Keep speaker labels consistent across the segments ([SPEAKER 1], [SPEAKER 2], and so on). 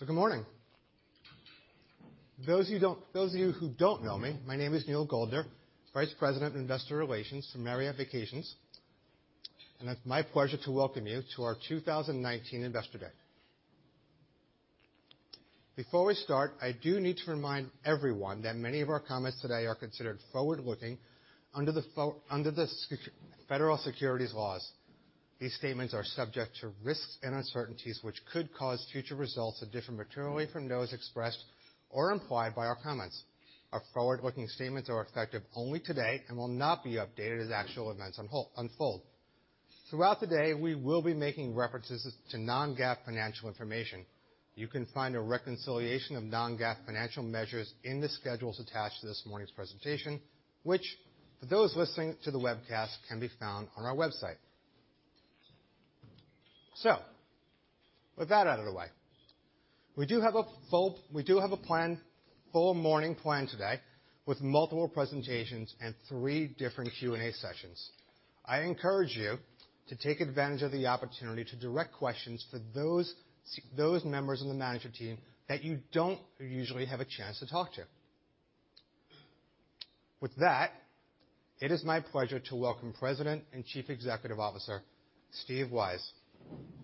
[SPEAKER 1] Good morning. Those of you who don't know me, my name is Neal Goldner, Vice President of Investor Relations for Marriott Vacations, and it's my pleasure to welcome you to our 2019 Investor Day. Before we start, I do need to remind everyone that many of our comments today are considered forward-looking under the federal securities laws. These statements are subject to risks and uncertainties which could cause future results to differ materially from those expressed or implied by our comments. Our forward-looking statements are effective only today and will not be updated as actual events unfold. Throughout the day, we will be making references to non-GAAP financial information. You can find a reconciliation of non-GAAP financial measures in the schedules attached to this morning's presentation, which for those listening to the webcast can be found on our website. With that out of the way, we do have a full morning planned today with multiple presentations and three different Q&A sessions. I encourage you to take advantage of the opportunity to direct questions for those members in the management team that you don't usually have a chance to talk to. With that, it is my pleasure to welcome President and Chief Executive Officer, Steve Weisz.
[SPEAKER 2] Thanks, Neal.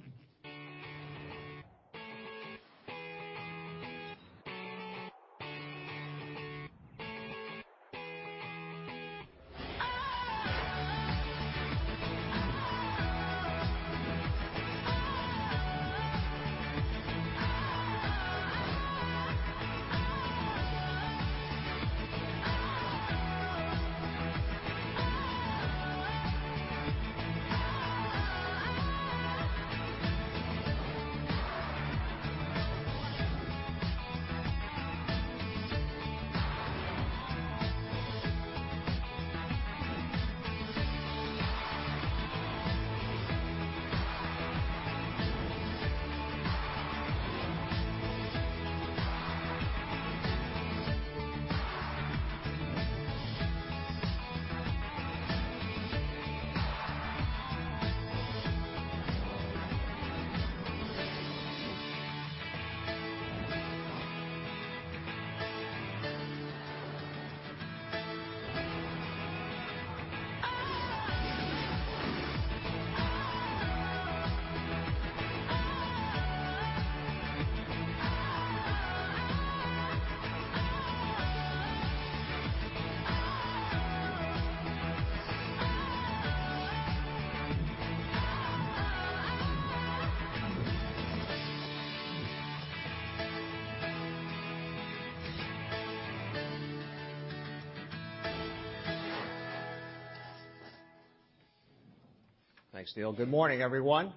[SPEAKER 2] Good morning, everyone.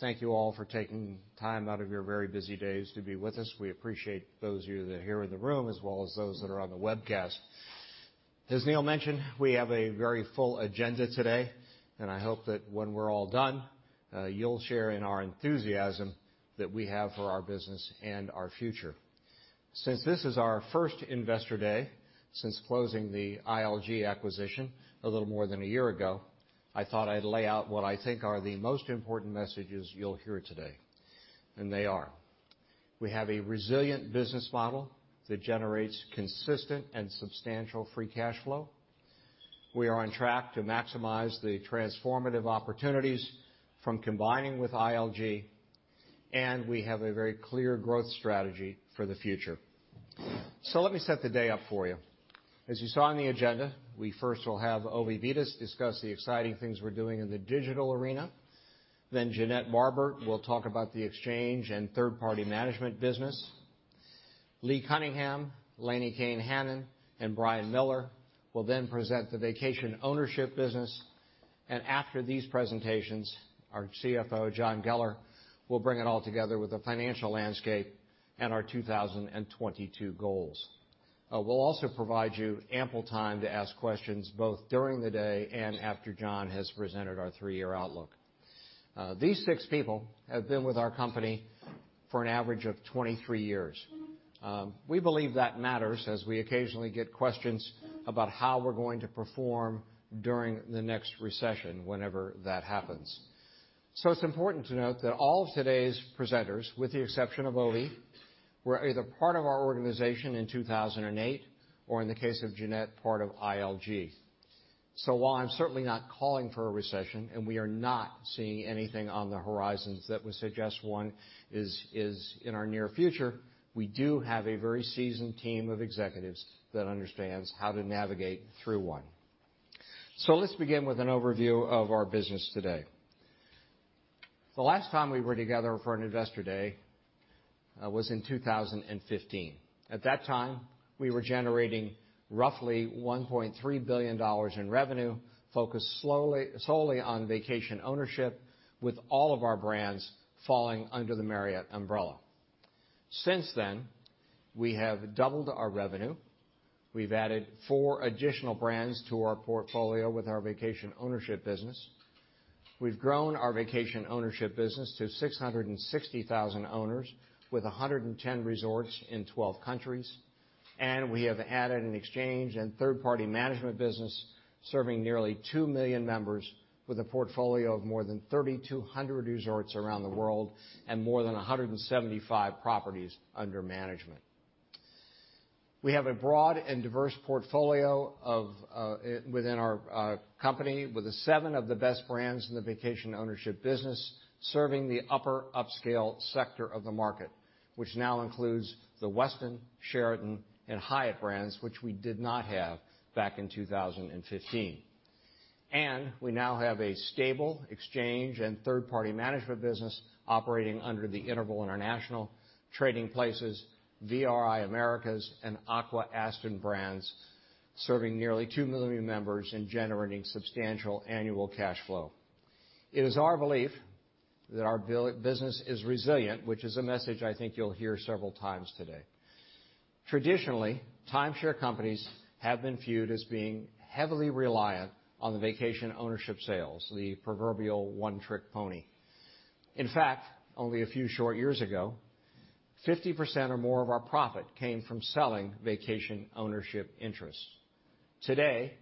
[SPEAKER 2] Thank you all for taking time out of your very busy days to be with us. We appreciate those of you that are here in the room, as well as those that are on the webcast. As Neal mentioned, we have a very full agenda today, and I hope that when we're all done, you'll share in our enthusiasm that we have for our business and our future. Since this is our first Investor Day since closing the ILG acquisition a little more than a year ago, I thought I'd lay out what I think are the most important messages you'll hear today. They are: We have a resilient business model that generates consistent and substantial free cash flow. We are on track to maximize the transformative opportunities from combining with ILG, and we have a very clear growth strategy for the future. Let me set the day up for you. As you saw in the agenda, we first will have Ovi Vitas discuss the exciting things we're doing in the digital arena. Jeanette Marbert will talk about the exchange and third-party management business. Lee Cunningham, Lani Kane-Hanan, and Brian Miller will then present the vacation ownership business, and after these presentations, our CFO, John Geller, will bring it all together with the financial landscape and our 2022 goals. We'll also provide you ample time to ask questions both during the day and after John has presented our three-year outlook. These six people have been with our company for an average of 23 years. We believe that matters as we occasionally get questions about how we're going to perform during the next recession, whenever that happens. It's important to note that all of today's presenters, with the exception of Ovi, were either part of our organization in 2008 or, in the case of Jeanette, part of ILG. While I'm certainly not calling for a recession, and we are not seeing anything on the horizons that would suggest one is in our near future, we do have a very seasoned team of executives that understands how to navigate through one. Let's begin with an overview of our business today. The last time we were together for an Investor Day was in 2015. At that time, we were generating roughly $1.3 billion in revenue, focused solely on vacation ownership, with all of our brands falling under the Marriott umbrella. Since then, we have doubled our revenue. We've added four additional brands to our portfolio with our vacation ownership business. We've grown our vacation ownership business to 660,000 owners with 110 resorts in 12 countries. We have added an exchange and third-party management business serving nearly 2 million members with a portfolio of more than 3,200 resorts around the world and more than 175 properties under management. We have a broad and diverse portfolio within our company with seven of the best brands in the vacation ownership business serving the upper-upscale sector of the market, which now includes the Westin, Sheraton, and Hyatt brands, which we did not have back in 2015. We now have a stable exchange and third-party management business operating under the Interval International, Trading Places, VRI Americas, and Aqua-Aston brands, serving nearly 2 million members and generating substantial annual cash flow. It is our belief that our business is resilient, which is a message I think you'll hear several times today. Traditionally, timeshare companies have been viewed as being heavily reliant on the vacation ownership sales, the proverbial one-trick pony. In fact, only a few short years ago, 50% or more of our profit came from selling vacation ownership interests. Today,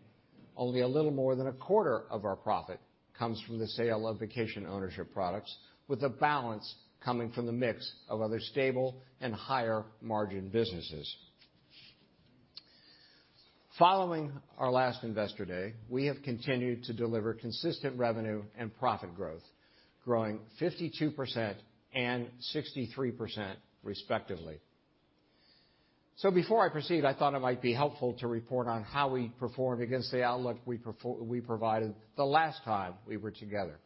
[SPEAKER 2] only a little more than a quarter of our profit comes from the sale of vacation ownership products, with the balance coming from the mix of other stable and higher-margin businesses. Following our last investor day, we have continued to deliver consistent revenue and profit growth, growing 52% and 63% respectively. Before I proceed, I thought it might be helpful to report on how we performed against the outlook we provided the last time we were together.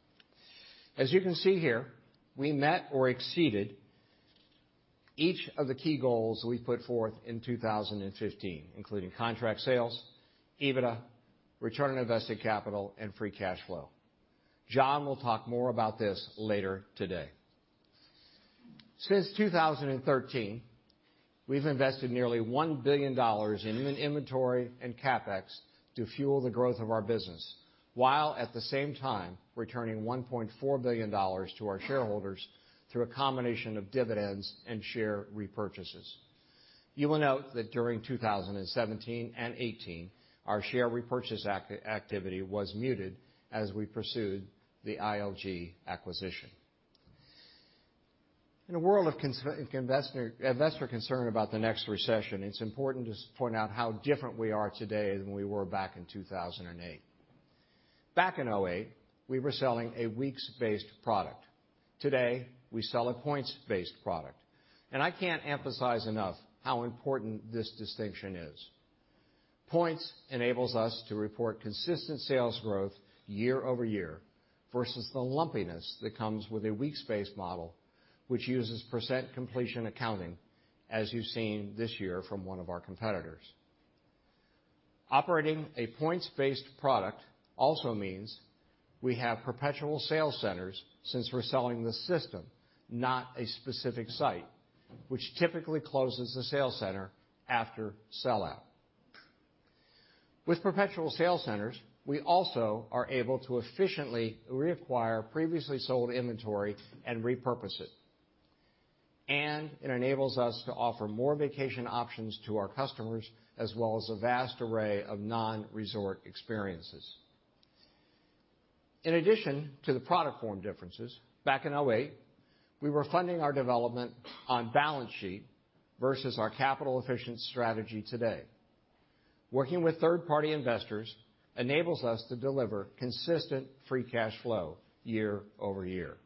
[SPEAKER 2] As you can see here, we met or exceeded each of the key goals we put forth in 2015, including contract sales, EBITDA, return on invested capital, and free cash flow. John will talk more about this later today. Since 2013, we've invested nearly $1 billion in inventory and CapEx to fuel the growth of our business, while at the same time returning $1.4 billion to our shareholders through a combination of dividends and share repurchases. You will note that during 2017 and 2018, our share repurchase activity was muted as we pursued the ILG acquisition. In a world of investor concern about the next recession, it's important to point out how different we are today than we were back in 2008. Back in 2008, we were selling a weeks-based product. Today, we sell a points-based product. I can't emphasize enough how important this distinction is. Points enables us to report consistent sales growth year over year versus the lumpiness that comes with a weeks-based model which uses percent completion accounting, as you've seen this year from one of our competitors. Operating a points-based product also means we have perpetual sales centers since we're selling the system, not a specific site, which typically closes the sales center after sellout. With perpetual sales centers, we also are able to efficiently reacquire previously sold inventory and repurpose it. It enables us to offer more vacation options to our customers as well as a vast array of non-resort experiences. In addition to the product form differences, back in 2008, we were funding our development on balance sheet versus our capital-efficient strategy today. Working with third-party investors enables us to deliver consistent free cash flow year over year.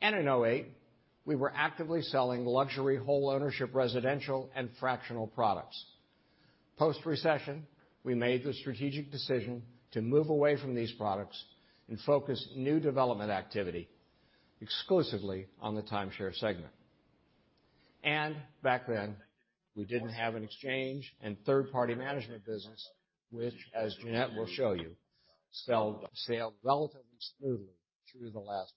[SPEAKER 2] In 2008, we were actively selling luxury whole ownership residential and fractional products. Post-recession, we made the strategic decision to move away from these products and focus new development activity exclusively on the timeshare segment. Back then, we didn't have an exchange and third-party management business, which as Jeanette will show you, sailed relatively smoothly through the last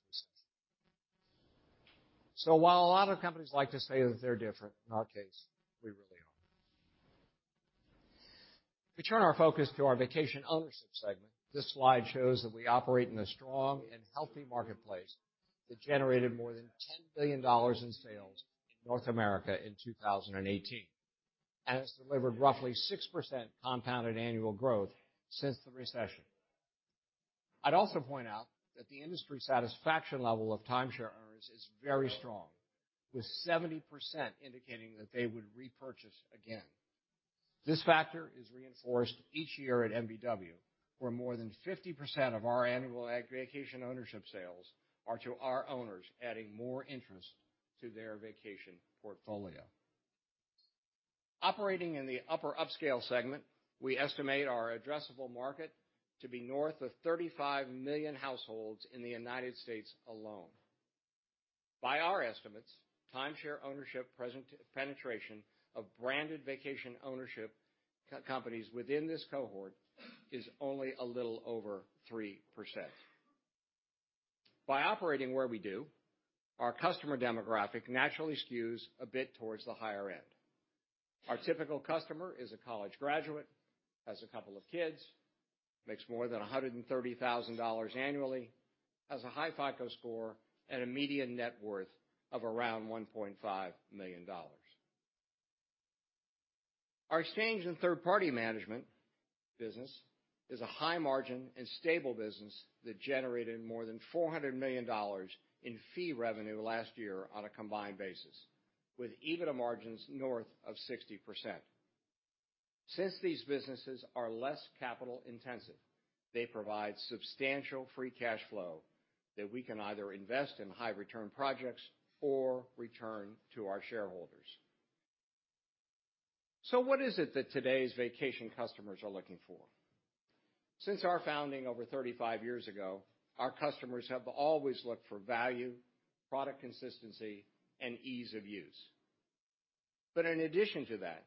[SPEAKER 2] recession. While a lot of companies like to say that they're different, in our case, we really are. If we turn our focus to our vacation ownership segment, this slide shows that we operate in a strong and healthy marketplace that generated more than $10 billion in sales in North America in 2018, and it's delivered roughly 6% compounded annual growth since the recession. I'd also point out that the industry satisfaction level of timeshare owners is very strong, with 70% indicating that they would repurchase again. This factor is reinforced each year at MVW, where more than 50% of our annual vacation ownership sales are to our owners adding more interest to their vacation portfolio. Operating in the upper upscale segment, we estimate our addressable market to be north of 35 million households in the U.S. alone. By our estimates, timeshare ownership penetration of branded vacation ownership companies within this cohort is only a little over 3%. By operating where we do, our customer demographic naturally skews a bit towards the higher end. Our typical customer is a college graduate, has a couple of kids, makes more than $130,000 annually, has a high FICO score, and a median net worth of around $1.5 million. Our exchange and third-party management business is a high margin and stable business that generated more than $400 million in fee revenue last year on a combined basis, with EBITDA margins north of 60%. Since these businesses are less capital-intensive, they provide substantial free cash flow that we can either invest in high-return projects or return to our shareholders. What is it that today's vacation customers are looking for? Since our founding over 35 years ago, our customers have always looked for value, product consistency, and ease of use. In addition to that,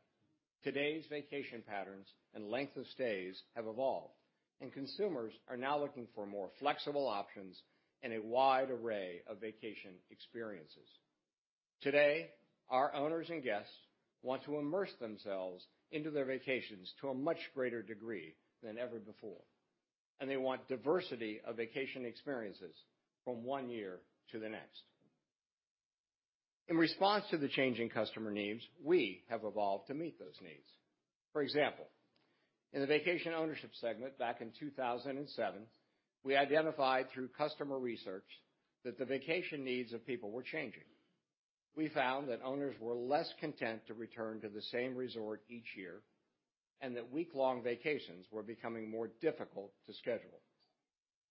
[SPEAKER 2] today's vacation patterns and length of stays have evolved, and consumers are now looking for more flexible options and a wide array of vacation experiences. Today, our owners and guests want to immerse themselves into their vacations to a much greater degree than ever before, and they want diversity of vacation experiences from one year to the next. In response to the changing customer needs, we have evolved to meet those needs. For example, in the vacation ownership segment back in 2007, we identified through customer research that the vacation needs of people were changing. We found that owners were less content to return to the same resort each year, and that week-long vacations were becoming more difficult to schedule.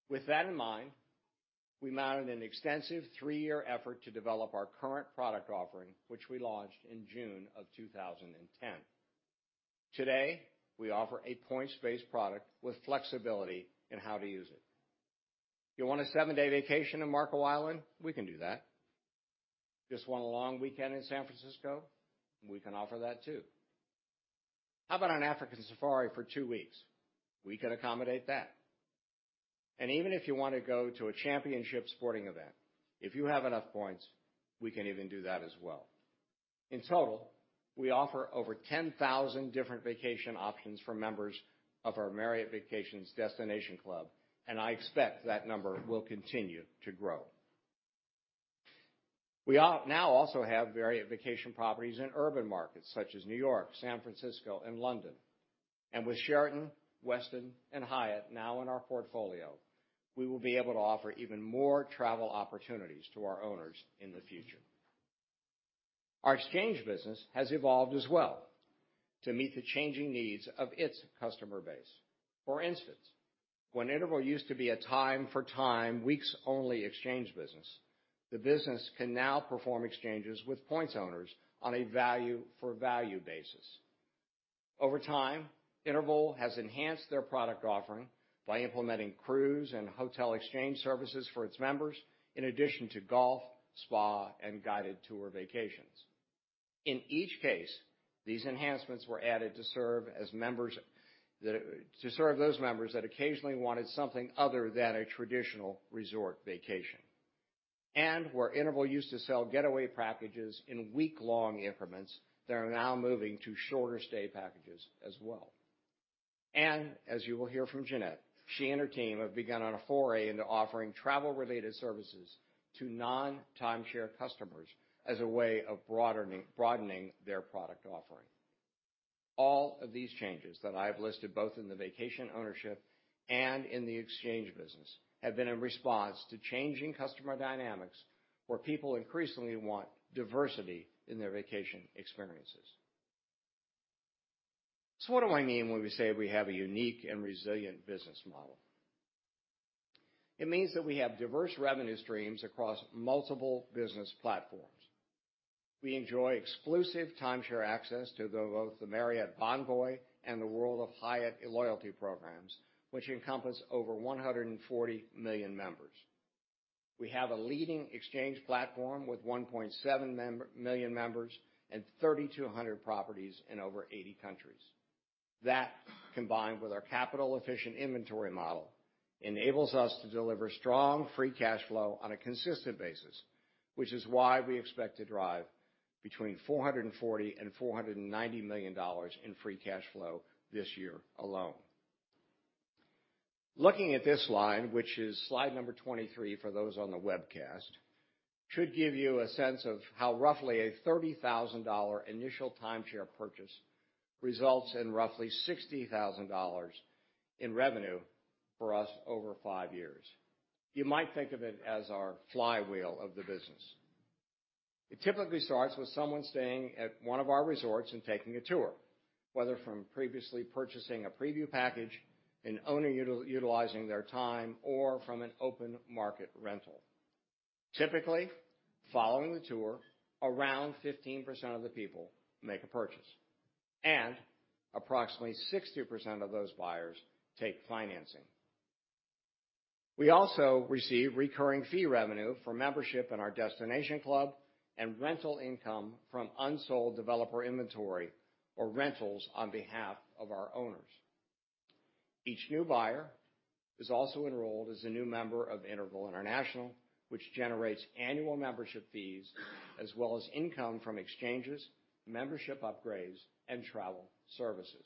[SPEAKER 2] With that in mind, we mounted an extensive three-year effort to develop our current product offering, which we launched in June of 2010. Today, we offer a points-based product with flexibility in how to use it. You want a seven-day vacation to Marco Island? We can do that. Just want a long weekend in San Francisco? We can offer that too. How about an African safari for two weeks? We can accommodate that. Even if you want to go to a championship sporting event, if you have enough points, we can even do that as well. In total, we offer over 10,000 different vacation options for members of our Marriott Vacations Destination Club, and I expect that number will continue to grow. We now also have Marriott Vacation properties in urban markets such as New York, San Francisco, and London. With Sheraton, Westin, and Hyatt now in our portfolio, we will be able to offer even more travel opportunities to our owners in the future. Our exchange business has evolved as well to meet the changing needs of its customer base. For instance, when Interval used to be a time for time, weeks-only exchange business, the business can now perform exchanges with points owners on a value for value basis. Over time, Interval has enhanced their product offering by implementing cruise and hotel exchange services for its members, in addition to golf, spa, and guided tour vacations. In each case, these enhancements were added to serve those members that occasionally wanted something other than a traditional resort vacation. Where Interval used to sell getaway packages in week-long increments, they are now moving to shorter-stay packages as well. As you will hear from Jeanette, she and her team have begun on a foray into offering travel-related services to non-timeshare customers as a way of broadening their product offering. All of these changes that I've listed, both in the vacation ownership and in the exchange business, have been in response to changing customer dynamics, where people increasingly want diversity in their vacation experiences. What do I mean when we say we have a unique and resilient business model? It means that we have diverse revenue streams across multiple business platforms. We enjoy exclusive timeshare access to both the Marriott Bonvoy and the World of Hyatt loyalty programs, which encompass over 140 million members. We have a leading exchange platform with 1.7 million members and 3,200 properties in over 80 countries. That, combined with our capital-efficient inventory model, enables us to deliver strong free cash flow on a consistent basis, which is why we expect to drive between $440 and $490 million in free cash flow this year alone. Looking at this slide, which is slide number 23 for those on the webcast, should give you a sense of how roughly a $30,000 initial timeshare purchase results in roughly $60,000 in revenue for us over five years. You might think of it as our flywheel of the business. It typically starts with someone staying at one of our resorts and taking a tour, whether from previously purchasing a preview package, an owner utilizing their time, or from an open market rental. Typically, following the tour, around 15% of the people make a purchase, and approximately 60% of those buyers take financing. We also receive recurring fee revenue from membership in our destination club and rental income from unsold developer inventory or rentals on behalf of our owners. Each new buyer is also enrolled as a new member of Interval International, which generates annual membership fees as well as income from exchanges, membership upgrades, and travel services.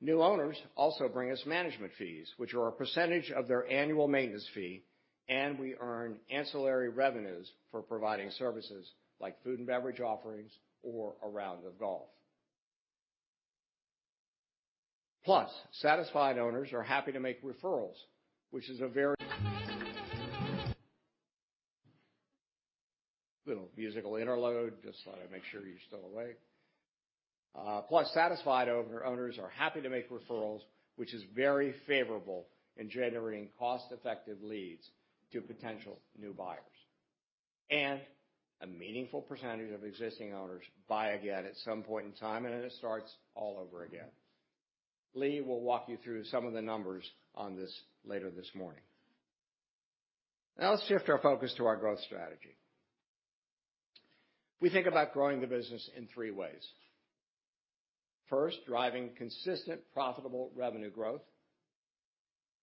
[SPEAKER 2] New owners also bring us management fees, which are a percentage of their annual maintenance fee, and we earn ancillary revenues for providing services like food and beverage offerings or a round of golf. Satisfied owners are happy to make referrals, which is a very little musical interlude. Just thought I'd make sure you're still awake. Satisfied owners are happy to make referrals, which is very favorable in generating cost-effective leads to potential new buyers. A meaningful percentage of existing owners buy again at some point in time, and then it starts all over again. Lee will walk you through some of the numbers on this later this morning. Now let's shift our focus to our growth strategy. We think about growing the business in three ways. First, driving consistent profitable revenue growth.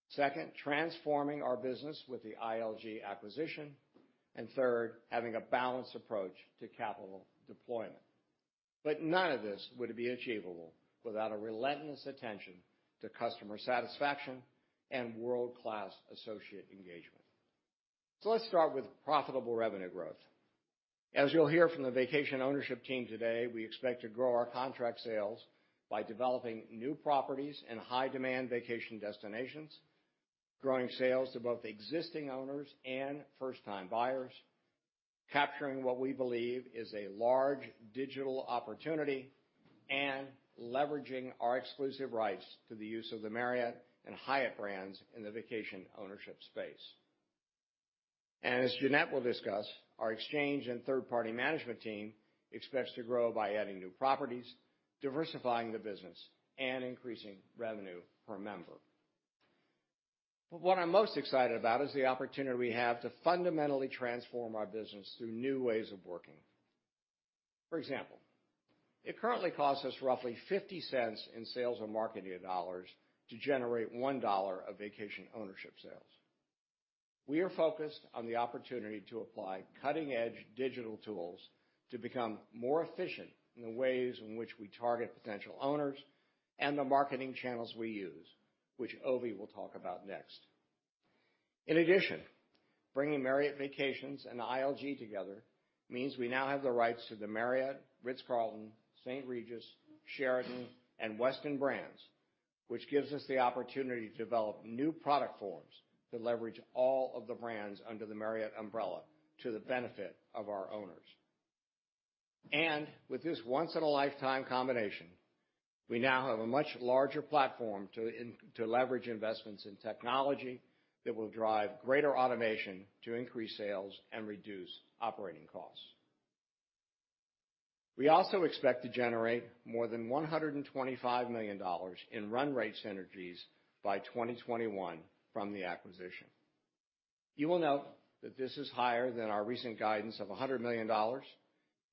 [SPEAKER 2] Second, transforming our business with the ILG acquisition. Third, having a balanced approach to capital deployment. None of this would be achievable without a relentless attention to customer satisfaction and world-class associate engagement. Let's start with profitable revenue growth. As you'll hear from the vacation ownership team today, we expect to grow our contract sales by developing new properties in high-demand vacation destinations, growing sales to both existing owners and first-time buyers, capturing what we believe is a large digital opportunity, and leveraging our exclusive rights to the use of the Marriott and Hyatt brands in the vacation ownership space. As Jeanette will discuss, our exchange and third-party management team expects to grow by adding new properties, diversifying the business, and increasing revenue per member. What I'm most excited about is the opportunity we have to fundamentally transform our business through new ways of working. For example, it currently costs us roughly $0.50 in sales and marketing dollars to generate $1 of vacation ownership sales. We are focused on the opportunity to apply cutting-edge digital tools to become more efficient in the ways in which we target potential owners and the marketing channels we use, which Ovi will talk about next. In addition, bringing Marriott Vacations and ILG together means we now have the rights to the Marriott, The Ritz-Carlton, St. Regis, Sheraton, and Westin brands, which gives us the opportunity to develop new product forms that leverage all of the brands under the Marriott umbrella to the benefit of our owners. With this once-in-a-lifetime combination, we now have a much larger platform to leverage investments in technology that will drive greater automation to increase sales and reduce operating costs. We also expect to generate more than $125 million in run rate synergies by 2021 from the acquisition. You will note that this is higher than our recent guidance of $100 million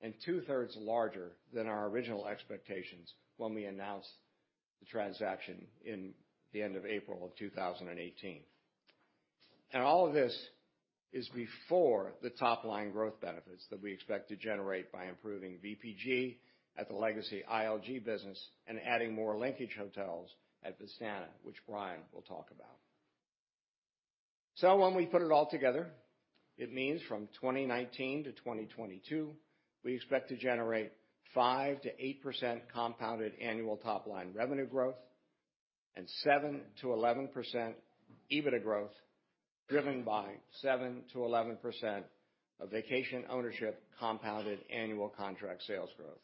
[SPEAKER 2] and two-thirds larger than our original expectations when we announced the transaction in the end of April of 2018. All of this is before the top-line growth benefits that we expect to generate by improving VPG at the legacy ILG business and adding more linkage hotels at Vistana, which Brian will talk about. When we put it all together, it means from 2019-2022, we expect to generate 5%-8% compounded annual top-line revenue growth and 7%-11% EBITDA growth, driven by 7%-11% of vacation ownership compounded annual contract sales growth.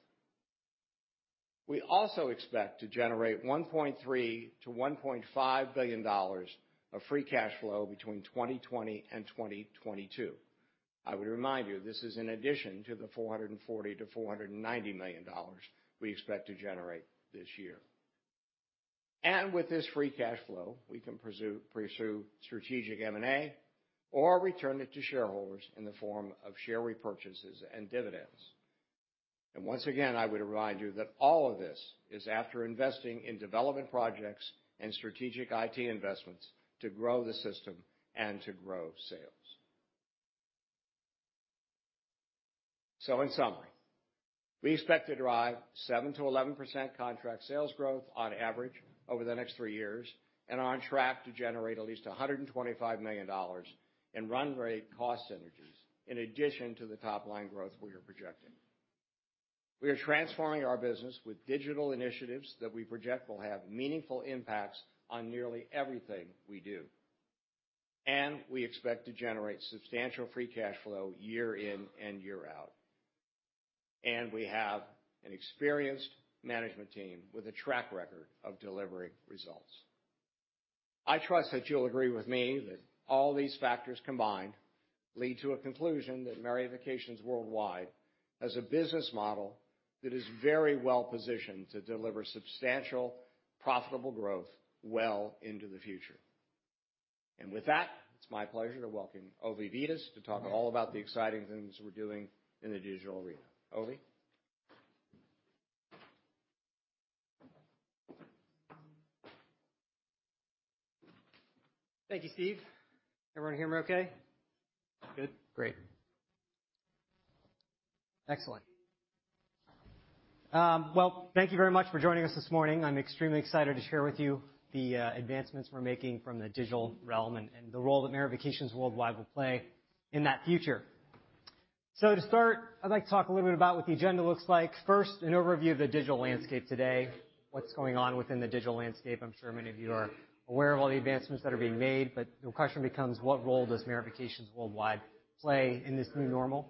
[SPEAKER 2] We also expect to generate $1.3 billion-$1.5 billion of free cash flow between 2020 and 2022. I would remind you, this is in addition to the $440 million-$490 million we expect to generate this year. With this free cash flow, we can pursue strategic M&A or return it to shareholders in the form of share repurchases and dividends. Once again, I would remind you that all of this is after investing in development projects and strategic IT investments to grow the system and to grow sales. In summary, we expect to drive 7%-11% contract sales growth on average over the next three years, and are on track to generate at least $125 million in run rate cost synergies, in addition to the top-line growth we are projecting. We are transforming our business with digital initiatives that we project will have meaningful impacts on nearly everything we do. We expect to generate substantial free cash flow year in and year out. We have an experienced management team with a track record of delivering results. I trust that you'll agree with me that all these factors combined lead to a conclusion that Marriott Vacations Worldwide has a business model that is very well-positioned to deliver substantial, profitable growth well into the future. With that, it's my pleasure to welcome Ovi Vitas to talk all about the exciting things we're doing in the digital arena. Ovi?
[SPEAKER 3] Thank you, Steve. Everyone hear me okay? Good. Great. Excellent. Well, thank you very much for joining us this morning. I'm extremely excited to share with you the advancements we're making from the digital realm and the role that Marriott Vacations Worldwide will play in that future. To start, I'd like to talk a little bit about what the agenda looks like. First, an overview of the digital landscape today, what's going on within the digital landscape. I'm sure many of you are aware of all the advancements that are being made, but the question becomes, what role does Marriott Vacations Worldwide play in this new normal?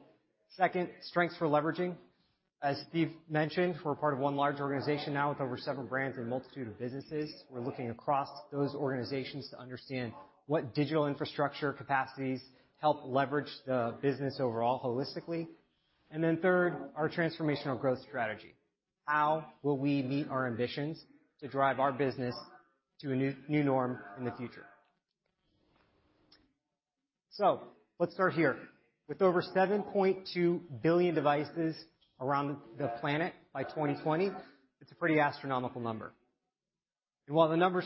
[SPEAKER 3] Second, strengths for leveraging. As Steve mentioned, we're part of one large organization now with over several brands and a multitude of businesses. We're looking across those organizations to understand what digital infrastructure capacities help leverage the business overall holistically. Third, our transformational growth strategy. How will we meet our ambitions to drive our business to a new norm in the future? Let's start here. With over 7.2 billion devices around the planet by 2020, it's a pretty astronomical number. While the number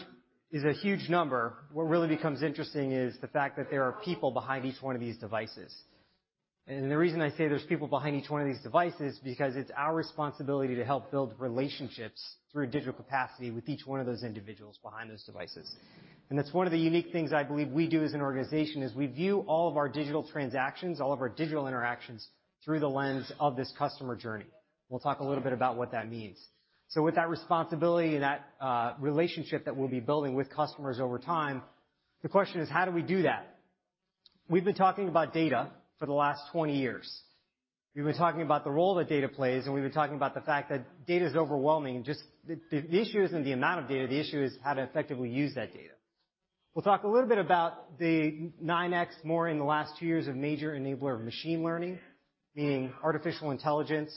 [SPEAKER 3] is a huge number, what really becomes interesting is the fact that there are people behind each one of these devices. The reason I say there's people behind each one of these devices is because it's our responsibility to help build relationships through digital capacity with each one of those individuals behind those devices. That's one of the unique things I believe we do as an organization, is we view all of our digital transactions, all of our digital interactions through the lens of this customer journey. We'll talk a little bit about what that means. With that responsibility and that relationship that we'll be building with customers over time, the question is, how do we do that? We've been talking about data for the last 20 years. We've been talking about the role that data plays, and we've been talking about the fact that data is overwhelming. The issue isn't the amount of data. The issue is how to effectively use that data. We'll talk a little bit about the 9X more in the last two years of major enabler of machine learning, meaning artificial intelligence,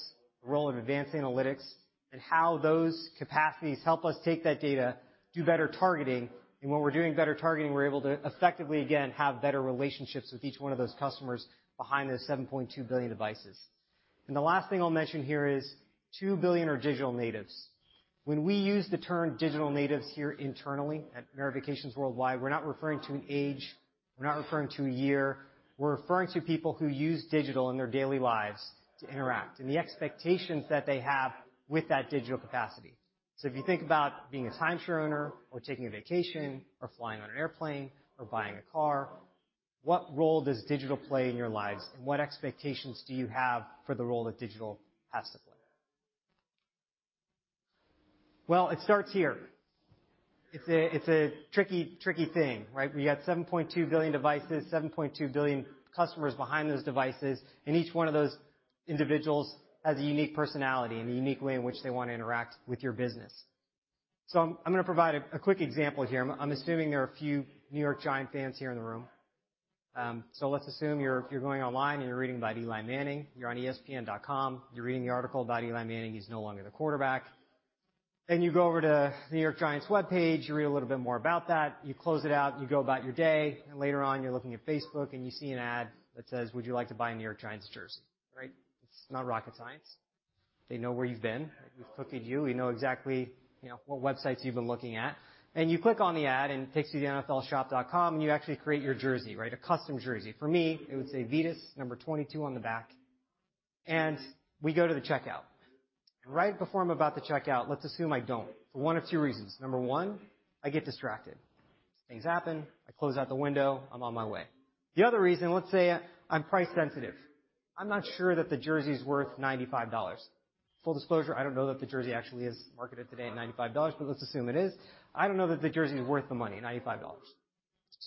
[SPEAKER 3] the role of advanced analytics, and how those capacities help us take that data, do better targeting, and when we're doing better targeting, we're able to effectively, again, have better relationships with each one of those customers behind those 7.2 billion devices. The last thing I'll mention here is 2 billion are digital natives. When we use the term digital natives here internally at Marriott Vacations Worldwide, we're not referring to an age, we're not referring to a year. We're referring to people who use digital in their daily lives to interact and the expectations that they have with that digital capacity. If you think about being a timeshare owner or taking a vacation or flying on an airplane or buying a car, what role does digital play in your lives, and what expectations do you have for the role that digital has to play? It starts here. It's a tricky thing, right? We got 7.2 billion devices, 7.2 billion customers behind those devices, and each one of those individuals has a unique personality and a unique way in which they want to interact with your business. I'm going to provide a quick example here. I'm assuming there are a few New York Giants fans here in the room. Let's assume you're going online, you're reading about Eli Manning. You're on espn.com. You're reading the article about Eli Manning. He's no longer the quarterback. You go over to New York Giants webpage, you read a little bit more about that. You close it out, you go about your day, later on, you're looking at Facebook, you see an ad that says, "Would you like to buy a New York Giants jersey?" Right? It's not rocket science. They know where you've been. We've cookied you. We know exactly what websites you've been looking at. You click on the ad, it takes you to nflshop.com, you actually create your jersey, right? A custom jersey. For me, it would say Vitas, number 22 on the back. We go to the checkout. Right before I'm about to check out, let's assume I don't for one of 2 reasons. Number 1, I get distracted. Things happen. I close out the window. I'm on my way. The other reason, let's say I'm price sensitive. I'm not sure that the jersey is worth $95. Full disclosure, I don't know that the jersey actually is marketed today at $95, but let's assume it is. I don't know that the jersey is worth the money, $95.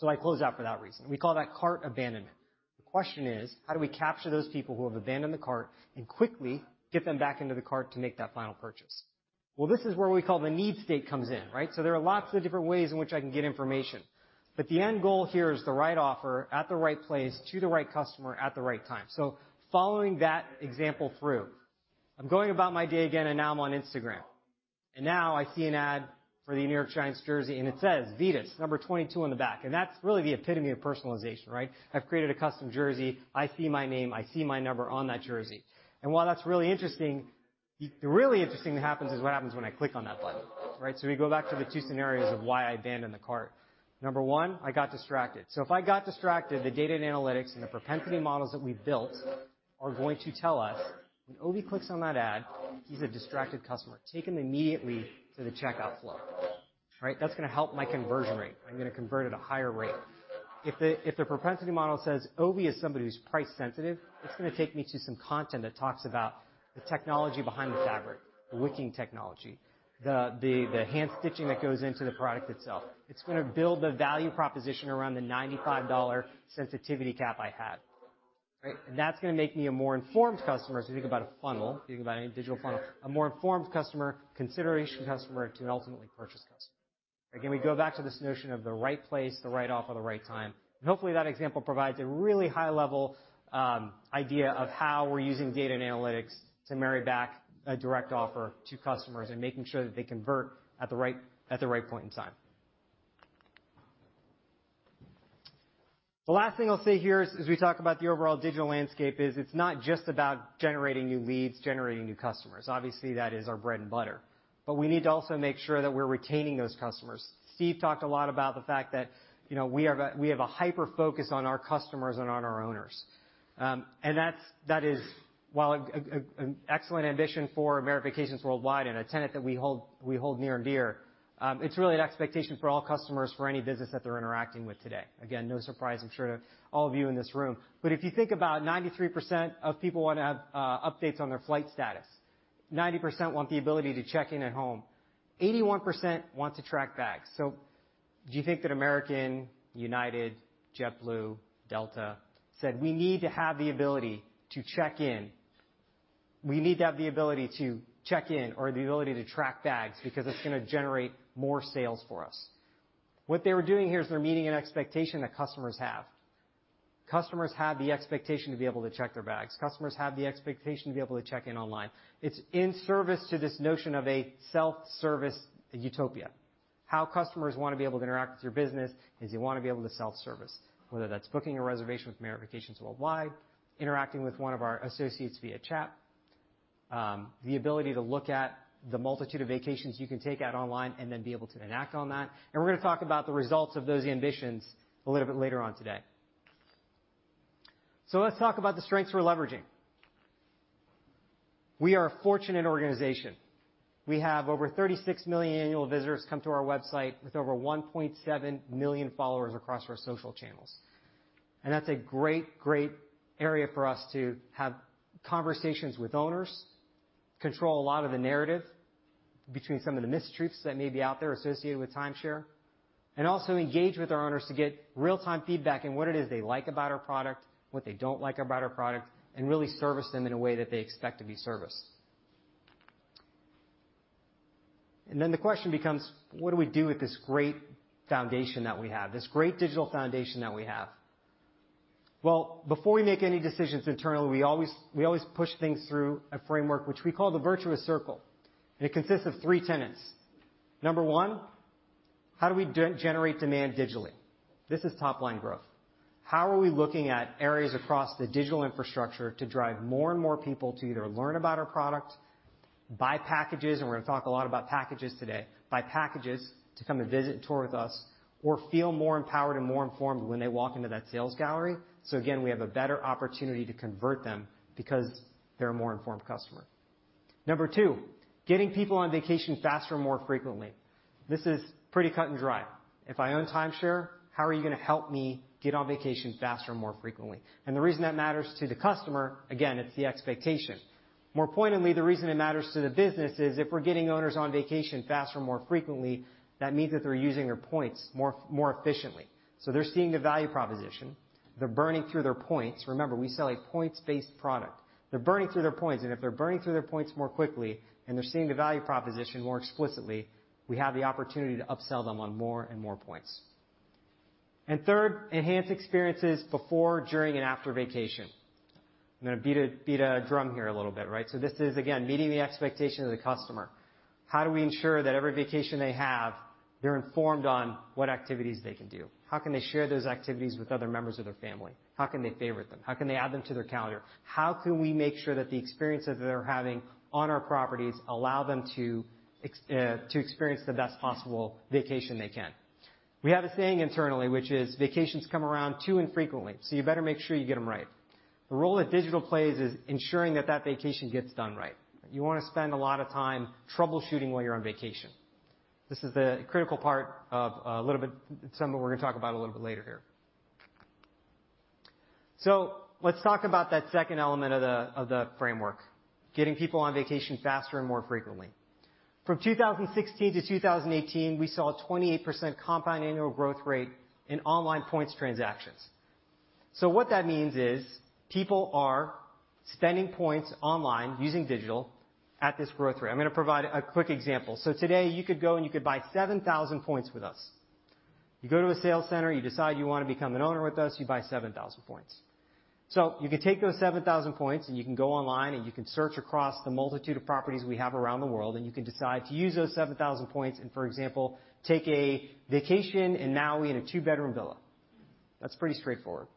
[SPEAKER 3] I close out for that reason. We call that cart abandonment. The question is, how do we capture those people who have abandoned the cart and quickly get them back into the cart to make that final purchase? This is where we call the need state comes in, right? There are lots of different ways in which I can get information, but the end goal here is the right offer at the right place to the right customer at the right time. Following that example through, I'm going about my day again, and now I'm on Instagram. Now I see an ad for the New York Giants jersey, and it says Vitas, number 22 on the back. That's really the epitome of personalization, right? I've created a custom jersey. I see my name, I see my number on that jersey. While that's really interesting, the really interesting thing that happens is what happens when I click on that button, right? We go back to the two scenarios of why I abandoned the cart. Number one, I got distracted. If I got distracted, the data and analytics and the propensity models that we've built are going to tell us when Ovi clicks on that ad, he's a distracted customer. Take him immediately to the checkout flow. Right. That's going to help my conversion rate. I'm going to convert at a higher rate. If the propensity model says Ovi is somebody who's price sensitive, it's going to take me to some content that talks about the technology behind the fabric, the wicking technology, the hand stitching that goes into the product itself. It's going to build the value proposition around the $95 sensitivity cap I had. Right. That's going to make me a more informed customer. Think about a funnel, think about any digital funnel. A more informed customer, consideration customer to an ultimately purchase customer. We go back to this notion of the right place, the right offer, the right time. Hopefully, that example provides a really high-level idea of how we're using data and analytics to marry back a direct offer to customers and making sure that they convert at the right point in time. The last thing I'll say here is, as we talk about the overall digital landscape is, it's not just about generating new leads, generating new customers. Obviously, that is our bread and butter. We need to also make sure that we're retaining those customers. Steve talked a lot about the fact that we have a hyper-focus on our customers and on our owners. That is, while an excellent ambition for Marriott Vacations Worldwide and a tenet that we hold near and dear, it's really an expectation for all customers for any business that they're interacting with today. Again, no surprise, I'm sure to all of you in this room. If you think about 93% of people want to have updates on their flight status, 90% want the ability to check in at home, 81% want to track bags. Do you think that American, United, JetBlue, Delta said, "We need to have the ability to check in or the ability to track bags because it's going to generate more sales for us." What they were doing here is they're meeting an expectation that customers have. Customers have the expectation to be able to check their bags. Customers have the expectation to be able to check in online. It's in service to this notion of a self-service utopia. How customers want to be able to interact with your business is you want to be able to self-service, whether that's booking a reservation with Marriott Vacations Worldwide, interacting with one of our associates via chat, the ability to look at the multitude of vacations you can take out online, and then be able to enact on that. We're going to talk about the results of those ambitions a little bit later on today. Let's talk about the strengths we're leveraging. We are a fortunate organization. We have over 36 million annual visitors come to our website with over 1.7 million followers across our social channels. That's a great area for us to have conversations with owners, control a lot of the narrative between some of the mistruths that may be out there associated with timeshare, and also engage with our owners to get real-time feedback and what it is they like about our product, what they don't like about our product, and really service them in a way that they expect to be serviced. Then the question becomes: what do we do with this great digital foundation that we have? Well, before we make any decisions internally, we always push things through a framework which we call the virtuous circle, and it consists of three tenets. Number one: how do we generate demand digitally? This is top-line growth. How are we looking at areas across the digital infrastructure to drive more and more people to either learn about our product, buy packages, and we're going to talk a lot about packages today. Buy packages to come and visit and tour with us or feel more empowered and more informed when they walk into that sales gallery. Again, we have a better opportunity to convert them because they're a more informed customer. Number 2: getting people on vacation faster and more frequently. This is pretty cut and dry. If I own timeshare, how are you going to help me get on vacation faster and more frequently? The reason that matters to the customer, again, it's the expectation. More pointedly, the reason it matters to the business is if we're getting owners on vacation faster and more frequently, that means that they're using their points more efficiently. They're seeing the value proposition. They're burning through their points. Remember, we sell a points-based product. They're burning through their points, and if they're burning through their points more quickly and they're seeing the value proposition more explicitly, we have the opportunity to upsell them on more and more points. Third: enhance experiences before, during, and after vacation. I'm going to beat a drum here a little bit. This is, again, meeting the expectation of the customer. How do we ensure that every vacation they have, they're informed on what activities they can do? How can they share those activities with other members of their family? How can they favorite them? How can they add them to their calendar? How can we make sure that the experiences they're having on our properties allow them to experience the best possible vacation they can? We have a saying internally, which is vacations come around too infrequently, so you better make sure you get them right. The role that digital plays is ensuring that vacation gets done right. You want to spend a lot of time troubleshooting while you're on vacation. This is the critical part of something we're going to talk about a little bit later here. Let's talk about that second element of the framework, getting people on vacation faster and more frequently. From 2016 to 2018, we saw a 28% compound annual growth rate in online points transactions. What that means is people are spending points online using digital at this growth rate. I'm going to provide a quick example. Today you could go and you could buy 7,000 points with us. You go to a sales center, you decide you want to become an owner with us, you buy 7,000 points. You can take those 7,000 points and you can go online and you can search across the multitude of properties we have around the world, and you can decide to use those 7,000 points and, for example, take a vacation in Maui in a two-bedroom villa. That's pretty straightforward.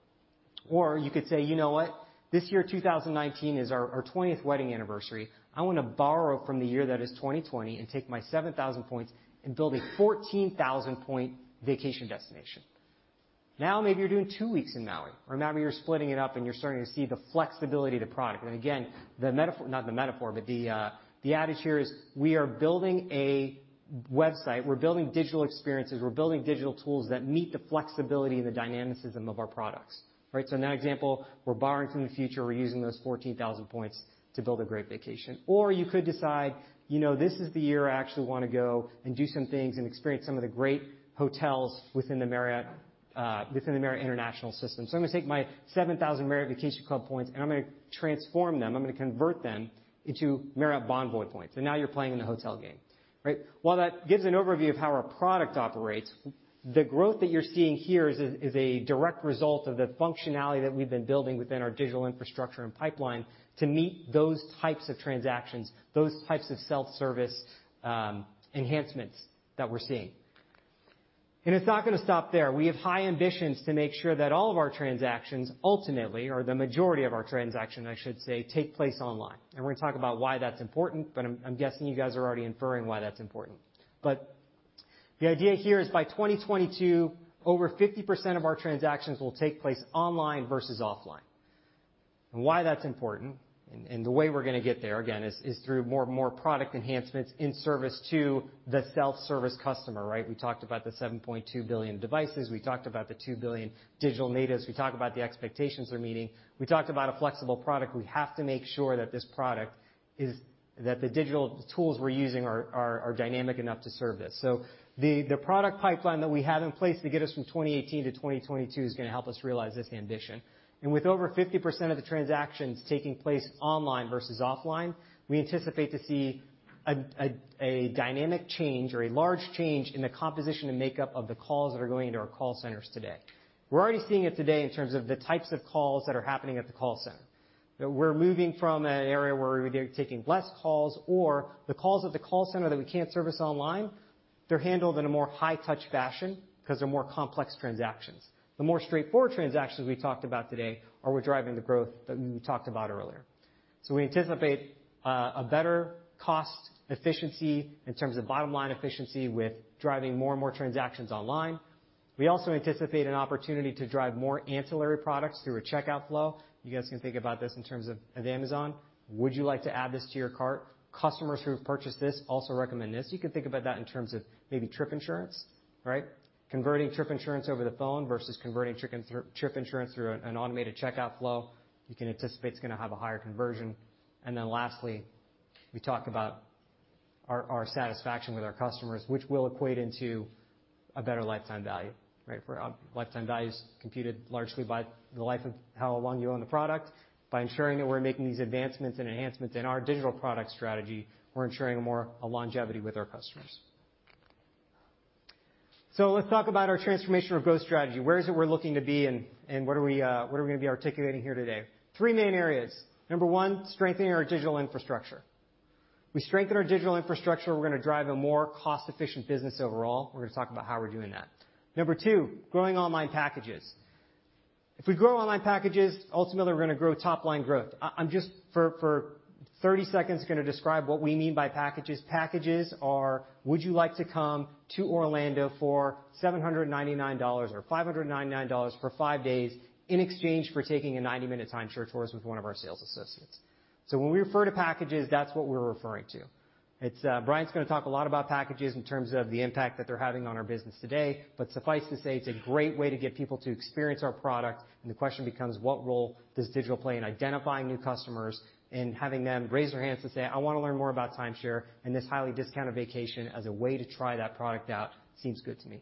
[SPEAKER 3] You could say, "You know what? This year, 2019, is our 20th wedding anniversary. I want to borrow from the year that is 2020 and take my 7,000 points and build a 14,000-point vacation destination." Maybe you're doing two weeks in Maui, or now you're splitting it up and you're starting to see the flexibility of the product. Again, not the metaphor, but the adage here is we are building a website, we're building digital experiences, we're building digital tools that meet the flexibility and the dynamicism of our products. In that example, we're borrowing from the future. We're using those 14,000 points to build a great vacation. You could decide, "This is the year I actually want to go and do some things and experience some of the great hotels within the Marriott International system. I'm going to take my 7,000 Marriott Vacation Club points and I'm going to transform them. I'm going to convert them into Marriott Bonvoy points." Now you're playing in the hotel game. While that gives an overview of how our product operates, the growth that you're seeing here is a direct result of the functionality that we've been building within our digital infrastructure and pipeline to meet those types of transactions, those types of self-service enhancements that we're seeing. It's not going to stop there. We have high ambitions to make sure that all of our transactions ultimately, or the majority of our transactions, I should say, take place online. We're going to talk about why that's important, but I'm guessing you guys are already inferring why that's important. The idea here is by 2022, over 50% of our transactions will take place online versus offline. Why that's important, and the way we're going to get there, again, is through more and more product enhancements in service to the self-service customer, right? We talked about the 7.2 billion devices. We talked about the 2 billion digital natives. We talked about the expectations they're meeting. We talked about a flexible product. We have to make sure that the digital tools we're using are dynamic enough to serve this. The product pipeline that we have in place to get us from 2018 to 2022 is going to help us realize this ambition. With over 50% of the transactions taking place online versus offline, we anticipate to see a dynamic change or a large change in the composition and makeup of the calls that are going into our call centers today. We're already seeing it today in terms of the types of calls that are happening at the call center. We're moving from an area where we're taking less calls or the calls at the call center that we can't service online, they're handled in a more high touch fashion because they're more complex transactions. The more straightforward transactions we talked about today are what's driving the growth that we talked about earlier. We anticipate a better cost efficiency in terms of bottom line efficiency with driving more and more transactions online. We also anticipate an opportunity to drive more ancillary products through a checkout flow. You guys can think about this in terms of Amazon. Would you like to add this to your cart? Customers who have purchased this also recommend this. You can think about that in terms of maybe trip insurance, right? Converting trip insurance over the phone versus converting trip insurance through an automated checkout flow. You can anticipate it's going to have a higher conversion. Lastly, we talked about our satisfaction with our customers, which will equate into a better lifetime value. Lifetime value is computed largely by the life of how long you own the product. By ensuring that we're making these advancements and enhancements in our digital product strategy, we're ensuring more longevity with our customers. Let's talk about our transformation or growth strategy. Where is it we're looking to be, and what are we going to be articulating here today? Three main areas. Number one, strengthening our digital infrastructure. We strengthen our digital infrastructure, we're going to drive a more cost-efficient business overall. We're going to talk about how we're doing that. Number two, growing online packages. If we grow online packages, ultimately we're going to grow top line growth. I'm just, for 30 seconds, going to describe what we mean by packages. Packages are would you like to come to Orlando for $799 or $599 for five days in exchange for taking a 90-minute timeshare tour with one of our sales assistants? When we refer to packages, that's what we're referring to. Brian's going to talk a lot about packages in terms of the impact that they're having on our business today. Suffice to say, it's a great way to get people to experience our product. The question becomes: what role does digital play in identifying new customers and having them raise their hands to say, "I want to learn more about timeshare," and this highly discounted vacation as a way to try that product out seems good to me.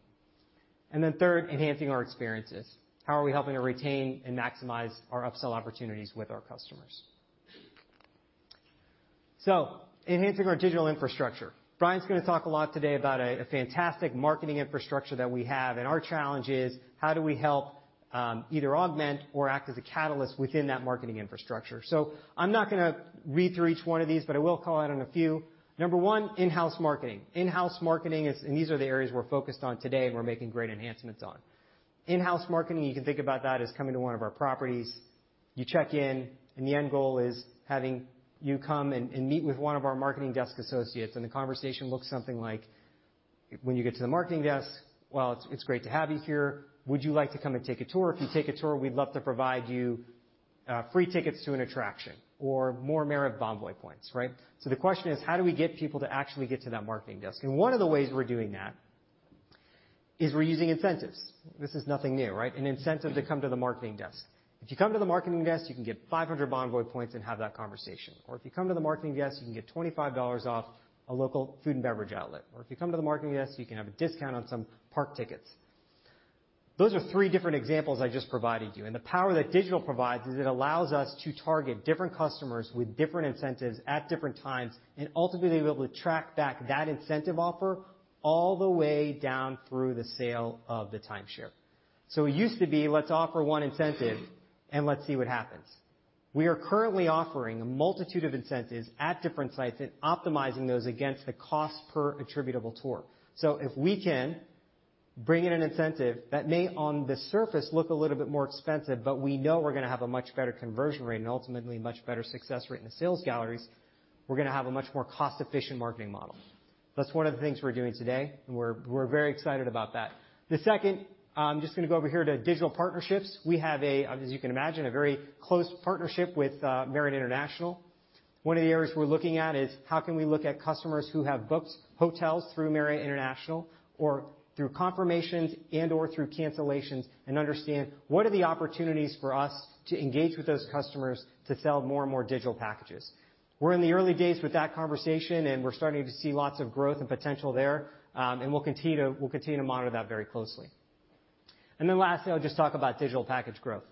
[SPEAKER 3] Third, enhancing our experiences. How are we helping to retain and maximize our upsell opportunities with our customers? Enhancing our digital infrastructure. Brian's going to talk a lot today about a fantastic marketing infrastructure that we have, and our challenge is how do we help either augment or act as a catalyst within that marketing infrastructure? I'm not going to read through each one of these, but I will call out on a few. Number one, in-house marketing. These are the areas we're focused on today and we're making great enhancements on. In-house marketing, you can think about that as coming to one of our properties. You check in, and the end goal is having you come and meet with one of our marketing desk associates, and the conversation looks something like when you get to the marketing desk, "Well, it's great to have you here. Would you like to come and take a tour? If you take a tour, we'd love to provide you free tickets to an attraction or more Marriott Bonvoy points. The question is: how do we get people to actually get to that marketing desk? One of the ways we're doing that is we're using incentives. This is nothing new. An incentive to come to the marketing desk. If you come to the marketing desk, you can get 500 Bonvoy points and have that conversation. If you come to the marketing desk, you can get $25 off a local food and beverage outlet. If you come to the marketing desk, you can have a discount on some park tickets. Those are three different examples I just provided you. The power that digital provides is it allows us to target different customers with different incentives at different times, and ultimately be able to track back that incentive offer all the way down through the sale of the timeshare. It used to be let's offer one incentive and let's see what happens. We are currently offering a multitude of incentives at different sites and optimizing those against the cost per attributable tour. If we can bring in an incentive that may on the surface look a little bit more expensive, but we know we are going to have a much better conversion rate and ultimately much better success rate in the sales galleries, we are going to have a much more cost efficient marketing model. That's one of the things we are doing today, and we are very excited about that. The second, I'm just going to go over here to digital partnerships. We have, as you can imagine, a very close partnership with Marriott International. One of the areas we're looking at is how can we look at customers who have booked hotels through Marriott International or through confirmations and/or through cancellations and understand what are the opportunities for us to engage with those customers to sell more and more digital packages. We're in the early days with that conversation, and we're starting to see lots of growth and potential there. We'll continue to monitor that very closely. Lastly, I'll just talk about digital package growth.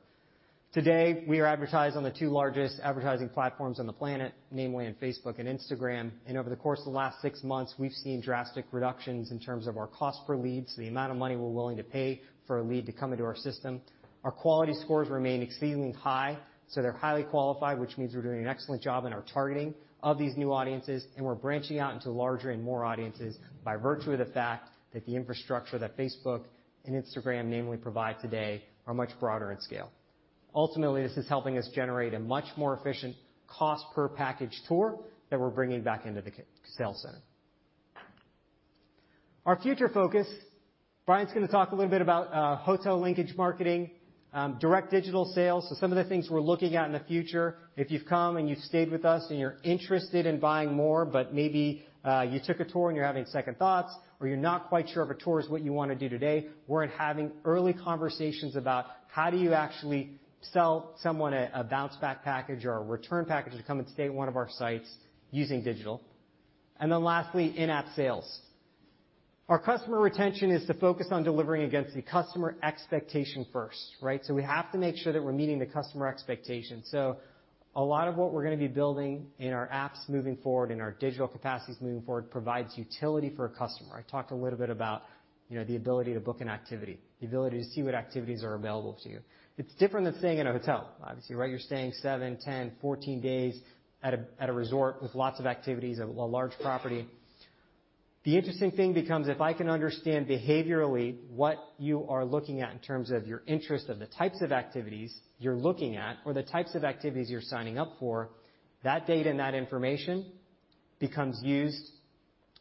[SPEAKER 3] Today, we are advertised on the two largest advertising platforms on the planet, namely on Facebook and Instagram. Over the course of the last six months, we've seen drastic reductions in terms of our cost per lead, so the amount of money we're willing to pay for a lead to come into our system. Our quality scores remain exceedingly high, so they're highly qualified, which means we're doing an excellent job in our targeting of these new audiences, and we're branching out into larger and more audiences by virtue of the fact that the infrastructure that Facebook and Instagram namely provide today are much broader in scale. Ultimately, this is helping us generate a much more efficient cost per package tour that we're bringing back into the sales center. Our future focus, Brian's going to talk a little bit about hotel linkage marketing, direct digital sales, so some of the things we're looking at in the future. If you've come and you've stayed with us and you're interested in buying more, but maybe you took a tour and you're having second thoughts, or you're not quite sure if a tour is what you want to do today, we're having early conversations about how do you actually sell someone a bounce back package or a return package to come and stay at one of our sites using digital. Lastly, in-app sales. Our customer retention is to focus on delivering against the customer expectation first. We have to make sure that we're meeting the customer expectation. A lot of what we're going to be building in our apps moving forward, in our digital capacities moving forward, provides utility for a customer. I talked a little bit about the ability to book an activity, the ability to see what activities are available to you. It's different than staying in a hotel, obviously. You're staying seven, 10, 14 days at a resort with lots of activities, a large property. The interesting thing becomes, if I can understand behaviorally what you are looking at in terms of your interest of the types of activities you're looking at or the types of activities you're signing up for, that data and that information becomes used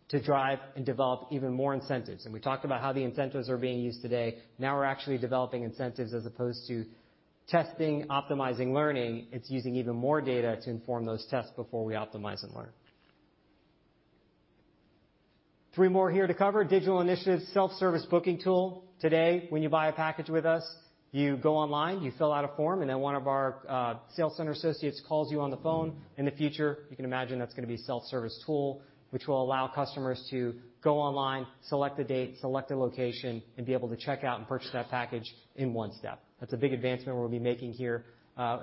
[SPEAKER 3] to drive and develop even more incentives. We talked about how the incentives are being used today. Now we're actually developing incentives as opposed to testing, optimizing, learning. It's using even more data to inform those tests before we optimize and learn. Three more here to cover: digital initiatives, self-service booking tool. Today, when you buy a package with us, you go online, you fill out a form, then one of our sales center associates calls you on the phone. In the future, you can imagine that's going to be a self-service tool, which will allow customers to go online, select a date, select a location, and be able to check out and purchase that package in one step. That's a big advancement we'll be making here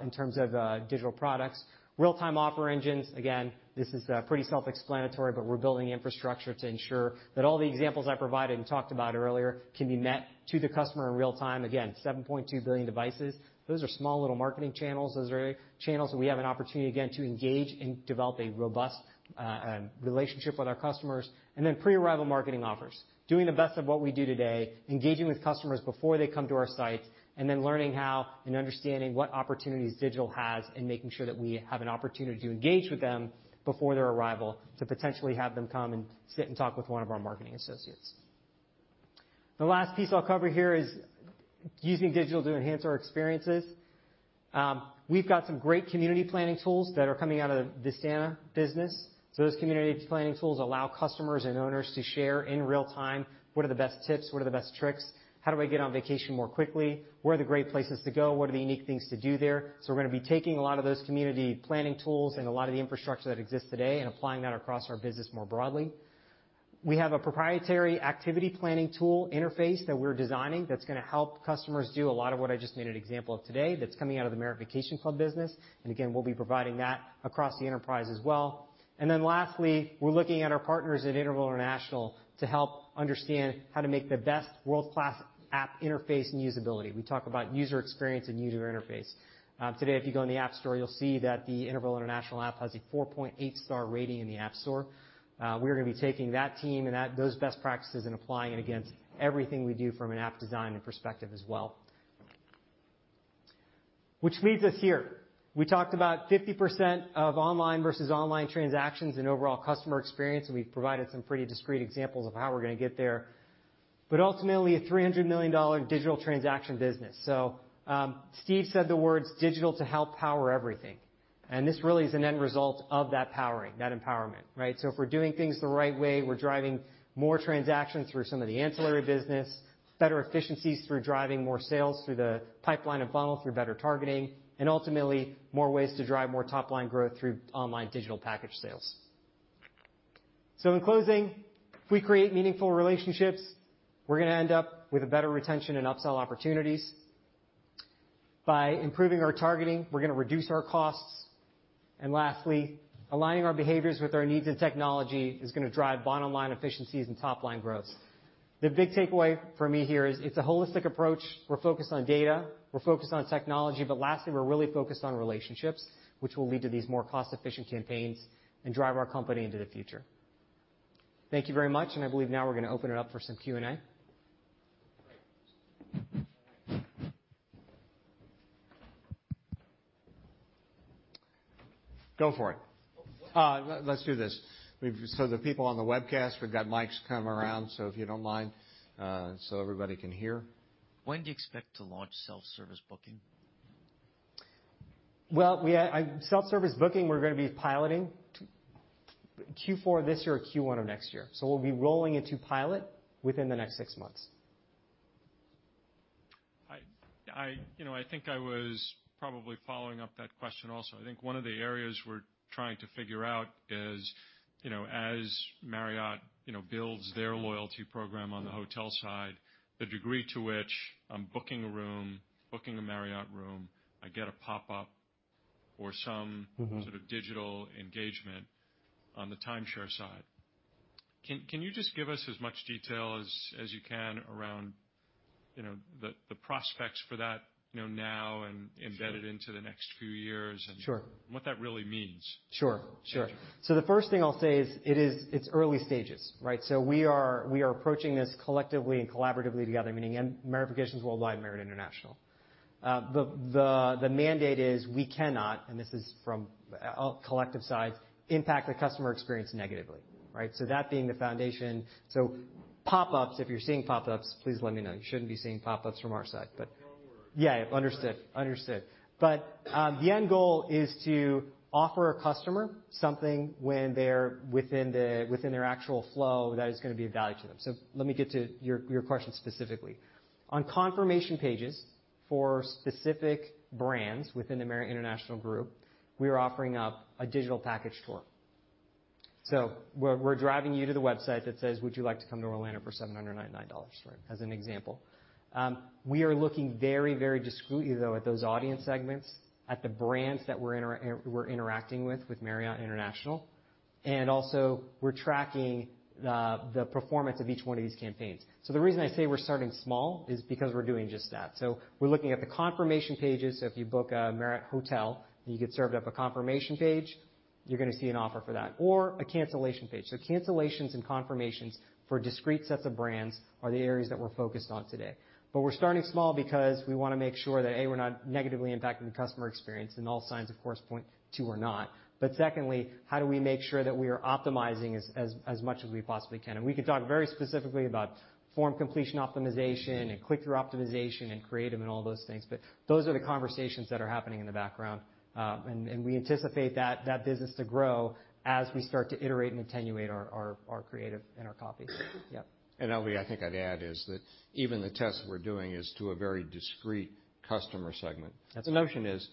[SPEAKER 3] in terms of digital products. Real-time offer engines, again, this is pretty self-explanatory, but we're building infrastructure to ensure that all the examples I provided and talked about earlier can be met to the customer in real time. Again, 7.2 billion devices. Those are small little marketing channels. Those are channels that we have an opportunity, again, to engage and develop a robust relationship with our customers. Pre-arrival marketing offers. Doing the best of what we do today, engaging with customers before they come to our sites, and then learning how and understanding what opportunities digital has, and making sure that we have an opportunity to engage with them before their arrival to potentially have them come and sit and talk with one of our marketing associates. The last piece I'll cover here is using digital to enhance our experiences. We've got some great community planning tools that are coming out of the Vistana business. Those community planning tools allow customers and owners to share in real time what are the best tips, what are the best tricks, how do I get on vacation more quickly, where are the great places to go, what are the unique things to do there? We're going to be taking a lot of those community planning tools and a lot of the infrastructure that exists today and applying that across our business more broadly. We have a proprietary activity planning tool interface that we're designing that's going to help customers do a lot of what I just made an example of today. That's coming out of the Marriott Vacation Club business. Again, we'll be providing that across the enterprise as well. Lastly, we're looking at our partners at Interval International to help understand how to make the best world-class app interface and usability. We talk about user experience and user interface. Today, if you go in the App Store, you'll see that the Interval International app has a 4.8 star rating in the App Store. We are going to be taking that team and those best practices and applying it against everything we do from an app design perspective as well. Which leads us here. We talked about 50% of online versus online transactions and overall customer experience, and we've provided some pretty discrete examples of how we're going to get there. Ultimately, a $300 million digital transaction business. Steve said the words "digital to help power everything," and this really is an end result of that powering, that empowerment. If we're doing things the right way, we're driving more transactions through some of the ancillary business, better efficiencies through driving more sales through the pipeline and funnel, through better targeting, and ultimately, more ways to drive more top-line growth through online digital package sales. In closing, if we create meaningful relationships, we're going to end up with better retention and upsell opportunities. By improving our targeting, we're going to reduce our costs. Lastly, aligning our behaviors with our needs and technology is going to drive bottom-line efficiencies and top-line growth. The big takeaway for me here is it's a holistic approach. We're focused on data, we're focused on technology, but lastly, we're really focused on relationships, which will lead to these more cost-efficient campaigns and drive our company into the future. Thank you very much, and I believe now we're going to open it up for some Q&A.
[SPEAKER 1] Go for it. Let's do this. The people on the webcast, we've got mics coming around, so if you don't mind, so everybody can hear.
[SPEAKER 4] When do you expect to launch self-service booking?
[SPEAKER 3] Well, self-service booking, we're going to be piloting Q4 this year or Q1 of next year. We'll be rolling into pilot within the next six months.
[SPEAKER 5] I think I was probably following up that question also. I think one of the areas we're trying to figure out is, as Marriott builds their loyalty program on the hotel side, the degree to which I'm booking a room, booking a Marriott room, I get a pop-up or some sort of digital engagement on the timeshare side. Can you just give us as much detail as you can around the prospects for that now and embedded into the next few years?
[SPEAKER 3] Sure.
[SPEAKER 5] What that really means.
[SPEAKER 3] Sure. The first thing I'll say is it's early stages. We are approaching this collectively and collaboratively together, meaning Marriott Vacations Worldwide and Marriott International. The mandate is we cannot, and this is from a collective side, impact the customer experience negatively. That being the foundation. Pop-ups, if you're seeing pop-ups, please let me know. You shouldn't be seeing pop-ups from our side. Yeah, understood. Understood. The end goal is to offer a customer something when they're within their actual flow that is going to be of value to them. Let me get to your question specifically. On confirmation pages for specific brands within the Marriott International group, we are offering up a digital package tour. We're driving you to the website that says, "Would you like to come to Orlando for $799?" As an example. We are looking very discreetly, though, at those audience segments, at the brands that we're interacting with Marriott International. Also, we're tracking the performance of each one of these campaigns. The reason I say we're starting small is because we're doing just that. We're looking at the confirmation pages. If you book a Marriott hotel and you get served up a confirmation page, you're going to see an offer for that or a cancellation page. Cancellations and confirmations for discrete sets of brands are the areas that we're focused on today. We're starting small because we want to make sure that, A, we're not negatively impacting the customer experience. All signs, of course, point to we're not. Secondly, how do we make sure that we are optimizing as much as we possibly can? We can talk very specifically about form completion optimization and click-through optimization and creative and all those things. Those are the conversations that are happening in the background. We anticipate that business to grow as we start to iterate and attenuate our creative and our copy. Yep.
[SPEAKER 2] Ovi, I think I'd add is that even the tests we're doing is to a very discreet customer segment.
[SPEAKER 3] That's right.
[SPEAKER 2] The notion is,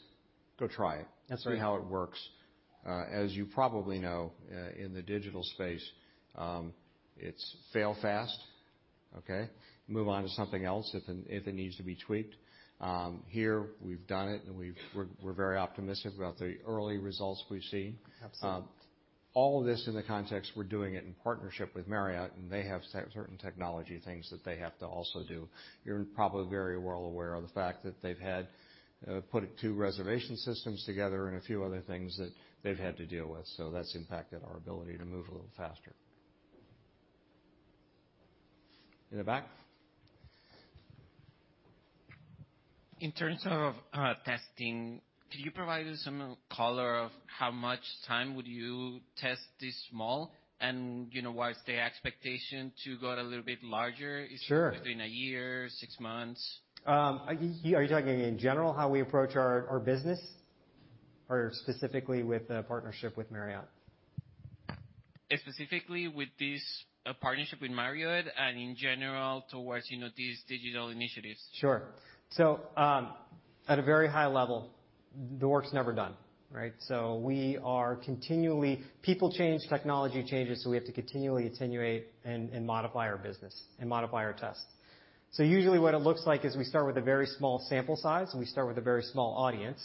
[SPEAKER 2] go try it.
[SPEAKER 3] That's right.
[SPEAKER 2] see how it works. As you probably know, in the digital space, it's fail fast, okay, move on to something else if it needs to be tweaked. Here, we've done it and we're very optimistic about the early results we've seen.
[SPEAKER 3] Absolutely.
[SPEAKER 2] All this in the context, we're doing it in partnership with Marriott, and they have certain technology things that they have to also do. You're probably very well aware of the fact that they've had put two reservation systems together and a few other things that they've had to deal with. That's impacted our ability to move a little faster in the back.
[SPEAKER 4] In terms of testing, can you provide some color of how much time would you test this small, and what is the expectation to go a little bit larger?
[SPEAKER 3] Sure.
[SPEAKER 4] Between a year, six months.
[SPEAKER 3] Are you talking in general, how we approach our business or specifically with the partnership with Marriott?
[SPEAKER 4] Specifically with this partnership with Marriott and in general towards these digital initiatives.
[SPEAKER 3] Sure. At a very high level, the work's never done, right? We are continually, people change; technology changes, so we have to continually attenuate and modify our business and modify our test. Usually what it looks like is we start with a very small sample size, and we start with a very small audience,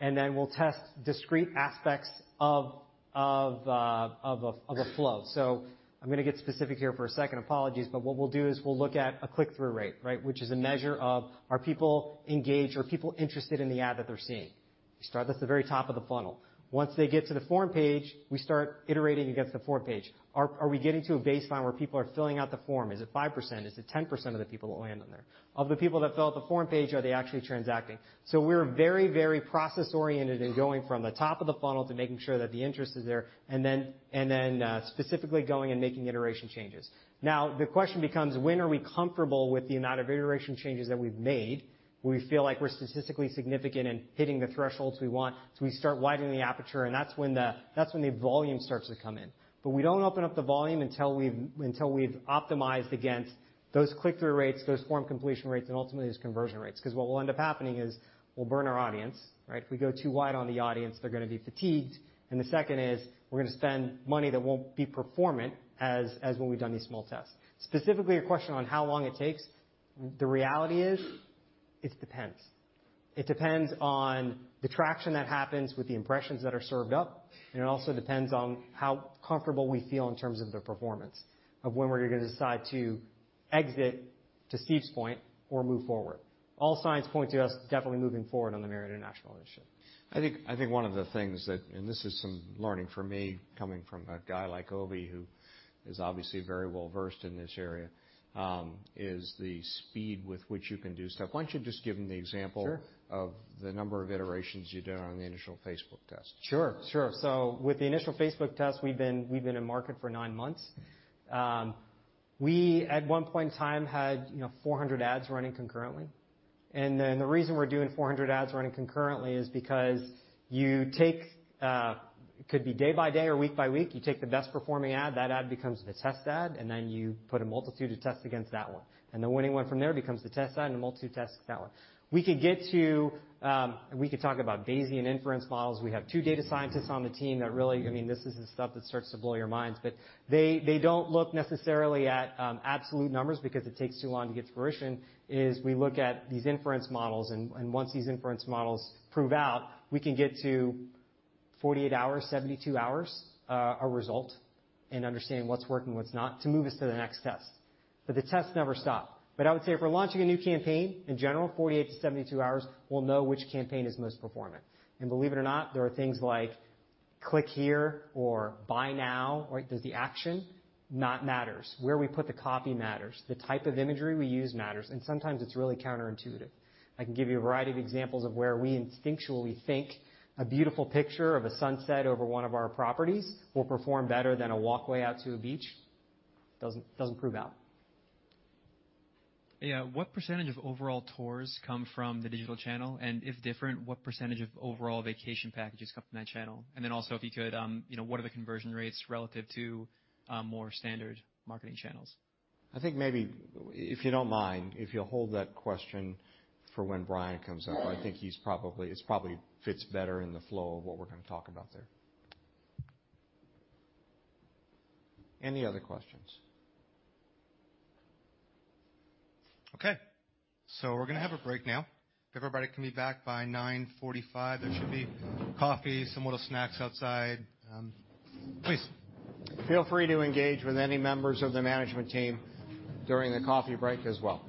[SPEAKER 3] and then we'll test discrete aspects of the flow. I'm going to get specific here for a second, apologies, but what we'll do is we'll look at a click-through rate, which is a measure of are people engaged, are people interested in the ad that they're seeing? We start at the very top of the funnel. Once they get to the form page, we start iterating against the form page. Are we getting to a baseline where people are filling out the form? Is it 5%? Is it 10% of the people that land on there? Of the people that fill out the form page, are they actually transacting? We're very process-oriented in going from the top of the funnel to making sure that the interest is there, and then specifically going and making iteration changes. The question becomes when are we comfortable with the amount of iteration changes that we've made, where we feel like we're statistically significant in hitting the thresholds we want, so we start widening the aperture, and that's when the volume starts to come in. We don't open up the volume until we've optimized against those click-through rates, those form completion rates, and ultimately those conversion rates. What will end up happening is we'll burn our audience, right? If we go too wide on the audience, they're going to be fatigued. The second is we're going to spend money that won't be performant as when we've done these small tests. Specifically, your question on how long it takes, the reality is it depends. It depends on the traction that happens with the impressions that are served up, and it also depends on how comfortable we feel in terms of the performance of when we're going to decide to exit, to Steve's point, or move forward. All signs point to us definitely moving forward on the Marriott International initiative.
[SPEAKER 2] I think one of the things that, and this is some learning for me, coming from a guy like Ovi, who is obviously very well-versed in this area, is the speed with which you can do stuff. Why don't you just give them the example.
[SPEAKER 3] Sure
[SPEAKER 2] of the number of iterations you did on the initial Facebook test?
[SPEAKER 3] Sure. With the initial Facebook test, we've been in market for nine months. We, at one point in time, had 400 ads running concurrently. The reason we're doing 400 ads running concurrently is because you take, could be day by day or week by week, you take the best performing ad, that ad becomes the test ad, and then you put a multitude of tests against that one. The winning one from there becomes the test ad and a multitude tests that one. We could talk about Bayesian inference models. We have two data scientists on the team that really, this is the stuff that starts to blow your minds. They don't look necessarily at absolute numbers because it takes too long to get to fruition, is we look at these inference models, and once these inference models prove out. We can get to 48 hours, 72 hours, a result and understand what's working, what's not, to move us to the next test. The tests never stop. I would say if we're launching a new campaign, in general, 48 to 72 hours, we'll know which campaign is most performant. Believe it or not, there are things like, "Click here" or "Buy now," does the action not matters? Where we put the copy matters. The type of imagery we use matters, and sometimes it's really counterintuitive. I can give you a variety of examples of where we instinctually think a beautiful picture of a sunset over one of our properties will perform better than a walkway out to a beach. Doesn't prove out.
[SPEAKER 4] Yeah. What % of overall tours come from the digital channel? If different, what % of overall vacation packages come from that channel? Also, if you could, what are the conversion rates relative to more standard marketing channels?
[SPEAKER 2] I think maybe, if you don't mind, if you'll hold that question for when Brian comes up. I think it probably fits better in the flow of what we're going to talk about there. Any other questions? Okay. We're going to have a break now. If everybody can be back by 9:45 A.M. There should be coffee, some little snacks outside. Please.
[SPEAKER 3] Feel free to engage with any members of the management team during the coffee break as well.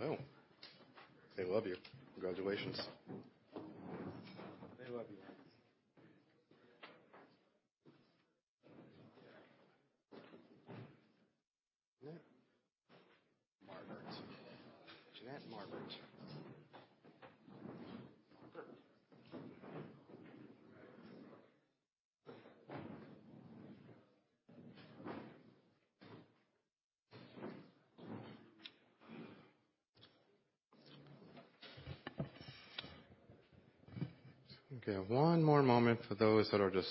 [SPEAKER 1] Well, they love you. Congratulations.
[SPEAKER 3] They love you.
[SPEAKER 1] Jeanette Marbert. Okay, one more moment for those that are just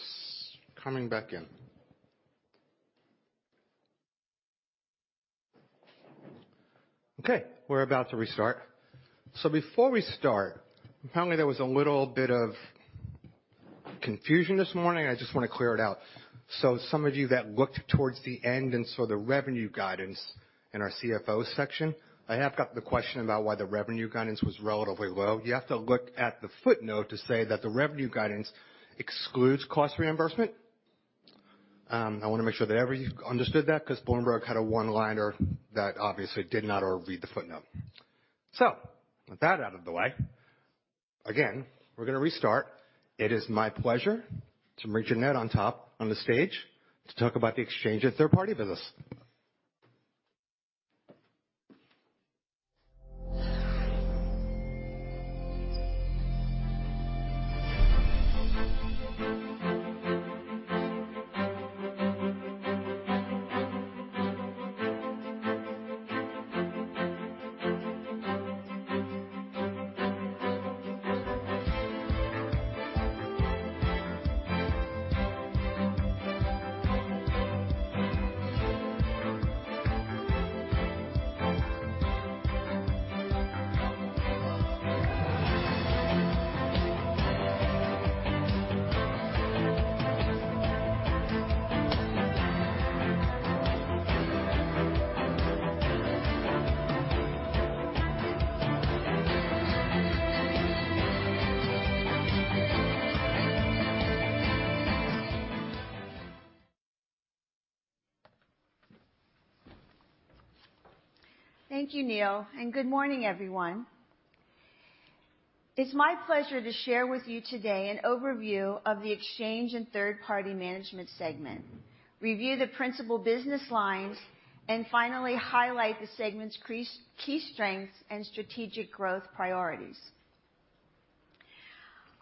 [SPEAKER 1] coming back in. Okay, we're about to restart. Before we start, apparently there was a little bit of confusion this morning. I just want to clear it out. Some of you that looked towards the end and saw the revenue guidance in our CFO section, I have got the question about why the revenue guidance was relatively low. You have to look at the footnote to say that the revenue guidance excludes cost reimbursement. I want to make sure that you've understood that, because Bloomberg had a one-liner that obviously did not overread the footnote. With that out of the way, again, we're going to restart. It is my pleasure to bring Jeanette on top on the stage to talk about the exchange and third-party business.
[SPEAKER 6] Thank you, Neal, and good morning, everyone. It's my pleasure to share with you today an overview of the exchange and third-party management segment, review the principal business lines, and finally highlight the segment's key strengths and strategic growth priorities.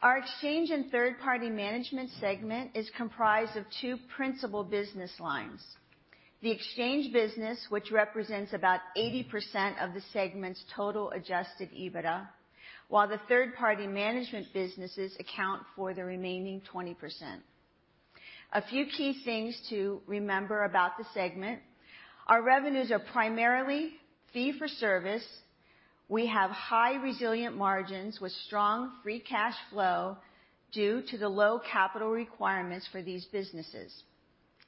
[SPEAKER 6] Our exchange and third-party management segment is comprised of two principal business lines, the exchange business, which represents about 80% of the segment's total adjusted EBITDA, while the third-party management businesses account for the remaining 20%. A few key things to remember about the segment. Our revenues are primarily fee for service. We have high resilient margins with strong free cash flow due to the low capital requirements for these businesses.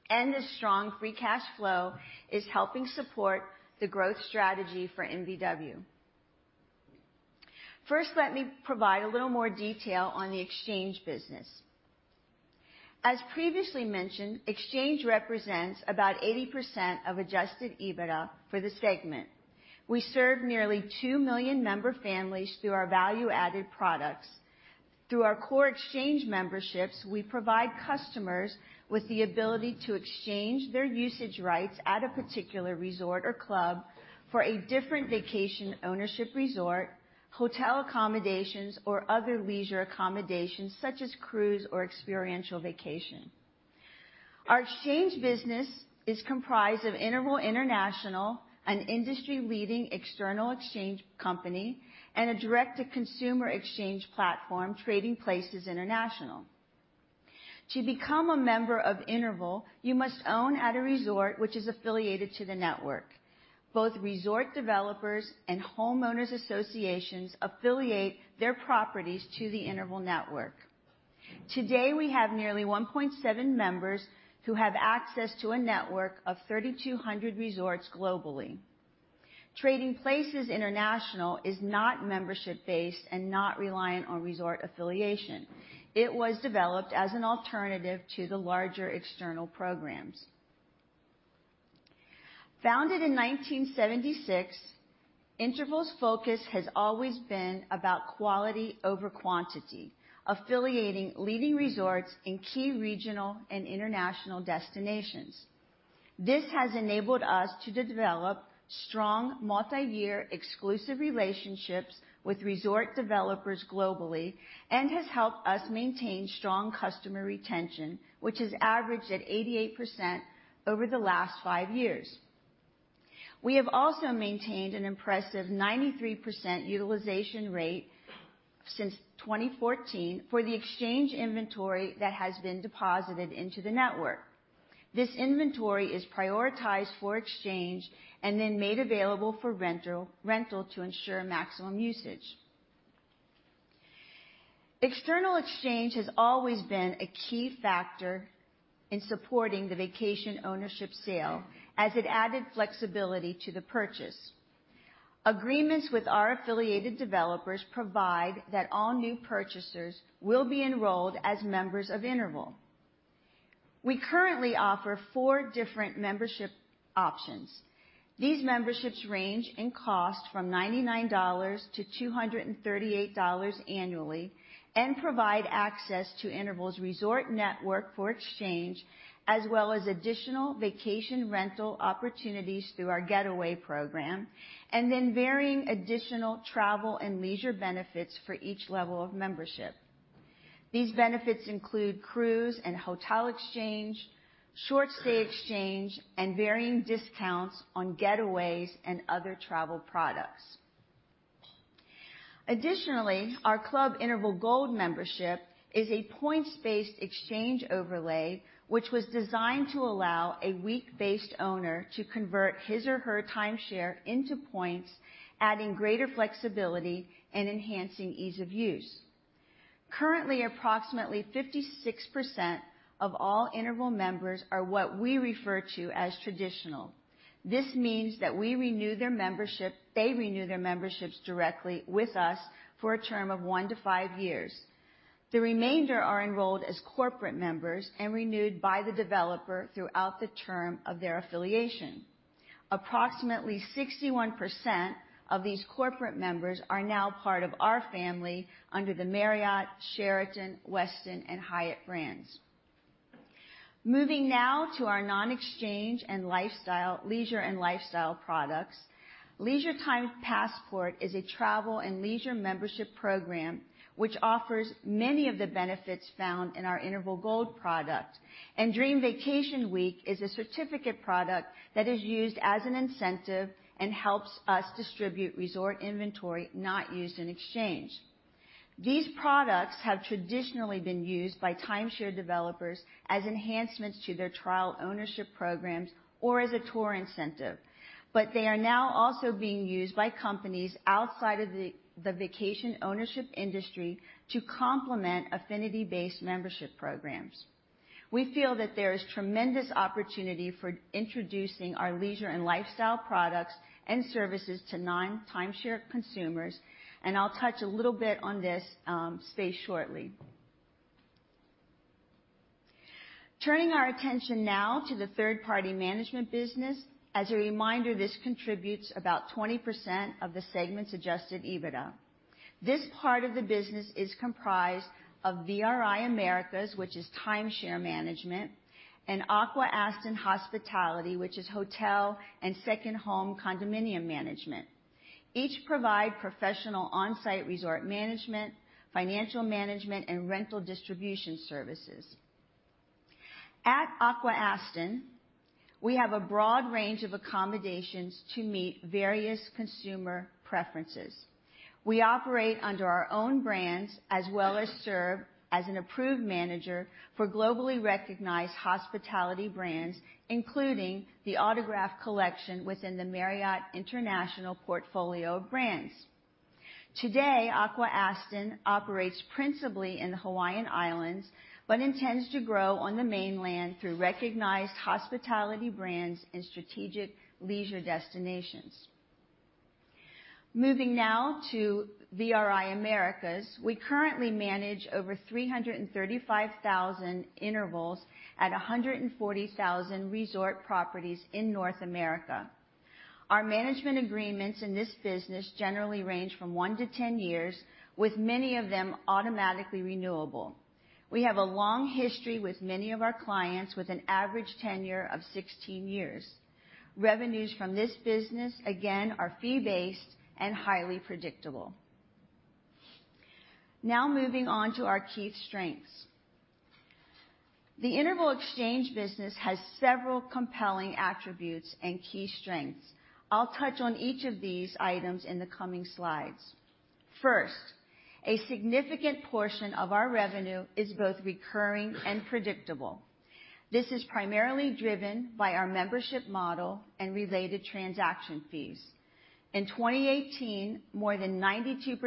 [SPEAKER 6] This strong free cash flow is helping support the growth strategy for MVW. First, let me provide a little more detail on the exchange business. As previously mentioned, exchange represents about 80% of adjusted EBITDA for the segment. We serve nearly 2 million member families through our value-added products. Through our core exchange memberships, we provide customers with the ability to exchange their usage rights at a particular resort or club for a different vacation ownership resort, hotel accommodations or other leisure accommodations such as cruise or experiential vacation. Our exchange business is comprised of Interval International, an industry-leading external exchange company, and a direct-to-consumer exchange platform, Trading Places International. To become a member of Interval, you must own at a resort which is affiliated to the network. Both resort developers and homeowners associations affiliate their properties to the Interval network. Today, we have nearly 1.7 members who have access to a network of 3,200 resorts globally. Trading Places International is not membership-based and not reliant on resort affiliation. It was developed as an alternative to the larger external programs. Founded in 1976, Interval's focus has always been about quality over quantity, affiliating leading resorts in key regional and international destinations. This has enabled us to develop strong multiyear exclusive relationships with resort developers globally and has helped us maintain strong customer retention, which has averaged at 88% over the last five years. We have also maintained an impressive 93% utilization rate since 2014 for the exchange inventory that has been deposited into the network. This inventory is prioritized for exchange and then made available for rental to ensure maximum usage. External exchange has always been a key factor in supporting the vacation ownership sale as it added flexibility to the purchase. Agreements with our affiliated developers provide that all new purchasers will be enrolled as members of Interval. We currently offer four different membership options. These memberships range in cost from $99-$238 annually and provide access to Interval's resort network for exchange, as well as additional vacation rental opportunities through our Getaway program, varying additional travel and leisure benefits for each level of membership. These benefits include cruise and hotel exchange, short stay exchange, and varying discounts on getaways and other travel products. Additionally, our Club Interval Gold membership is a points-based exchange overlay, which was designed to allow a week-based owner to convert his or her timeshare into points, adding greater flexibility and enhancing ease of use. Currently, approximately 56% of all Interval members are what we refer to as traditional. This means that they renew their memberships directly with us for a term of one to five years. The remainder are enrolled as corporate members and renewed by the developer throughout the term of their affiliation. Approximately 61% of these corporate members are now part of our family under the Marriott, Sheraton, Westin, and Hyatt brands. Moving now to our non-exchange and leisure and lifestyle products. Leisure Time Passport is a travel and leisure membership program which offers many of the benefits found in our Interval Gold product, and Dream Vacation Week is a certificate product that is used as an incentive and helps us distribute resort inventory not used in exchange. These products have traditionally been used by timeshare developers as enhancements to their trial ownership programs or as a tour incentive, but they are now also being used by companies outside of the vacation ownership industry to complement affinity-based membership programs. We feel that there is tremendous opportunity for introducing our leisure and lifestyle products and services to non-timeshare consumers, and I'll touch a little bit on this space shortly. Turning our attention now to the third-party management business. As a reminder, this contributes about 20% of the segment's adjusted EBITDA. This part of the business is comprised of VRI Americas, which is timeshare management, and Aqua-Aston Hospitality, which is hotel and second home condominium management. Each provide professional on-site resort management, financial management, and rental distribution services. At Aqua-Aston, we have a broad range of accommodations to meet various consumer preferences. We operate under our own brands as well as serve as an approved manager for globally recognized hospitality brands, including the Autograph Collection within the Marriott International portfolio of brands. Today, Aqua-Aston operates principally in the Hawaiian Islands, but intends to grow on the mainland through recognized hospitality brands and strategic leisure destinations. Moving now to VRI Americas. We currently manage over 335,000 intervals at 140,000 resort properties in North America. Our management agreements in this business generally range from one to 10 years, with many of them automatically renewable. We have a long history with many of our clients, with an average tenure of 16 years. Revenues from this business, again, are fee-based and highly predictable. Now moving on to our key strengths. The Interval exchange business has several compelling attributes and key strengths. I'll touch on each of these items in the coming slides. First, a significant portion of our revenue is both recurring and predictable. This is primarily driven by our membership model and related transaction fees. In 2018, more than 92%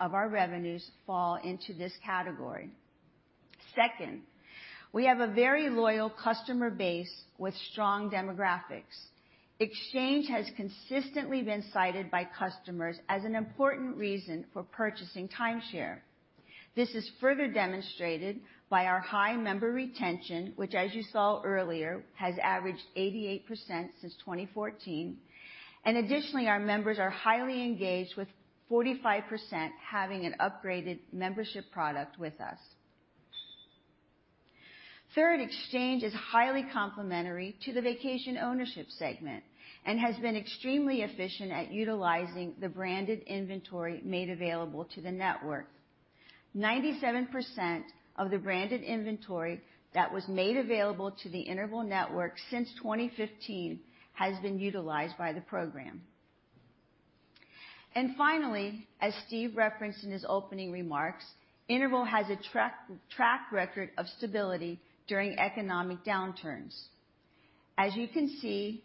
[SPEAKER 6] of our revenues fall into this category. Second, we have a very loyal customer base with strong demographics. Exchange has consistently been cited by customers as an important reason for purchasing timeshare. This is further demonstrated by our high member retention, which as you saw earlier, has averaged 88% since 2014. Additionally, our members are highly engaged, with 45% having an upgraded membership product with us. Third, exchange is highly complementary to the vacation ownership segment and has been extremely efficient at utilizing the branded inventory made available to the network. 97% of the branded inventory that was made available to the Interval network since 2015 has been utilized by the program. Finally, as Steve referenced in his opening remarks, Interval has a track record of stability during economic downturns. As you can see,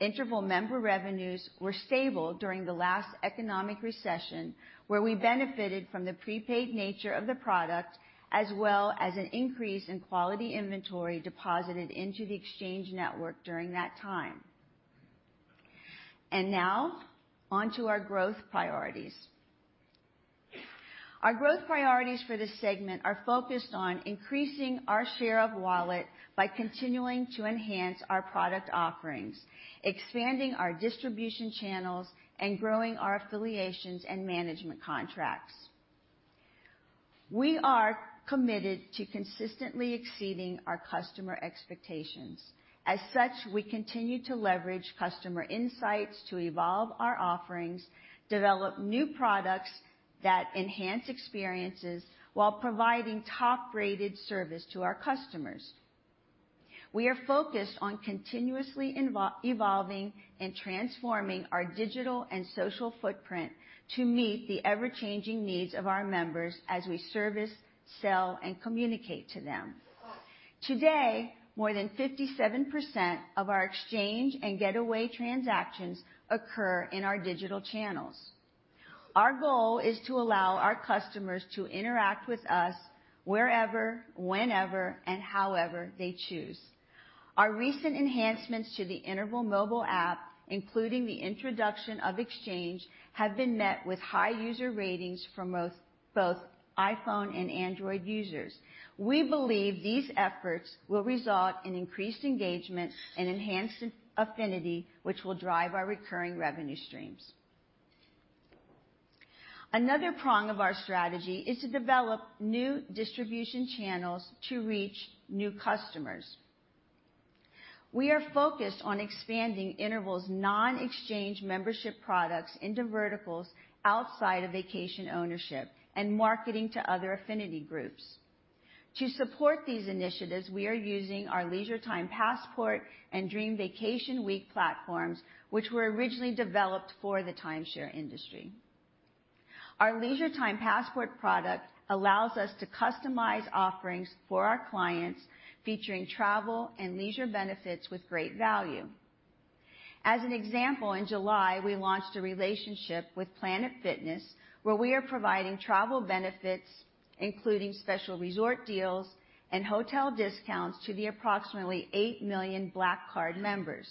[SPEAKER 6] Interval member revenues were stable during the last economic recession, where we benefited from the prepaid nature of the product, as well as an increase in quality inventory deposited into the exchange network during that time. Now on to our growth priorities. Our growth priorities for this segment are focused on increasing our share of wallet by continuing to enhance our product offerings, expanding our distribution channels, and growing our affiliations and management contracts. We are committed to consistently exceeding our customer expectations. As such, we continue to leverage customer insights to evolve our offerings, develop new products that enhance experiences while providing top-rated service to our customers. We are focused on continuously evolving and transforming our digital and social footprint to meet the ever-changing needs of our members as we service, sell, and communicate to them. Today, more than 57% of our exchange and getaway transactions occur in our digital channels. Our goal is to allow our customers to interact with us wherever, whenever, and however they choose. Our recent enhancements to the Interval mobile app, including the introduction of exchange, have been met with high user ratings from both iPhone and Android users. We believe these efforts will result in increased engagement and enhanced affinity, which will drive our recurring revenue streams. Another prong of our strategy is to develop new distribution channels to reach new customers. We are focused on expanding Interval's non-exchange membership products into verticals outside of vacation ownership and marketing to other affinity groups. To support these initiatives, we are using our Leisure Time Passport and Dream Vacation Week platforms, which were originally developed for the timeshare industry. Our Leisure Time Passport product allows us to customize offerings for our clients featuring travel and leisure benefits with great value. As an example, in July, we launched a relationship with Planet Fitness where we are providing travel benefits, including special resort deals and hotel discounts to the approximately 8 million Black Card members.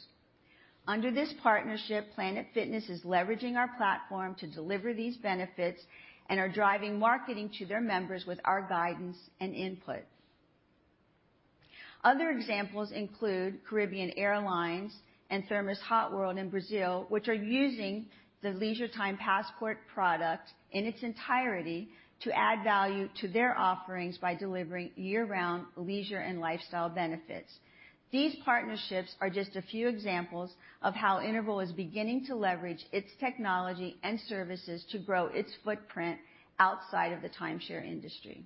[SPEAKER 6] Under this partnership, Planet Fitness is leveraging our platform to deliver these benefits and are driving marketing to their members with our guidance and input. Other examples include Caribbean Airlines and Thermas Hot World in Brazil, which are using the Leisure Time Passport product in its entirety to add value to their offerings by delivering year-round leisure and lifestyle benefits. These partnerships are just a few examples of how Interval is beginning to leverage its technology and services to grow its footprint outside of the timeshare industry.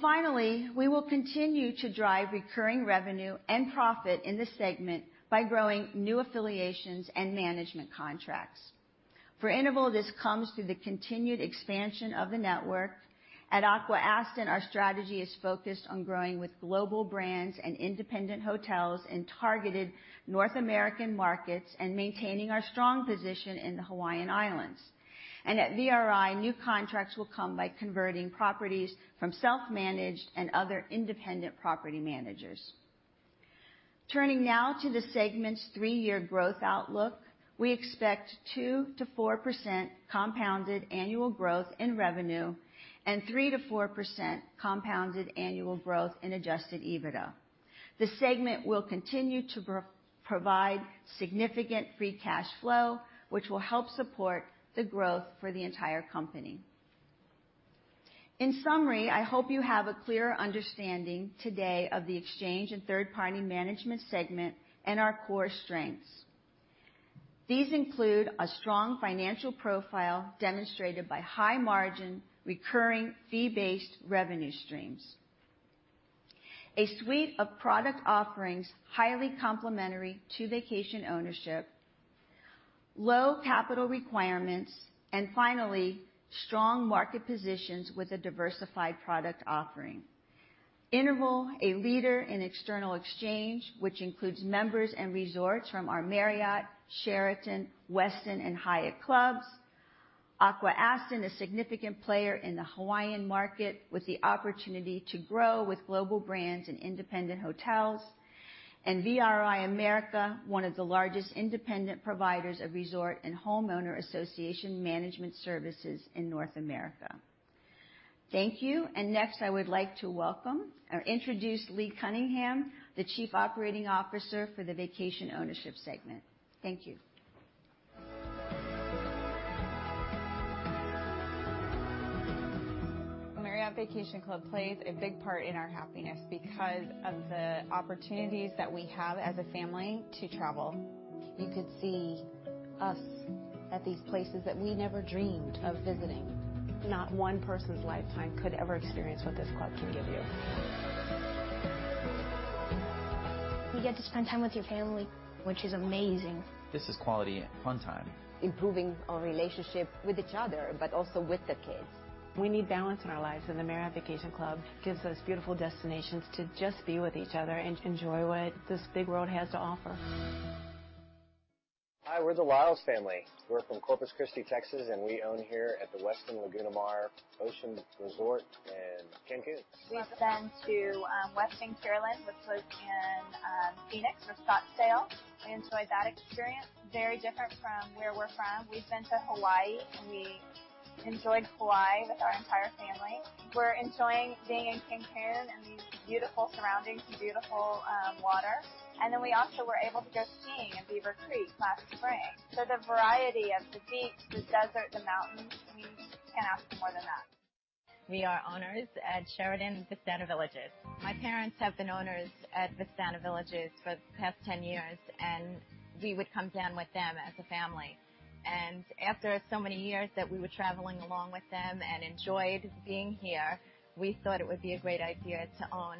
[SPEAKER 6] Finally, we will continue to drive recurring revenue and profit in this segment by growing new affiliations and management contracts. For Interval, this comes through the continued expansion of the network. At Aqua-Aston, our strategy is focused on growing with global brands and independent hotels in targeted North American markets and maintaining our strong position in the Hawaiian Islands. At VRI, new contracts will come by converting properties from self-managed and other independent property managers. Turning now to the segment's three-year growth outlook, we expect 2%-4% compounded annual growth in revenue and 3%-4% compounded annual growth in adjusted EBITDA. The segment will continue to provide significant free cash flow, which will help support the growth for the entire company. In summary, I hope you have a clear understanding today of the exchange and third-party management segment and our core strengths. These include a strong financial profile demonstrated by high-margin, recurring fee-based revenue streams, a suite of product offerings highly complementary to vacation ownership, low capital requirements, and finally, strong market positions with a diversified product offering. Interval, a leader in external exchange, which includes members and resorts from our Marriott, Sheraton, Westin, and Hyatt clubs. Aqua-Aston, a significant player in the Hawaiian market with the opportunity to grow with global brands and independent hotels. VRI Americas, one of the largest independent providers of resort and homeowner association management services in North America. Thank you. Next, I would like to introduce Lee Cunningham, the Chief Operating Officer for the vacation ownership segment. Thank you.
[SPEAKER 7] Marriott Vacation Club plays a big part in our happiness because of the opportunities that we have as a family to travel.
[SPEAKER 8] You could see us at these places that we never dreamed of visiting. Not one person's lifetime could ever experience what this club can give you.
[SPEAKER 9] You get to spend time with your family, which is amazing.
[SPEAKER 10] This is quality and fun time.
[SPEAKER 11] Improving our relationship with each other, but also with the kids.
[SPEAKER 12] We need balance in our lives, and the Marriott Vacation Club gives us beautiful destinations to just be with each other and enjoy what this big world has to offer.
[SPEAKER 13] Hi, we're the Lyles family. We're from Corpus Christi, Texas, and we own here at the Westin Lagunamar Ocean Resort in Cancun.
[SPEAKER 14] We've been to West Bank, Maryland, which was in Phoenix for Scottsdale. We enjoyed that experience. Very different from where we're from. We've been to Hawaii, and we enjoyed Hawaii with our entire family. We're enjoying being in Cancun and these beautiful surroundings and beautiful water. Then we also were able to go skiing in Beaver Creek last spring. The variety of the beach, the desert, the mountains, we can't ask for more than that.
[SPEAKER 15] We are owners at Sheraton Vistana Villages. My parents have been owners at Vistana Villages for the past 10 years, and we would come down with them as a family. After so many years that we were traveling along with them and enjoyed being here, we thought it would be a great idea to own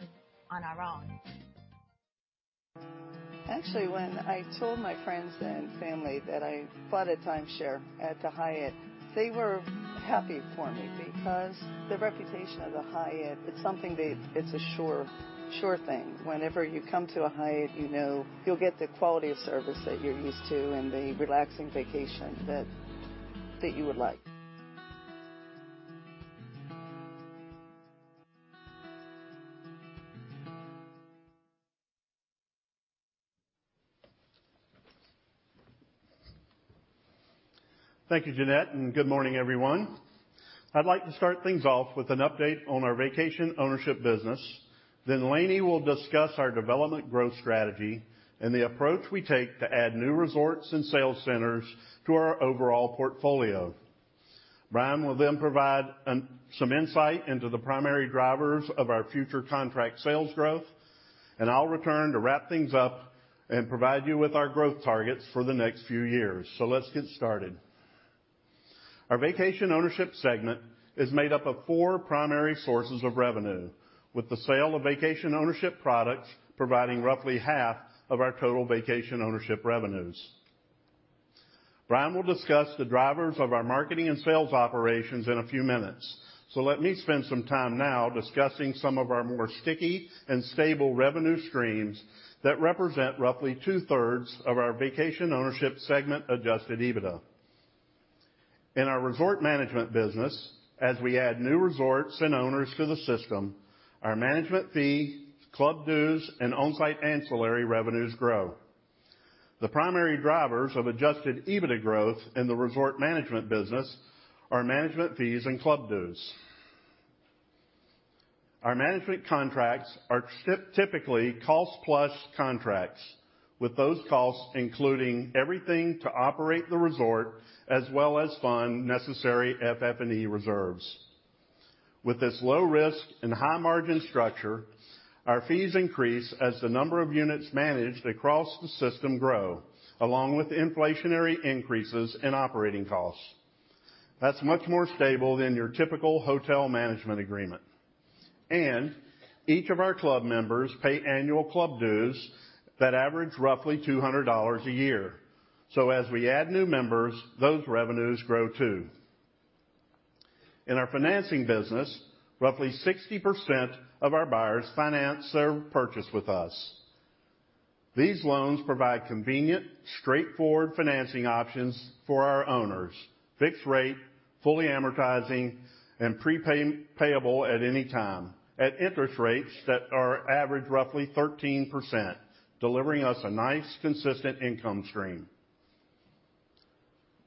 [SPEAKER 15] on our own.
[SPEAKER 16] Actually, when I told my friends and family that I bought a timeshare at the Hyatt, they were happy for me because the reputation of the Hyatt, it's something that it's a sure thing. Whenever you come to a Hyatt, you know you'll get the quality of service that you're used to and the relaxing vacation that you would like.
[SPEAKER 17] Thank you, Jeanette. Good morning, everyone. I'd like to start things off with an update on our vacation ownership business. Lani will discuss our development growth strategy and the approach we take to add new resorts and sales centers to our overall portfolio. Brian will provide some insight into the primary drivers of our future contract sales growth. I'll return to wrap things up and provide you with our growth targets for the next few years. Let's get started. Our vacation ownership segment is made up of four primary sources of revenue, with the sale of vacation ownership products providing roughly half of our total vacation ownership revenues. Brian will discuss the drivers of our marketing and sales operations in a few minutes. Let me spend some time now discussing some of our more sticky and stable revenue streams that represent roughly two-thirds of our Vacation Ownership segment adjusted EBITDA. In our Resort Management business, as we add new resorts and owners to the system, our management fee, club dues, and on-site ancillary revenues grow. The primary drivers of adjusted EBITDA growth in the Resort Management business are management fees and club dues. Our management contracts are typically cost-plus contracts, with those costs including everything to operate the resort, as well as fund necessary FF&E reserves. With this low risk and high-margin structure, our fees increase as the number of units managed across the system grow, along with inflationary increases in operating costs. That's much more stable than your typical hotel management agreement. Each of our club members pay annual club dues that average roughly $200 a year. As we add new members, those revenues grow too. In our financing business, roughly 60% of our buyers finance their purchase with us. These loans provide convenient, straightforward financing options for our owners, fixed rate, fully amortizing, and pre-payable at any time, at interest rates that are average roughly 13%, delivering us a nice, consistent income stream.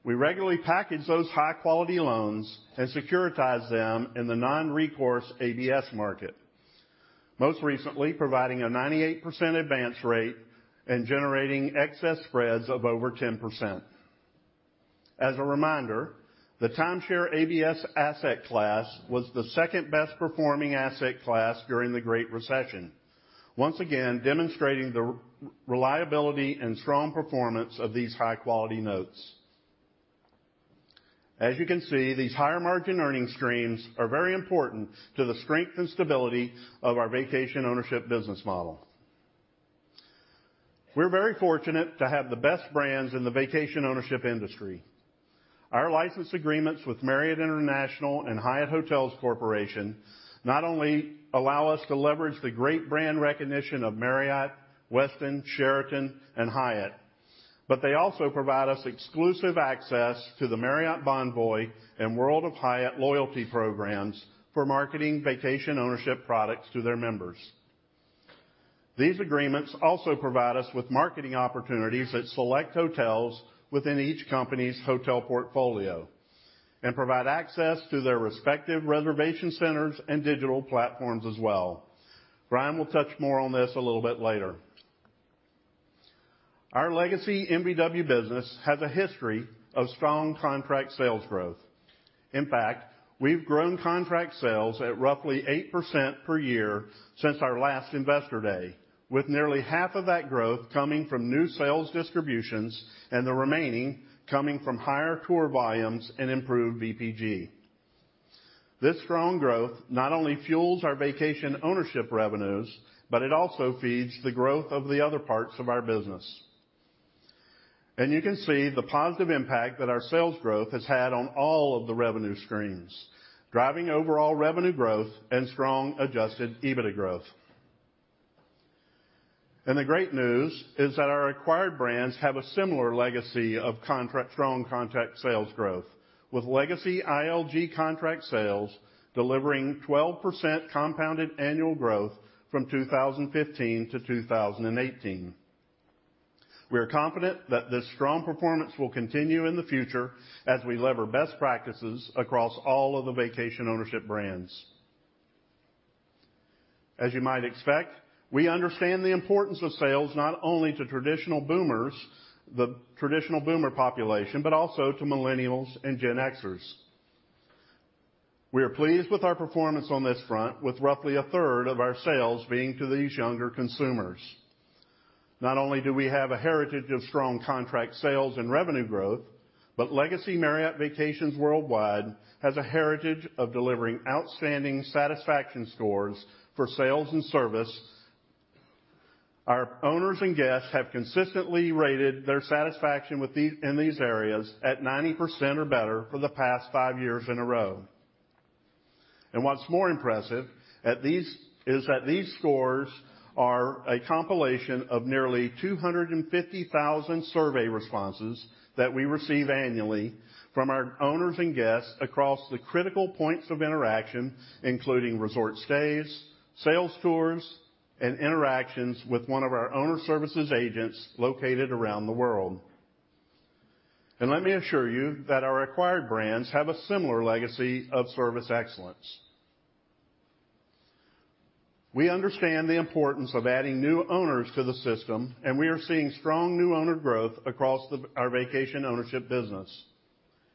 [SPEAKER 17] We regularly package those high-quality loans and securitize them in the non-recourse ABS market, most recently providing a 98% advance rate and generating excess spreads of over 10%. As a reminder, the timeshare ABS asset class was the second best-performing asset class during the Great Recession, once again demonstrating the reliability and strong performance of these high-quality notes. As you can see, these higher margin earning streams are very important to the strength and stability of our vacation ownership business model. We're very fortunate to have the best brands in the vacation ownership industry. Our license agreements with Marriott International and Hyatt Hotels Corporation not only allow us to leverage the great brand recognition of Marriott, Westin, Sheraton, and Hyatt, but they also provide us exclusive access to the Marriott Bonvoy and World of Hyatt loyalty programs for marketing vacation ownership products to their members. These agreements also provide us with marketing opportunities at select hotels within each company's hotel portfolio and provide access to their respective reservation centers and digital platforms as well. Brian will touch more on this a little bit later. Our legacy MVW business has a history of strong contract sales growth. In fact, we've grown contract sales at roughly 8% per year since our last Investor Day, with nearly half of that growth coming from new sales distributions and the remaining coming from higher tour volumes and improved VPG. This strong growth not only fuels our vacation ownership revenues, but it also feeds the growth of the other parts of our business. You can see the positive impact that our sales growth has had on all of the revenue streams, driving overall revenue growth and strong adjusted EBITDA growth. The great news is that our acquired brands have a similar legacy of strong contract sales growth, with legacy ILG contract sales delivering 12% compounded annual growth from 2015 to 2018. We are confident that this strong performance will continue in the future as we lever best practices across all of the vacation ownership brands. As you might expect, we understand the importance of sales not only to the traditional boomer population, but also to millennials and Gen Xers. We are pleased with our performance on this front, with roughly a third of our sales being to these younger consumers. Not only do we have a heritage of strong contract sales and revenue growth. Legacy Marriott Vacations Worldwide has a heritage of delivering outstanding satisfaction scores for sales and service. Our owners and guests have consistently rated their satisfaction in these areas at 90% or better for the past five years in a row. What's more impressive is that these scores are a compilation of nearly 250,000 survey responses that we receive annually from our owners and guests across the critical points of interaction, including resort stays, sales tours, and interactions with one of our owner services agents located around the world. Let me assure you that our acquired brands have a similar legacy of service excellence. We understand the importance of adding new owners to the system, and we are seeing strong new owner growth across our vacation ownership business.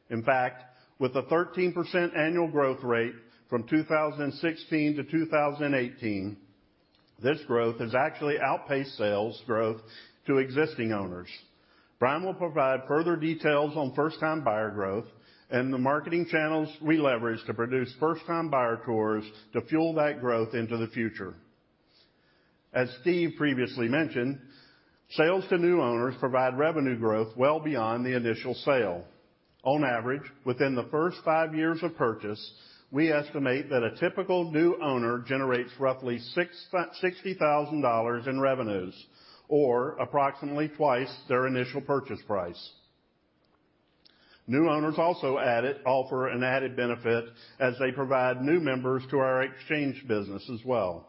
[SPEAKER 17] In fact, with a 13% annual growth rate from 2016 to 2018, this growth has actually outpaced sales growth to existing owners. Brian will provide further details on first-time buyer growth and the marketing channels we leverage to produce first-time buyer tours to fuel that growth into the future. As Steve previously mentioned, sales to new owners provide revenue growth well beyond the initial sale. On average, within the first five years of purchase, we estimate that a typical new owner generates roughly $60,000 in revenues or approximately twice their initial purchase price. New owners also offer an added benefit as they provide new members to our exchange business as well.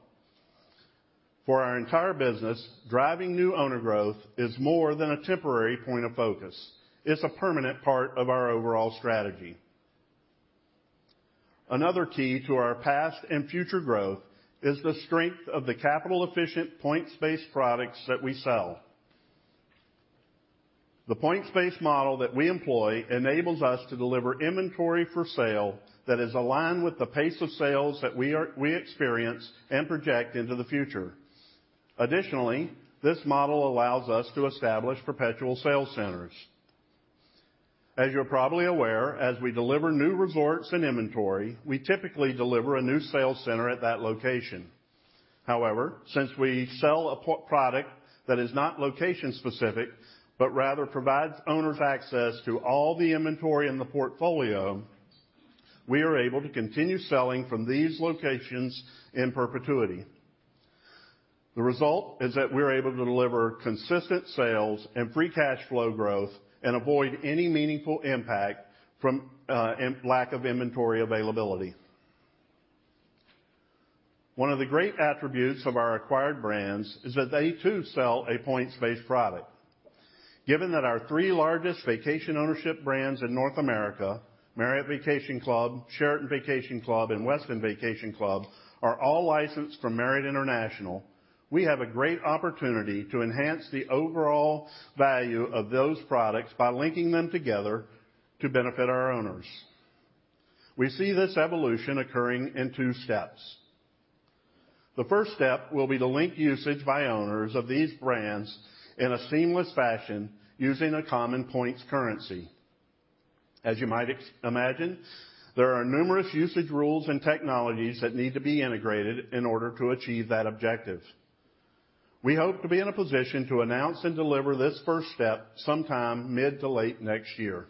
[SPEAKER 17] For our entire business, driving new owner growth is more than a temporary point of focus. It's a permanent part of our overall strategy. Another key to our past and future growth is the strength of the capital-efficient, points-based products that we sell. The points-based model that we employ enables us to deliver inventory for sale that is aligned with the pace of sales that we experience and project into the future. Additionally, this model allows us to establish perpetual sales centers. As you're probably aware, as we deliver new resorts and inventory, we typically deliver a new sales center at that location. However, since we sell a product that is not location-specific, but rather provides owners access to all the inventory in the portfolio, we are able to continue selling from these locations in perpetuity. The result is that we are able to deliver consistent sales and free cash flow growth and avoid any meaningful impact from lack of inventory availability. One of the great attributes of our acquired brands is that they too sell a points-based product. Given that our three largest vacation ownership brands in North America, Marriott Vacation Club, Sheraton Vacation Club, and Westin Vacation Club, are all licensed from Marriott International, we have a great opportunity to enhance the overall value of those products by linking them together to benefit our owners. We see this evolution occurring in 2 steps. The first step will be to link usage by owners of these brands in a seamless fashion using a common points currency. As you might imagine, there are numerous usage rules and technologies that need to be integrated in order to achieve that objective. We hope to be in a position to announce and deliver this first step sometime mid to late next year.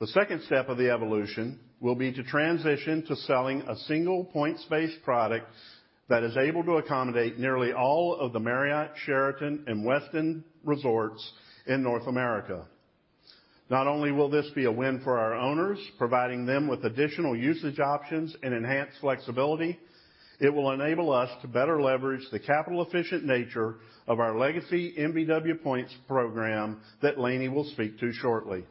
[SPEAKER 17] The second step of the evolution will be to transition to selling a single points-based product that is able to accommodate nearly all of the Marriott, Sheraton, and Westin resorts in North America. Not only will this be a win for our owners, providing them with additional usage options and enhanced flexibility, it will enable us to better leverage the capital-efficient nature of our legacy MVW points program that Lani will speak to shortly.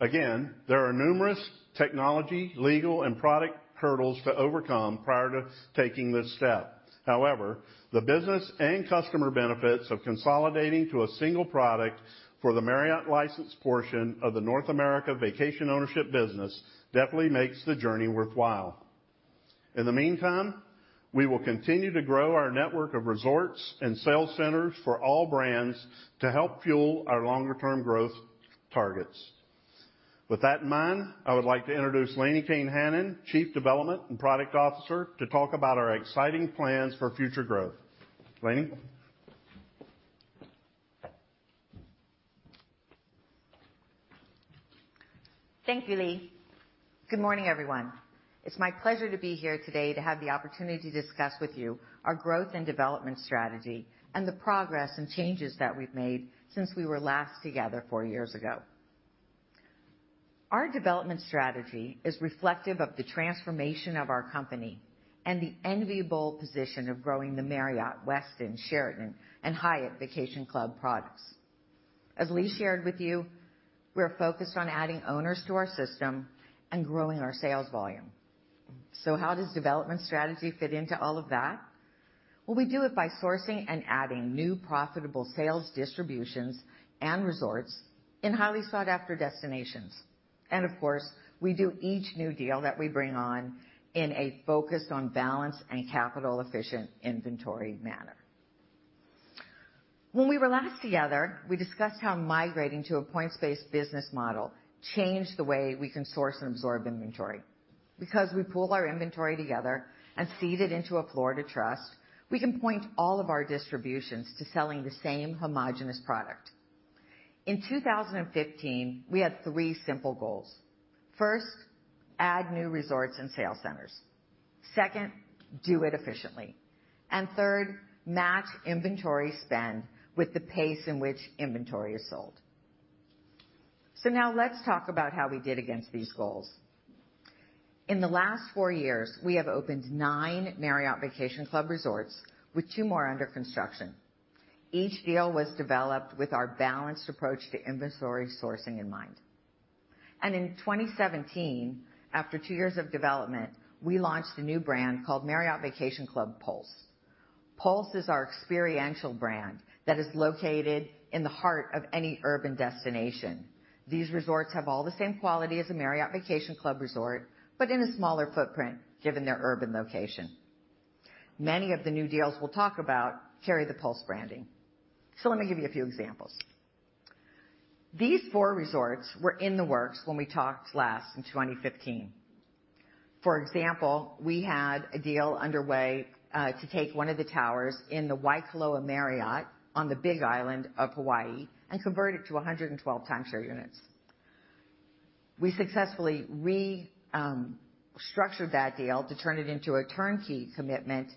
[SPEAKER 17] Again, there are numerous technology, legal, and product hurdles to overcome prior to taking this step. However, the business and customer benefits of consolidating to a single product for the Marriott licensed portion of the North America vacation ownership business definitely makes the journey worthwhile. In the meantime, we will continue to grow our network of resorts and sales centers for all brands to help fuel our longer-term growth targets. With that in mind, I would like to introduce Lani Kane-Hanan, Chief Development and Product Officer, to talk about our exciting plans for future growth. Lani?
[SPEAKER 18] Thank you, Lee. Good morning, everyone. It's my pleasure to be here today to have the opportunity to discuss with you our growth and development strategy and the progress and changes that we've made since we were last together four years ago. Our development strategy is reflective of the transformation of our company and the enviable position of growing the Marriott, Westin, Sheraton, and Hyatt Vacation Club products. As Lee shared with you, we're focused on adding owners to our system and growing our sales volume. How does development strategy fit into all of that? Well, we do it by sourcing and adding new profitable sales distributions and resorts in highly sought-after destinations. Of course, we do each new deal that we bring on in a focus on balance and capital-efficient inventory manner. When we were last together, we discussed how migrating to a points-based business model changed the way we can source and absorb inventory. Because we pool our inventory together and seed it into a Florida trust, we can point all of our distributions to selling the same homogenous product. In 2015, we had three simple goals. First, add new resorts and sales centers. Second, do it efficiently. Third, match inventory spend with the pace in which inventory is sold. Now let's talk about how we did against these goals. In the last four years, we have opened nine Marriott Vacation Club resorts with two more under construction. Each deal was developed with our balanced approach to inventory sourcing in mind. In 2017, after two years of development, we launched a new brand called Marriott Vacation Club Pulse. Pulse is our experiential brand that is located in the heart of any urban destination. These resorts have all the same quality as a Marriott Vacation Club Resort, but in a smaller footprint given their urban location. Many of the new deals we'll talk about carry the Pulse branding. Let me give you a few examples. These four resorts were in the works when we talked last in 2015. For example, we had a deal underway to take one of the towers in the Waikoloa Marriott on the Big Island of Hawaii and convert it to 112 timeshare units. We successfully restructured that deal to turn it into a turnkey commitment,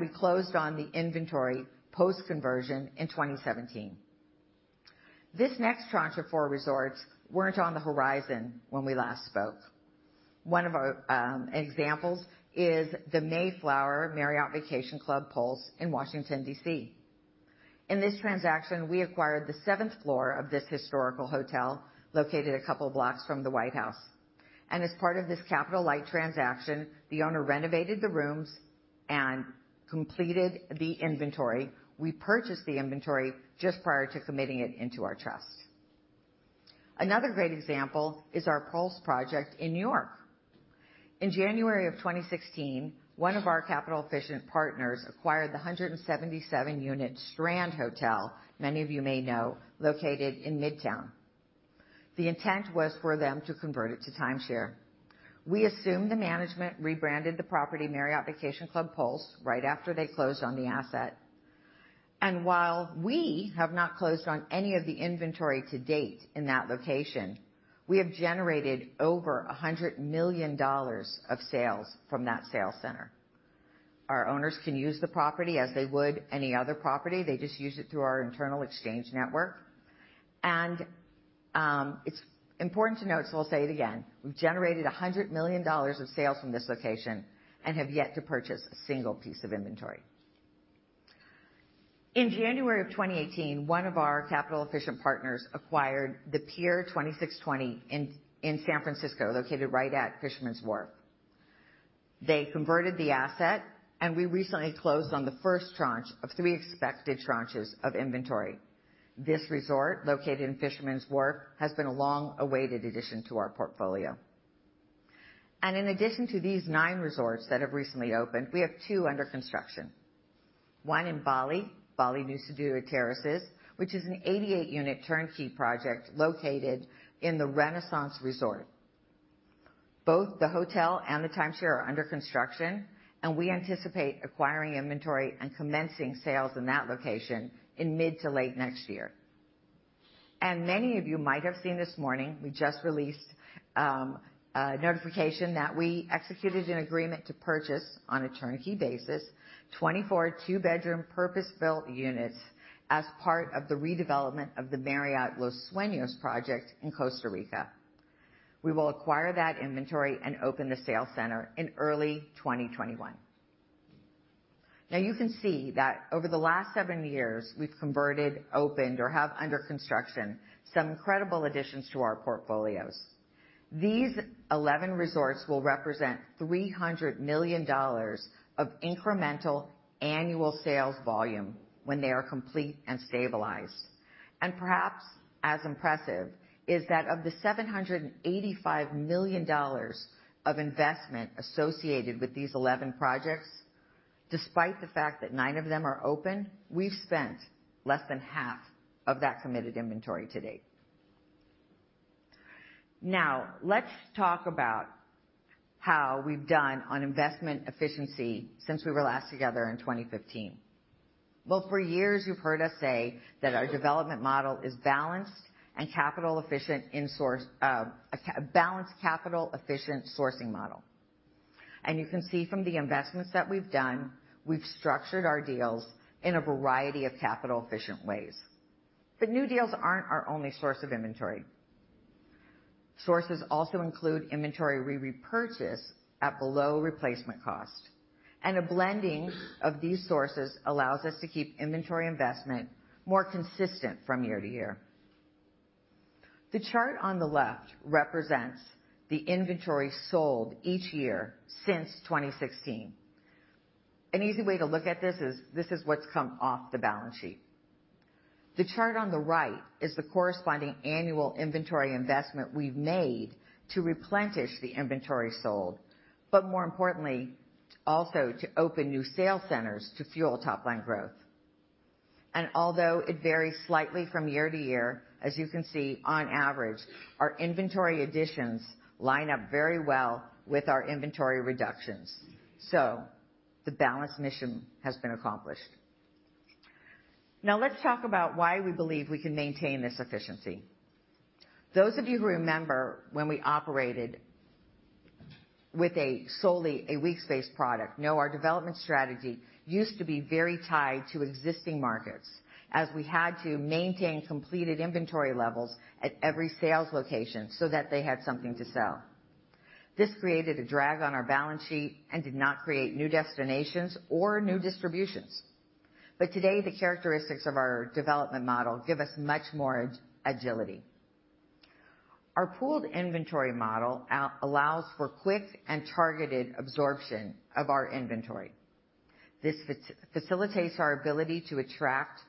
[SPEAKER 18] we closed on the inventory post-conversion in 2017. This next tranche of four resorts weren't on the horizon when we last spoke. One of our examples is the Mayflower Marriott Vacation Club Pulse in Washington, D.C. In this transaction, we acquired the seventh floor of this historical hotel, located a couple of blocks from the White House. As part of this capital light transaction, the owner renovated the rooms and completed the inventory. We purchased the inventory just prior to committing it into our trust. Another great example is our Pulse project in New York. In January of 2016, one of our capital-efficient partners acquired the 177-unit Strand Hotel, many of you may know, located in Midtown. The intent was for them to convert it to timeshare. We assumed the management rebranded the property Marriott Vacation Club Pulse right after they closed on the asset. While we have not closed on any of the inventory to date in that location, we have generated over $100 million of sales from that sales center. Our owners can use the property as they would any other property. They just use it through our internal exchange network. It's important to note, so I'll say it again, we've generated $100 million of sales from this location and have yet to purchase a single piece of inventory. In January of 2018, one of our capital-efficient partners acquired the Pier 2620 in San Francisco, located right at Fisherman's Wharf. They converted the asset, we recently closed on the first tranche of three expected tranches of inventory. This resort, located in Fisherman's Wharf, has been a long-awaited addition to our portfolio. In addition to these nine resorts that have recently opened, we have two under construction. One in Bali Nusa Dua Terraces, which is an 88-unit turnkey project located in the Renaissance Resort. Both the hotel and the timeshare are under construction, and we anticipate acquiring inventory and commencing sales in that location in mid to late next year. Many of you might have seen this morning, we just released a notification that we executed an agreement to purchase on a turnkey basis 24 two-bedroom purpose-built units as part of the redevelopment of the Marriott Los Sueños project in Costa Rica. We will acquire that inventory and open the sales center in early 2021. Now you can see that over the last seven years, we've converted, opened, or have under construction some incredible additions to our portfolios. These 11 resorts will represent $300 million of incremental annual sales volume when they are complete and stabilized. Perhaps as impressive is that of the $785 million of investment associated with these 11 projects, despite the fact that nine of them are open, we've spent less than half of that committed inventory to date. Let's talk about how we've done on investment efficiency since we were last together in 2015. For years, you've heard us say that our development model is a balanced capital-efficient sourcing model. You can see from the investments that we've done, we've structured our deals in a variety of capital-efficient ways. New deals aren't our only source of inventory. Sources also include inventory we repurchase at below replacement cost. A blending of these sources allows us to keep inventory investment more consistent from year to year. The chart on the left represents the inventory sold each year since 2016. An easy way to look at this is, this is what's come off the balance sheet. The chart on the right is the corresponding annual inventory investment we've made to replenish the inventory sold, but more importantly, also to open new sales centers to fuel top-line growth. Although it varies slightly from year to year, as you can see, on average, our inventory additions line up very well with our inventory reductions. The balance mission has been accomplished. Now let's talk about why we believe we can maintain this efficiency. Those of you who remember when we operated with solely a weeks-based product know our development strategy used to be very tied to existing markets, as we had to maintain completed inventory levels at every sales location so that they had something to sell. This created a drag on our balance sheet and did not create new destinations or new distributions. Today, the characteristics of our development model give us much more agility. Our pooled inventory model allows for quick and targeted absorption of our inventory. This facilitates our ability to attract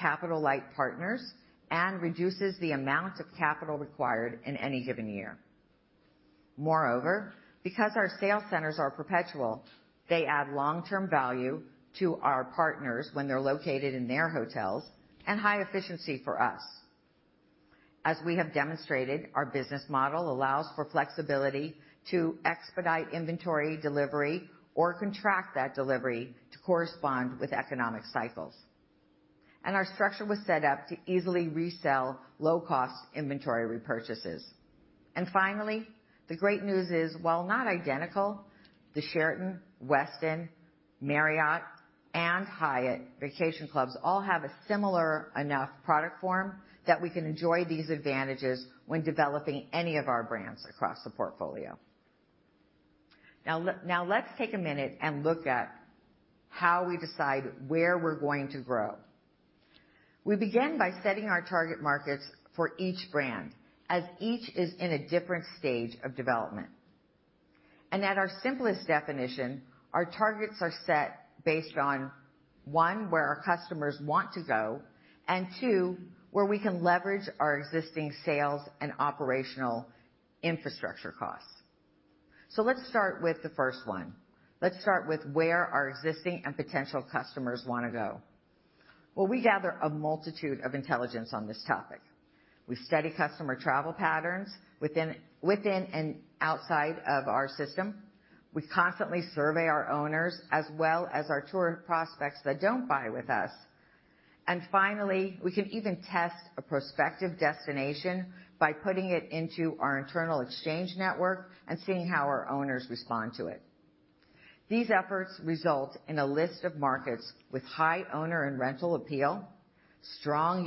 [SPEAKER 18] capital-light partners and reduces the amount of capital required in any given year. Because our sales centers are perpetual, they add long-term value to our partners when they're located in their hotels and high efficiency for us. As we have demonstrated, our business model allows for flexibility to expedite inventory delivery or contract that delivery to correspond with economic cycles. Our structure was set up to easily resell low-cost inventory repurchases. Finally, the great news is, while not identical, the Sheraton, Westin, Marriott, and Hyatt vacation clubs all have a similar enough product form that we can enjoy these advantages when developing any of our brands across the portfolio. Let's take a minute and look at how we decide where we're going to grow. We begin by setting our target markets for each brand, as each is in a different stage of development. At our simplest definition, our targets are set based on, one, where our customers want to go, and two, where we can leverage our existing sales and operational infrastructure costs. Let's start with the first one. Let's start with where our existing and potential customers want to go. We gather a multitude of intelligence on this topic. We study customer travel patterns within and outside of our system. We constantly survey our owners as well as our tour prospects that don't buy with us. Finally, we can even test a prospective destination by putting it into our internal exchange network and seeing how our owners respond to it. These efforts result in a list of markets with high owner and rental appeal, strong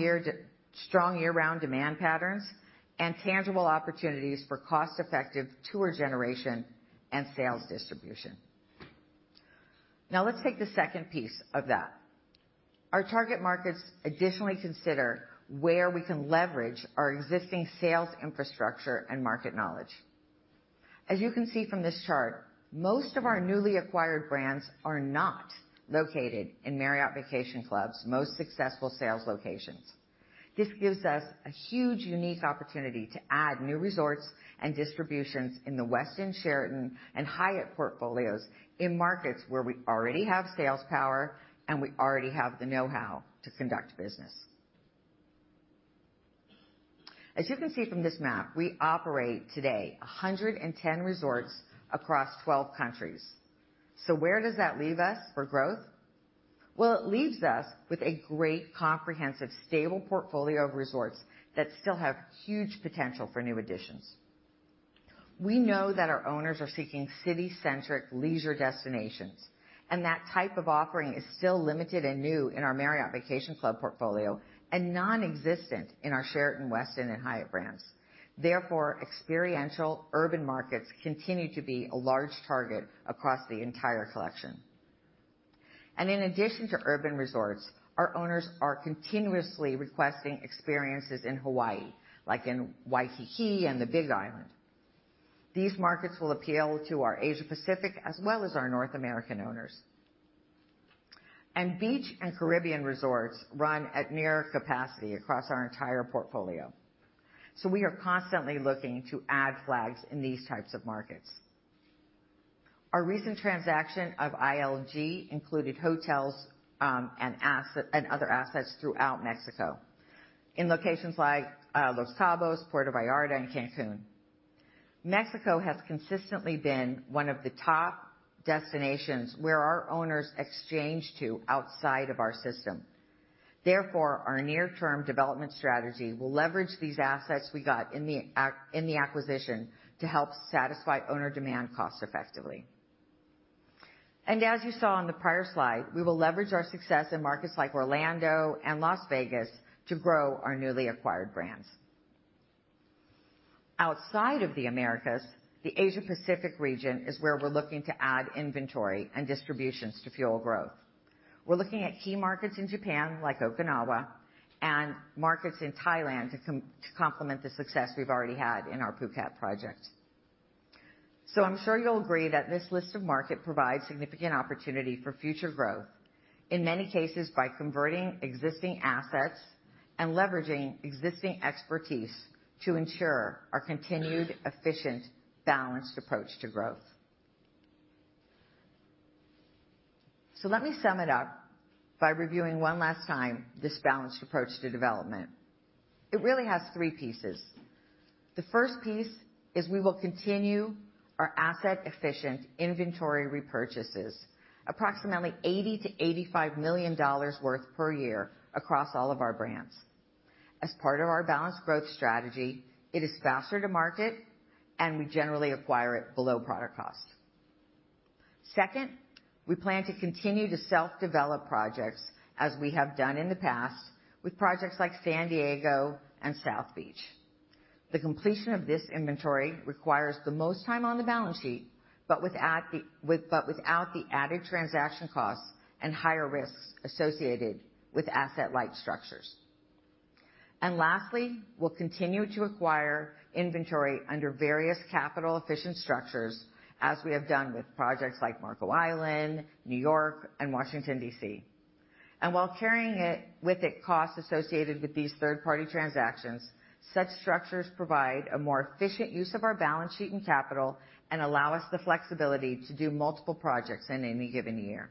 [SPEAKER 18] year-round demand patterns, and tangible opportunities for cost-effective tour generation and sales distribution. Let's take the second piece of that. Our target markets additionally consider where we can leverage our existing sales infrastructure and market knowledge. As you can see from this chart, most of our newly acquired brands are not located in Marriott Vacation Club's most successful sales locations. This gives us a huge unique opportunity to add new resorts and distributions in the Westin, Sheraton, and Hyatt portfolios in markets where we already have sales power, and we already have the know-how to conduct business. As you can see from this map, we operate today 110 resorts across 12 countries. Where does that leave us for growth? Well, it leaves us with a great, comprehensive, stable portfolio of resorts that still have huge potential for new additions. We know that our owners are seeking city-centric leisure destinations, and that type of offering is still limited and new in our Marriott Vacation Club portfolio and nonexistent in our Sheraton, Westin, and Hyatt brands. Therefore, experiential urban markets continue to be a large target across the entire collection. In addition to urban resorts, our owners are continuously requesting experiences in Hawaii, like in Waikiki and the Big Island. These markets will appeal to our Asia Pacific as well as our North American owners. Beach and Caribbean resorts run at near capacity across our entire portfolio. We are constantly looking to add flags in these types of markets. Our recent transaction of ILG included hotels and other assets throughout Mexico in locations like Los Cabos, Puerto Vallarta, and Cancun. Mexico has consistently been one of the top destinations where our owners exchange to outside of our system. Therefore, our near-term development strategy will leverage these assets we got in the acquisition to help satisfy owner demand cost effectively. As you saw on the prior slide, we will leverage our success in markets like Orlando and Las Vegas to grow our newly acquired brands. Outside of the Americas, the Asia Pacific region is where we're looking to add inventory and distributions to fuel growth. We're looking at key markets in Japan, like Okinawa, and markets in Thailand to complement the success we've already had in our Phuket project. I'm sure you'll agree that this list of markets provides significant opportunity for future growth, in many cases by converting existing assets and leveraging existing expertise to ensure our continued efficient, balanced approach to growth. Let me sum it up by reviewing one last time this balanced approach to development. It really has three pieces. The first piece is we will continue our asset efficient inventory repurchases, approximately $80 million-$85 million worth per year across all of our brands. As part of our balanced growth strategy, it is faster to market, and we generally acquire it below product cost. Second, we plan to continue to self-develop projects as we have done in the past with projects like San Diego and South Beach. The completion of this inventory requires the most time on the balance sheet, but without the added transaction costs and higher risks associated with asset-light structures. Lastly, we'll continue to acquire inventory under various capital efficient structures, as we have done with projects like Marco Island, New York, and Washington, D.C. While carrying with it costs associated with these third-party transactions, such structures provide a more efficient use of our balance sheet and capital and allow us the flexibility to do multiple projects in any given year.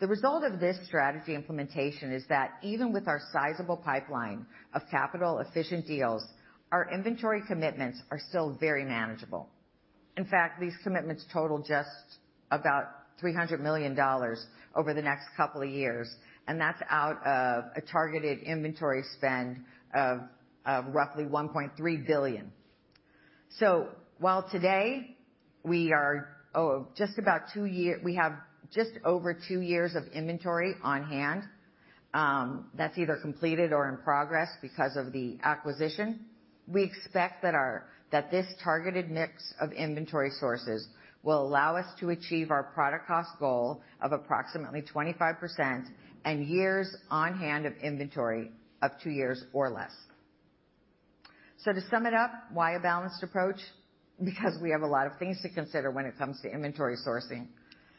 [SPEAKER 18] The result of this strategy implementation is that even with our sizable pipeline of capital efficient deals, our inventory commitments are still very manageable. In fact, these commitments total just about $300 million over the next couple of years, and that's out of a targeted inventory spend of roughly $1.3 billion. While today we have just over two years of inventory on hand, that's either completed or in progress because of the acquisition. We expect that this targeted mix of inventory sources will allow us to achieve our product cost goal of approximately 25% and years on hand of inventory of two years or less. To sum it up, why a balanced approach? Because we have a lot of things to consider when it comes to inventory sourcing.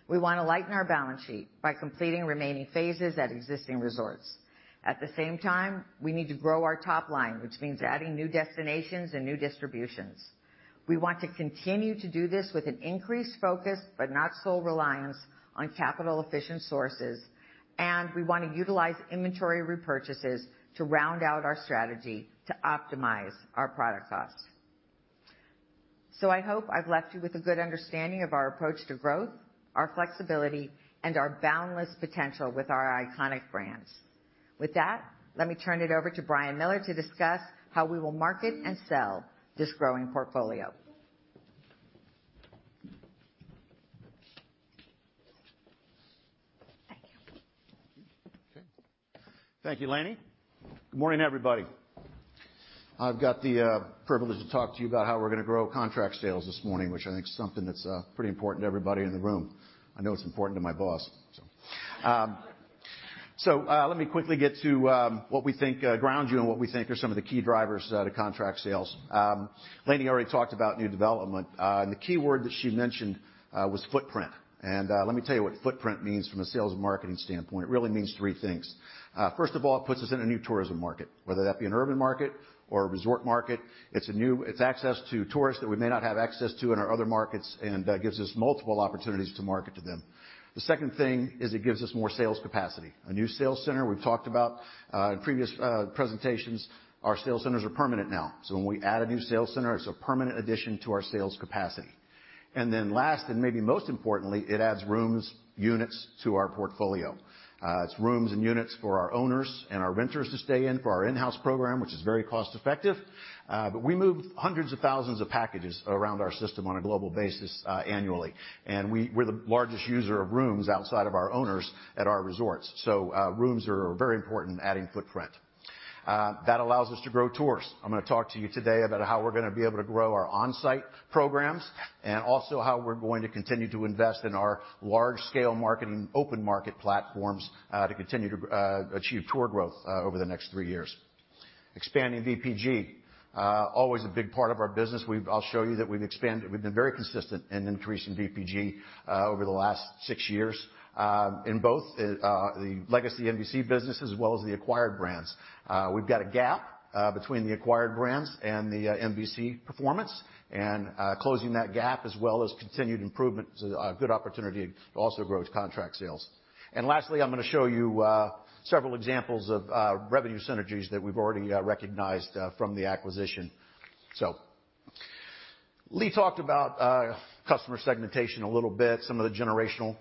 [SPEAKER 18] We want to lighten our balance sheet by completing remaining phases at existing resorts. At the same time, we need to grow our top line, which means adding new destinations and new distributions. We want to continue to do this with an increased focus, but not sole reliance, on capital efficient sources, and we want to utilize inventory repurchases to round out our strategy to optimize our product costs. I hope I've left you with a good understanding of our approach to growth, our flexibility, and our boundless potential with our iconic brands. With that, let me turn it over to Brian Miller to discuss how we will market and sell this growing portfolio.
[SPEAKER 19] Thank you. Thank you, Lani. Good morning, everybody. I've got the privilege to talk to you about how we're going to grow contract sales this morning, which I think is something that's pretty important to everybody in the room. I know it's important to my boss. Let me quickly ground you on what we think are some of the key drivers to contract sales. Lani already talked about new development. The key word that she mentioned was footprint. Let me tell you what footprint means from a sales and marketing standpoint. It really means three things. First of all, it puts us in a new tourism market, whether that be an urban market or a resort market. It's access to tourists that we may not have access to in our other markets, and that gives us multiple opportunities to market to them. The second thing is it gives us more sales capacity. A new sales center, we've talked about in previous presentations. Our sales centers are permanent now. When we add a new sales center, it's a permanent addition to our sales capacity. Last, maybe most importantly, it adds rooms, units to our portfolio. It's rooms and units for our owners and our renters to stay in for our in-house program, which is very cost effective. We move hundreds of thousands of packages around our system on a global basis annually. We're the largest user of rooms outside of our owners at our resorts. Rooms are very important in adding footprint. That allows us to grow tours. I'm going to talk to you today about how we're going to be able to grow our on-site programs and also how we're going to continue to invest in our large-scale marketing open market platforms to continue to achieve tour growth over the next 3 years. Expanding VPG, always a big part of our business. I'll show you that we've been very consistent in increasing VPG over the last 6 years in both the legacy MVC business as well as the acquired brands. We've got a gap between the acquired brands and the MVC performance, closing that gap as well as continued improvement is a good opportunity to also grow contract sales. Lastly, I'm going to show you several examples of revenue synergies that we've already recognized from the acquisition. Lee talked about customer segmentation a little bit, some of the generational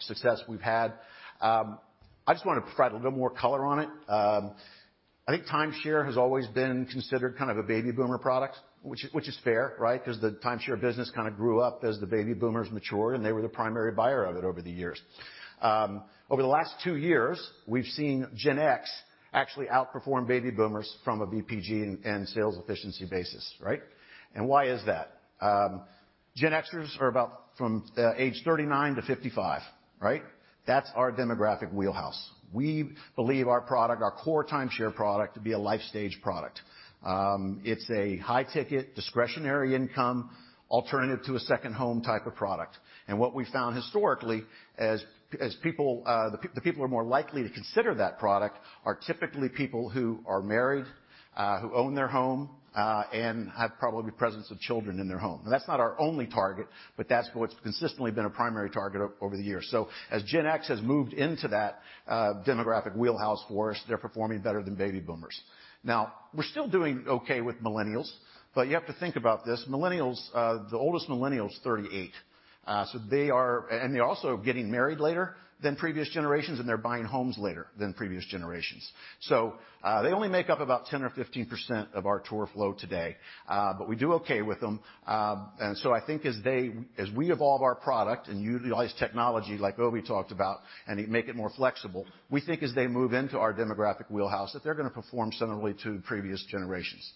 [SPEAKER 19] success we've had. I just want to provide a little more color on it. I think timeshare has always been considered kind of a baby boomer product, which is fair, right? The timeshare business kind of grew up as the baby boomers matured, and they were the primary buyer of it over the years. Over the last 2 years, we've seen Gen X actually outperform baby boomers from a VPG and sales efficiency basis, right? Why is that? Gen Xers are about from age 39 to 55, right? That's our demographic wheelhouse. We believe our product, our core timeshare product, to be a life stage product. It's a high-ticket, discretionary income, alternative to a second home type of product. What we've found historically, the people who are more likely to consider that product are typically people who are married, who own their home, and have probably presence of children in their home. That's not our only target, but that's what's consistently been a primary target over the years. As Gen X has moved into that demographic wheelhouse for us, they're performing better than baby boomers. We're still doing okay with millennials, but you have to think about this. The oldest millennial is 38. They're also getting married later than previous generations, and they're buying homes later than previous generations. They only make up about 10% or 15% of our tour flow today. We do okay with them. I think as we evolve our product and utilize technology like Ovi talked about and make it more flexible, we think as they move into our demographic wheelhouse, that they're going to perform similarly to previous generations.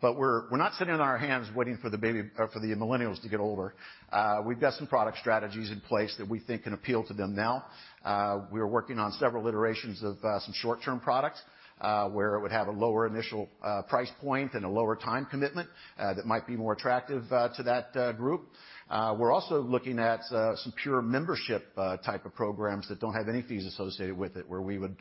[SPEAKER 19] We're not sitting on our hands waiting for the Millennials to get older. We've got some product strategies in place that we think can appeal to them now. We are working on several iterations of some short-term products, where it would have a lower initial price point and a lower time commitment that might be more attractive to that group. We're also looking at some pure membership type of programs that don't have any fees associated with it, where we would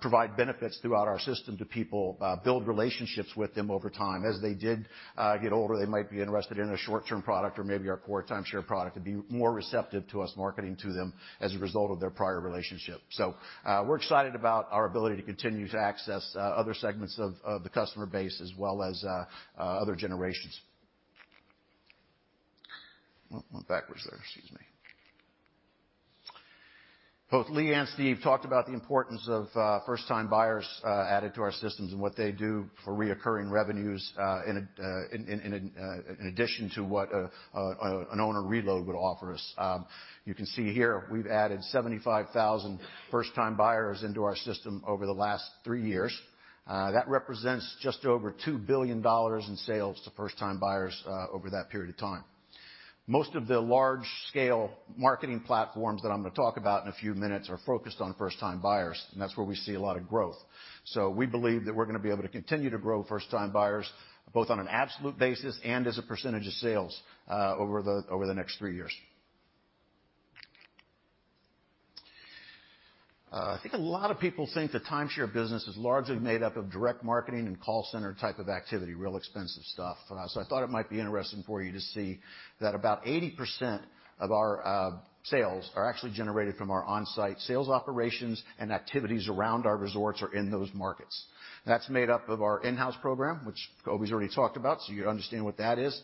[SPEAKER 19] provide benefits throughout our system to people, build relationships with them over time. As they did get older, they might be interested in a short-term product or maybe our core timeshare product and be more receptive to us marketing to them as a result of their prior relationship. We're excited about our ability to continue to access other segments of the customer base as well as other generations. Went backwards there. Excuse me. Both Lee and Steve talked about the importance of first-time buyers added to our systems and what they do for recurring revenues in addition to what an owner reload would offer us. You can see here we've added 75,000 first-time buyers into our system over the last three years. That represents just over $2 billion in sales to first-time buyers over that period of time. Most of the large-scale marketing platforms that I'm going to talk about in a few minutes are focused on first-time buyers. That's where we see a lot of growth. We believe that we're going to be able to continue to grow first-time buyers both on an absolute basis and as a percentage of sales over the next three years. I think a lot of people think the timeshare business is largely made up of direct marketing and call center type of activity, real expensive stuff. I thought it might be interesting for you to see that about 80% of our sales are actually generated from our on-site sales operations and activities around our resorts or in those markets. That's made up of our in-house program, which Obi's already talked about. You understand what that is.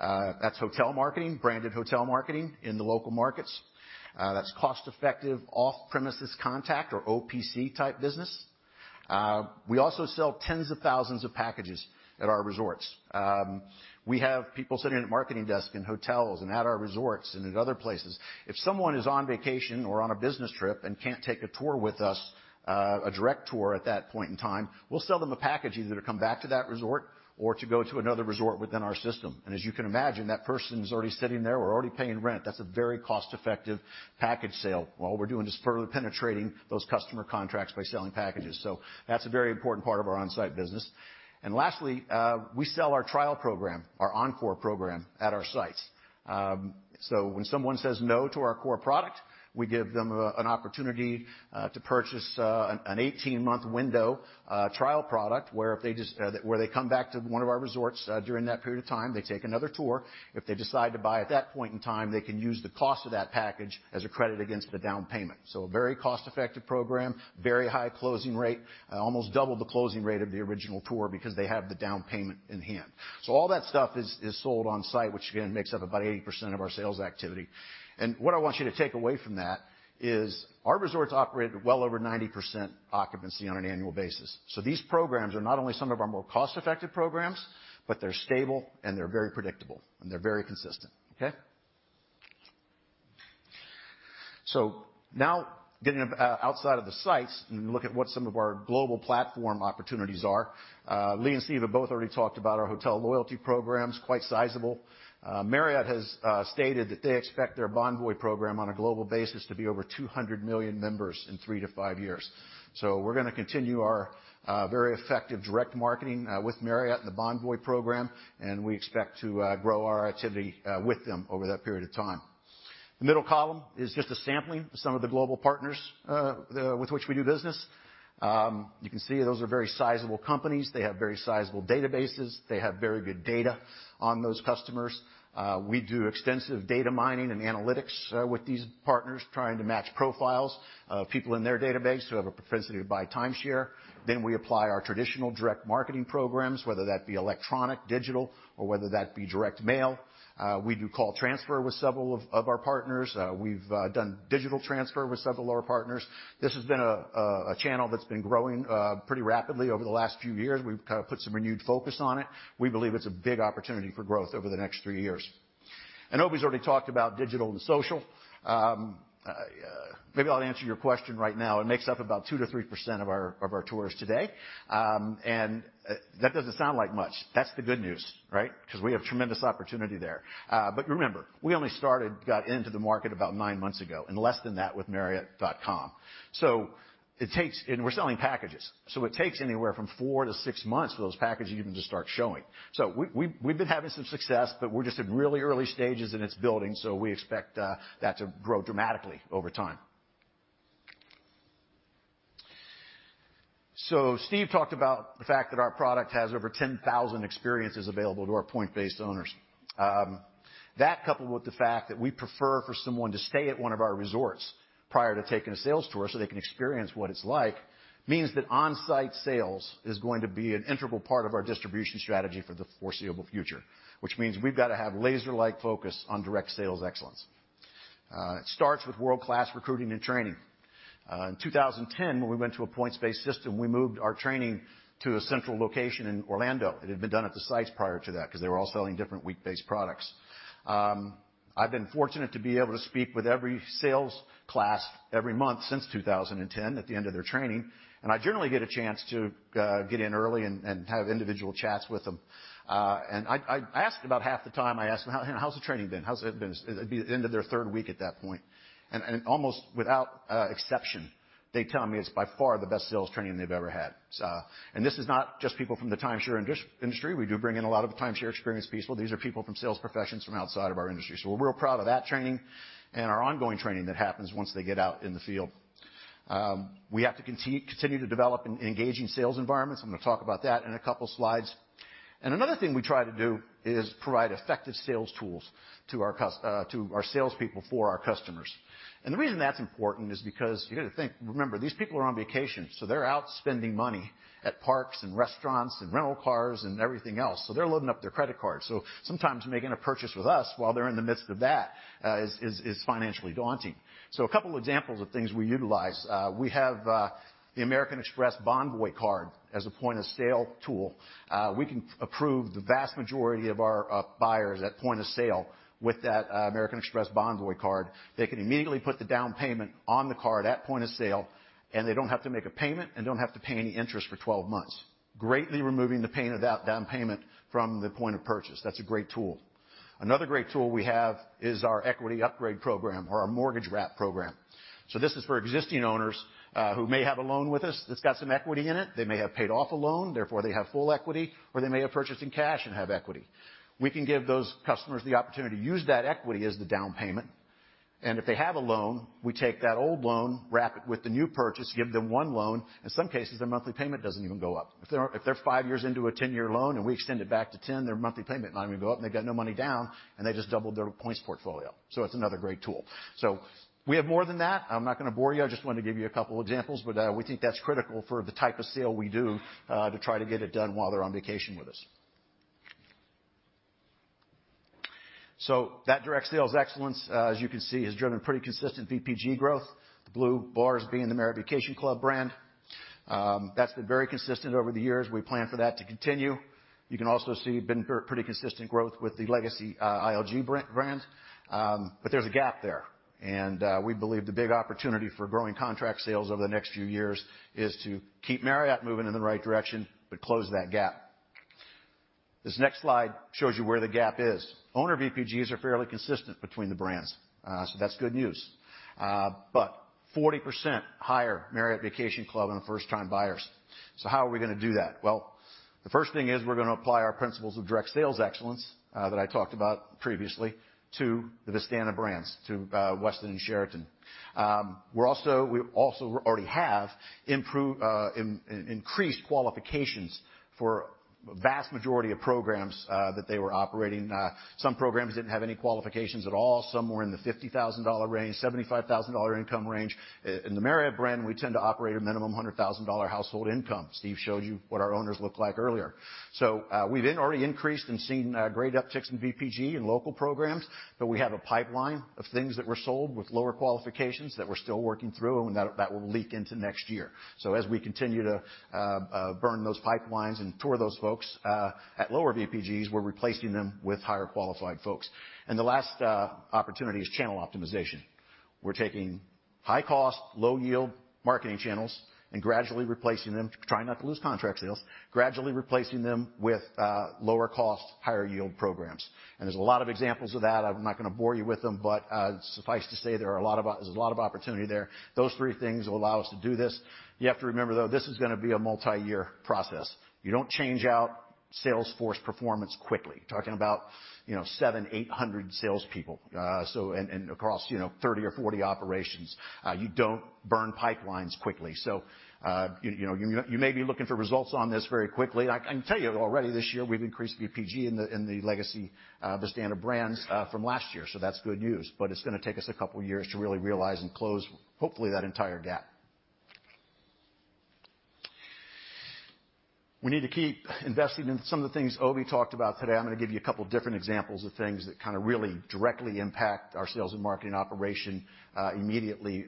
[SPEAKER 19] That's hotel marketing, branded hotel marketing in the local markets. That's cost-effective off-premises contact or OPC type business. We also sell tens of thousands of packages at our resorts. We have people sitting at marketing desks in hotels and at our resorts and at other places. If someone is on vacation or on a business trip and can't take a tour with us, a direct tour at that point in time, we'll sell them a package either to come back to that resort or to go to another resort within our system. As you can imagine, that person's already sitting there or already paying rent. That's a very cost-effective package sale. All we're doing is further penetrating those customer contracts by selling packages. That's a very important part of our on-site business. Lastly, we sell our trial program, our Encore program at our sites. When someone says no to our core product, we give them an opportunity to purchase an 18-month window trial product, where they come back to one of our resorts during that period of time, they take another tour. If they decide to buy at that point in time, they can use the cost of that package as a credit against the down payment. A very cost-effective program, very high closing rate, almost double the closing rate of the original tour because they have the down payment in hand. All that stuff is sold on-site, which again, makes up about 80% of our sales activity. What I want you to take away from that is our resorts operate at well over 90% occupancy on an annual basis. These programs are not only some of our more cost-effective programs, but they're stable and they're very predictable, and they're very consistent. Okay? Now getting outside of the sites and look at what some of our global platform opportunities are. Lee and Steve have both already talked about our hotel loyalty programs, quite sizable. Marriott has stated that they expect their Bonvoy program on a global basis to be over 200 million members in three to five years. We're going to continue our very effective direct marketing with Marriott and the Bonvoy program, and we expect to grow our activity with them over that period of time. The middle column is just a sampling of some of the global partners with which we do business. You can see those are very sizable companies. They have very sizable databases. They have very good data on those customers. We do extensive data mining and analytics with these partners, trying to match profiles of people in their database who have a propensity to buy timeshare. We apply our traditional direct marketing programs, whether that be electronic, digital, or whether that be direct mail. We do call transfer with several of our partners. We've done digital transfer with several of our partners. This has been a channel that's been growing pretty rapidly over the last few years. We've kind of put some renewed focus on it. We believe it's a big opportunity for growth over the next three years. Obi's already talked about digital and social. Maybe I'll answer your question right now. It makes up about 2%-3% of our tourists today. That doesn't sound like much. That's the good news, right? Because we have tremendous opportunity there. Remember, we only got into the market about nine months ago, and less than that with marriott.com. We're selling packages, it takes anywhere from four to six months for those packages even to start showing. We've been having some success, we're just at really early stages in its building, we expect that to grow dramatically over time. Steve talked about the fact that our product has over 10,000 experiences available to our point-based owners. That, coupled with the fact that we prefer for someone to stay at one of our resorts prior to taking a sales tour so they can experience what it's like, means that on-site sales is going to be an integral part of our distribution strategy for the foreseeable future. Which means we've got to have laser-like focus on direct sales excellence. It starts with world-class recruiting and training. In 2010, when we went to a points-based system, we moved our training to a central location in Orlando. It had been done at the sites prior to that because they were all selling different week-based products. I've been fortunate to be able to speak with every sales class every month since 2010 at the end of their training, and I generally get a chance to get in early and have individual chats with them. About half the time, I ask them, "How's the training been? How's it been?" It'd be the end of their third week at that point. Almost without exception, they tell me it's by far the best sales training they've ever had. This is not just people from the timeshare industry. We do bring in a lot of the timeshare experienced people. These are people from sales professions from outside of our industry. We're real proud of that training and our ongoing training that happens once they get out in the field. We have to continue to develop engaging sales environments. I'm going to talk about that in a couple of slides. Another thing we try to do is provide effective sales tools to our salespeople for our customers. The reason that's important is because you got to think, remember, these people are on vacation, so they're out spending money at parks and restaurants and rental cars and everything else. They're loading up their credit cards. Sometimes making a purchase with us while they're in the midst of that is financially daunting. A couple examples of things we utilize. We have the American Express Bonvoy card as a point-of-sale tool. We can approve the vast majority of our buyers at point of sale with that American Express Bonvoy Card. They can immediately put the down payment on the Card at point of sale, and they don't have to make a payment and don't have to pay any interest for 12 months, greatly removing the pain of that down payment from the point of purchase. That's a great tool. Another great tool we have is our equity upgrade program or our mortgage wrap program. This is for existing owners who may have a loan with us that's got some equity in it. They may have paid off a loan, therefore they have full equity, or they may have purchased in cash and have equity. We can give those customers the opportunity to use that equity as the down payment. If they have a loan, we take that old loan, wrap it with the new purchase, give them one loan. In some cases, their monthly payment doesn't even go up. If they're five years into a 10-year loan and we extend it back to 10, their monthly payment not even go up, and they've got no money down, and they just doubled their points portfolio. It's another great tool. We have more than that. I'm not going to bore you. I just wanted to give you a couple of examples. We think that's critical for the type of sale we do, to try to get it done while they're on vacation with us. That direct sales excellence, as you can see, has driven pretty consistent VPG growth, the blue bars being the Marriott Vacation Club brand. That's been very consistent over the years. We plan for that to continue. You can also see pretty consistent growth with the Legacy ILG brands. There's a gap there, and we believe the big opportunity for growing contract sales over the next few years is to keep Marriott moving in the right direction, but close that gap. This next slide shows you where the gap is. Owner VPGs are fairly consistent between the brands, that's good news. 40% higher Marriott Vacation Club on the first-time buyers. How are we going to do that? Well, the first thing is we're going to apply our principles of direct sales excellence that I talked about previously to the Vistana brands, to Westin and Sheraton. We also already have increased qualifications for a vast majority of programs that they were operating. Some programs didn't have any qualifications at all. Some were in the $50,000 range, $75,000 income range. In the Marriott brand, we tend to operate a minimum of $100,000 household income. Steve showed you what our owners look like earlier. We've then already increased and seen great upticks in VPG in local programs, but we have a pipeline of things that were sold with lower qualifications that we're still working through and that will leak into next year. As we continue to burn those pipelines and tour those folks at lower VPGs, we're replacing them with higher qualified folks. The last opportunity is channel optimization. We're taking high-cost, low-yield marketing channels and gradually replacing them, trying not to lose contract sales, gradually replacing them with lower-cost, higher-yield programs. There's a lot of examples of that. I'm not going to bore you with them, but suffice to say, there's a lot of opportunity there. Those three things will allow us to do this. You have to remember, though, this is going to be a multi-year process. You don't change out sales force performance quickly. Talking about 700, 800 salespeople and across 30 or 40 operations. You don't burn pipelines quickly. You may be looking for results on this very quickly. I can tell you already this year, we've increased VPG in the Legacy Vistana brands from last year, so that's good news. It's going to take us a couple of years to really realize and close, hopefully, that entire gap. We need to keep investing in some of the things Obi talked about today. I'm going to give you a couple of different examples of things that kind of really directly impact our sales and marketing operation immediately.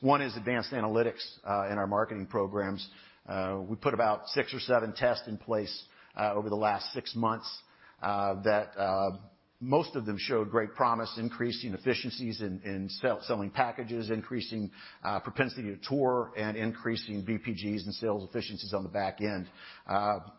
[SPEAKER 19] One is advanced analytics in our marketing programs. We put about six or seven tests in place. Over the last six months, most of them showed great promise: increasing efficiencies in selling packages, increasing propensity to tour, and increasing VPGs and sales efficiencies on the back end.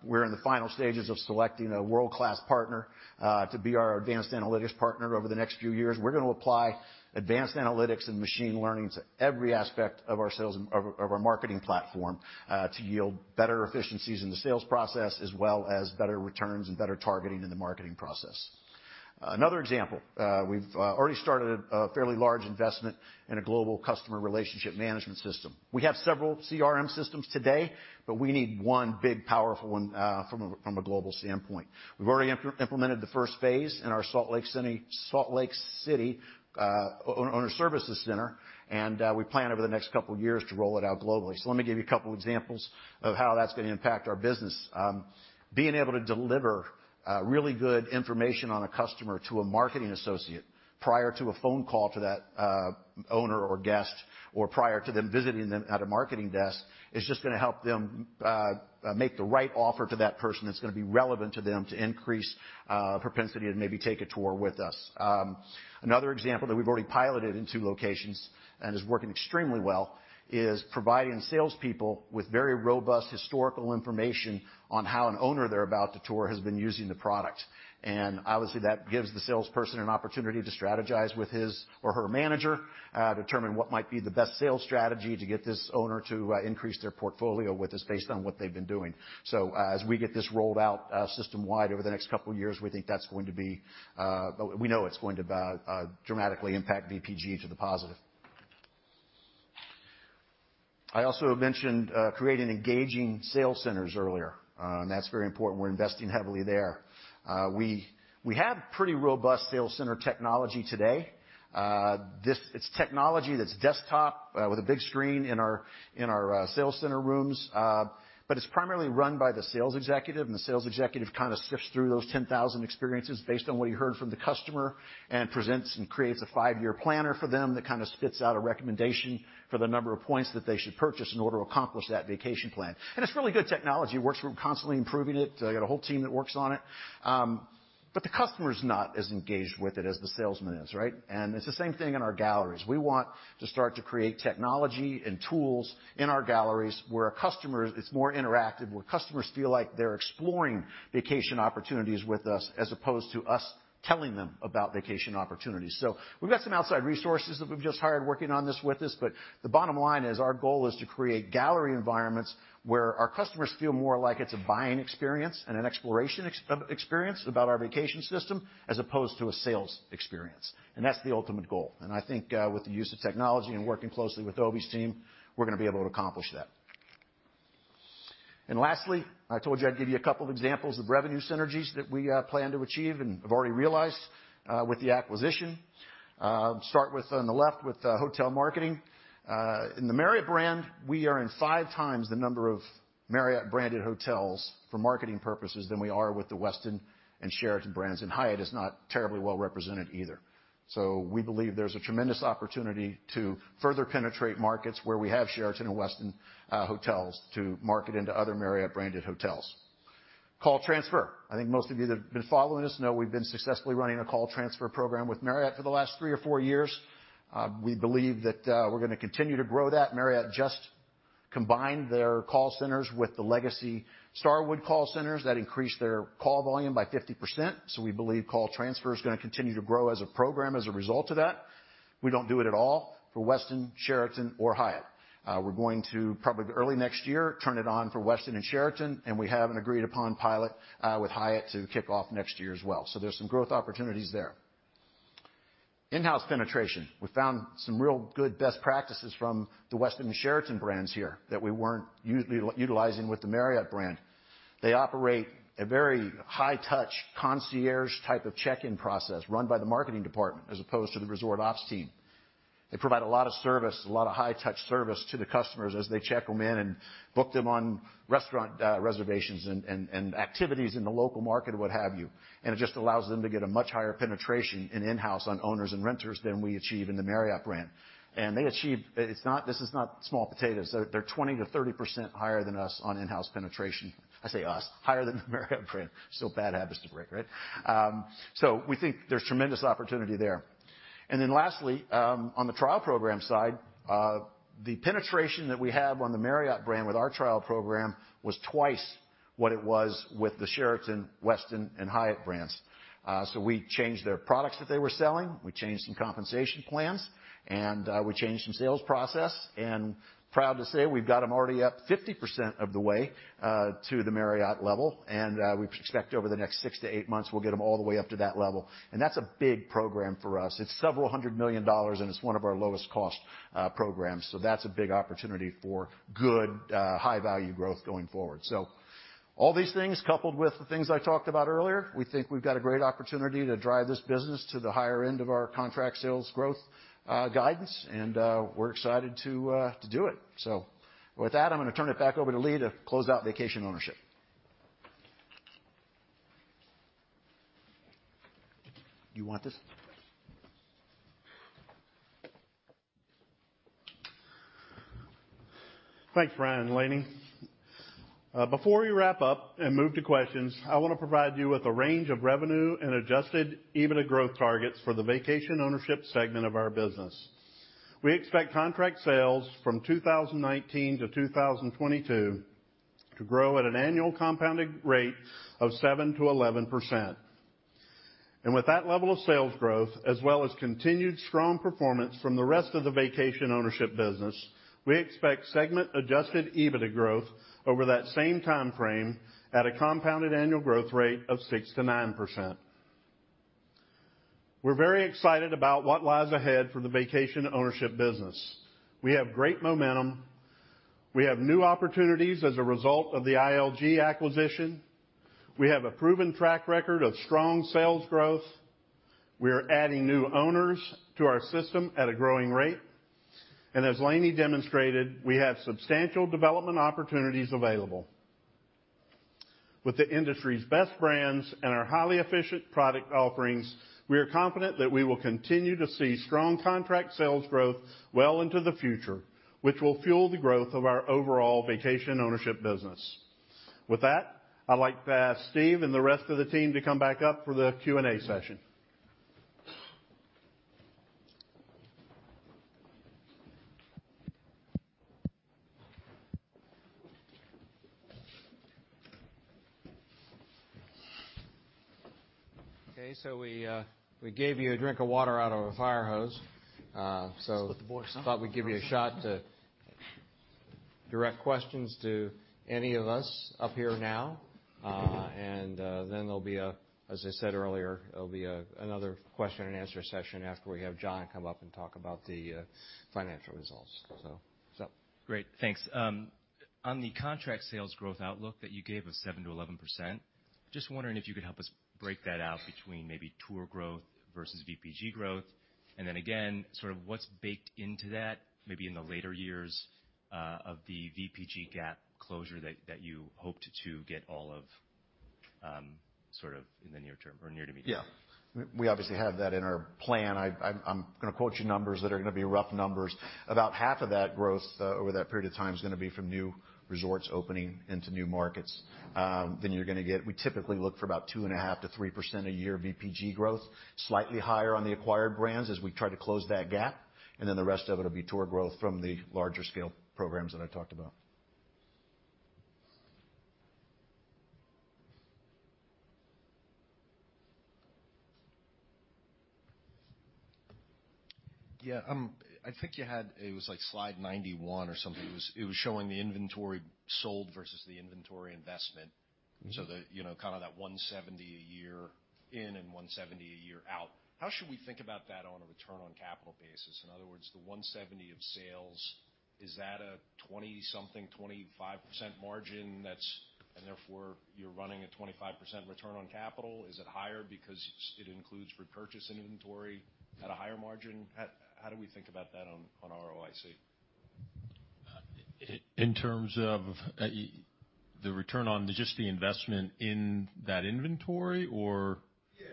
[SPEAKER 19] We're in the final stages of selecting a world-class partner to be our advanced analytics partner over the next few years. We're going to apply advanced analytics and machine learning to every aspect of our marketing platform to yield better efficiencies in the sales process as well as better returns and better targeting in the marketing process. Another example. We've already started a fairly large investment in a global customer relationship management system. We have several CRM systems today. We need one big powerful one from a global standpoint. We've already implemented the first phase in our Salt Lake City Owner Services Center. We plan over the next couple of years to roll it out globally. Let me give you a couple examples of how that's going to impact our business. Being able to deliver really good information on a customer to a marketing associate prior to a phone call to that owner or guest, or prior to them visiting them at a marketing desk, is just going to help them make the right offer to that person that's going to be relevant to them to increase a propensity to maybe take a tour with us. Another example that we've already piloted in two locations and is working extremely well is providing salespeople with very robust historical information on how an owner they're about to tour has been using the product. Obviously that gives the salesperson an opportunity to strategize with his or her manager, determine what might be the best sales strategy to get this owner to increase their portfolio with us based on what they've been doing. As we get this rolled out system-wide over the next couple of years, we know it's going to dramatically impact VPG to the positive. I also mentioned creating engaging sales centers earlier. That's very important. We're investing heavily there. We have pretty robust sales center technology today. It's technology that's desktop with a big screen in our sales center rooms. It's primarily run by the sales executive. The sales executive kind of sifts through those 10,000 experiences based on what he heard from the customer and presents and creates a five-year planner for them that kind of spits out a recommendation for the number of points that they should purchase in order to accomplish that vacation plan. It's really good technology. We're constantly improving it. We have a whole team that works on it. The customer is not as engaged with it as the salesman is, right? It's the same thing in our galleries. We want to start to create technology and tools in our galleries where it's more interactive, where customers feel like they're exploring vacation opportunities with us as opposed to us telling them about vacation opportunities. We've got some outside resources that we've just hired working on this with us, but the bottom line is our goal is to create gallery environments where our customers feel more like it's a buying experience and an exploration experience about our vacation system as opposed to a sales experience. That's the ultimate goal. I think with the use of technology and working closely with Obi's team, we're going to be able to accomplish that. Lastly, I told you I'd give you a couple of examples of revenue synergies that we plan to achieve and have already realized with the acquisition. Start with on the left with hotel marketing. In the Marriott brand, we are in five times the number of Marriott-branded hotels for marketing purposes than we are with the Westin and Sheraton brands, and Hyatt is not terribly well represented either. We believe there's a tremendous opportunity to further penetrate markets where we have Sheraton and Westin hotels to market into other Marriott-branded hotels. Call transfer. I think most of you that have been following us know we've been successfully running a call transfer program with Marriott for the last three or four years. We believe that we're going to continue to grow that. Marriott just combined their call centers with the Legacy Starwood call centers. That increased their call volume by 50%. We believe call transfer is going to continue to grow as a program as a result of that. We don't do it at all for Westin, Sheraton, or Hyatt. We're going to probably early next year turn it on for Westin and Sheraton, and we have an agreed-upon pilot with Hyatt to kick off next year as well. There's some growth opportunities there. In-house penetration. We found some real good best practices from the Westin and Sheraton brands here that we weren't utilizing with the Marriott brand. They operate a very high-touch, concierge type of check-in process run by the marketing department as opposed to the resort ops team. They provide a lot of service, a lot of high-touch service to the customers as they check them in and book them on restaurant reservations and activities in the local market and what have you. It just allows them to get a much higher penetration in in-house on owners and renters than we achieve in the Marriott brand. This is not small potatoes. They're 20%-30% higher than us on in-house penetration. I say us, higher than the Marriott brand. Still bad habits to break, right? We think there's tremendous opportunity there. Lastly, on the trial program side, the penetration that we have on the Marriott brand with our trial program was twice what it was with the Sheraton, Westin, and Hyatt brands. We changed their products that they were selling, we changed some compensation plans, and we changed some sales process, and proud to say we've got them already up 50% of the way to the Marriott level, and we expect over the next six to eight months we'll get them all the way up to that level. That's a big program for us. It's several hundred million dollars, and it's one of our lowest-cost programs, that's a big opportunity for good high-value growth going forward. All these things, coupled with the things I talked about earlier, we think we've got a great opportunity to drive this business to the higher end of our contract sales growth guidance, and we're excited to do it. With that, I'm going to turn it back over to Lee to close out Vacation Ownership. Do you want this?
[SPEAKER 17] Thanks, Brian and Lani. Before we wrap up and move to questions, I want to provide you with a range of revenue and adjusted EBITDA growth targets for the Vacation Ownership Segment of our business. We expect contract sales from 2019 to 2022 to grow at an annual compounded rate of 7%-11%. With that level of sales growth, as well as continued strong performance from the rest of the Vacation Ownership business, we expect segment adjusted EBITDA growth over that same time frame at a compounded annual growth rate of 6%-9%. We're very excited about what lies ahead for the Vacation Ownership business. We have great momentum. We have new opportunities as a result of the ILG acquisition. We have a proven track record of strong sales growth. We are adding new owners to our system at a growing rate. As Lani demonstrated, we have substantial development opportunities available. With the industry's best brands and our highly efficient product offerings, we are confident that we will continue to see strong contract sales growth well into the future, which will fuel the growth of our overall vacation ownership business. With that, I'd like to ask Steve and the rest of the team to come back up for the Q&A session.
[SPEAKER 19] Okay, we gave you a drink of water out of a fire hose.
[SPEAKER 20] Split the boys up. Thought we'd give you a shot to direct questions to any of us up here now. Then as I said earlier, there'll be another question and answer session after we have John come up and talk about the financial results. Great. Thanks. On the contract sales growth outlook that you gave of 7%-11%, just wondering if you could help us break that out between maybe tour growth versus VPG growth, and then again, sort of what's baked into that, maybe in the later years, of the VPG gap closure that you hoped to get all of in the near term or near to medium term?
[SPEAKER 19] We obviously have that in our plan. I'm going to quote you numbers that are going to be rough numbers. About half of that growth over that period of time is going to be from new resorts opening into new markets. We typically look for about 2.5%-3% a year VPG growth, slightly higher on the acquired brands as we try to close that gap. The rest of it will be tour growth from the larger scale programs that I talked about.
[SPEAKER 4] Yeah. It was slide 91 or something. It was showing the inventory sold versus the inventory investment. That $170 a year in and $170 a year out. How should we think about that on a return on capital basis? In other words, the $170 of sales, is that a 20 something, 25% margin, and therefore you're running a 25% return on capital? Is it higher because it includes repurchasing inventory at a higher margin? How do we think about that on ROIC?
[SPEAKER 20] In terms of the return on just the investment in that inventory, or?
[SPEAKER 4] Yeah.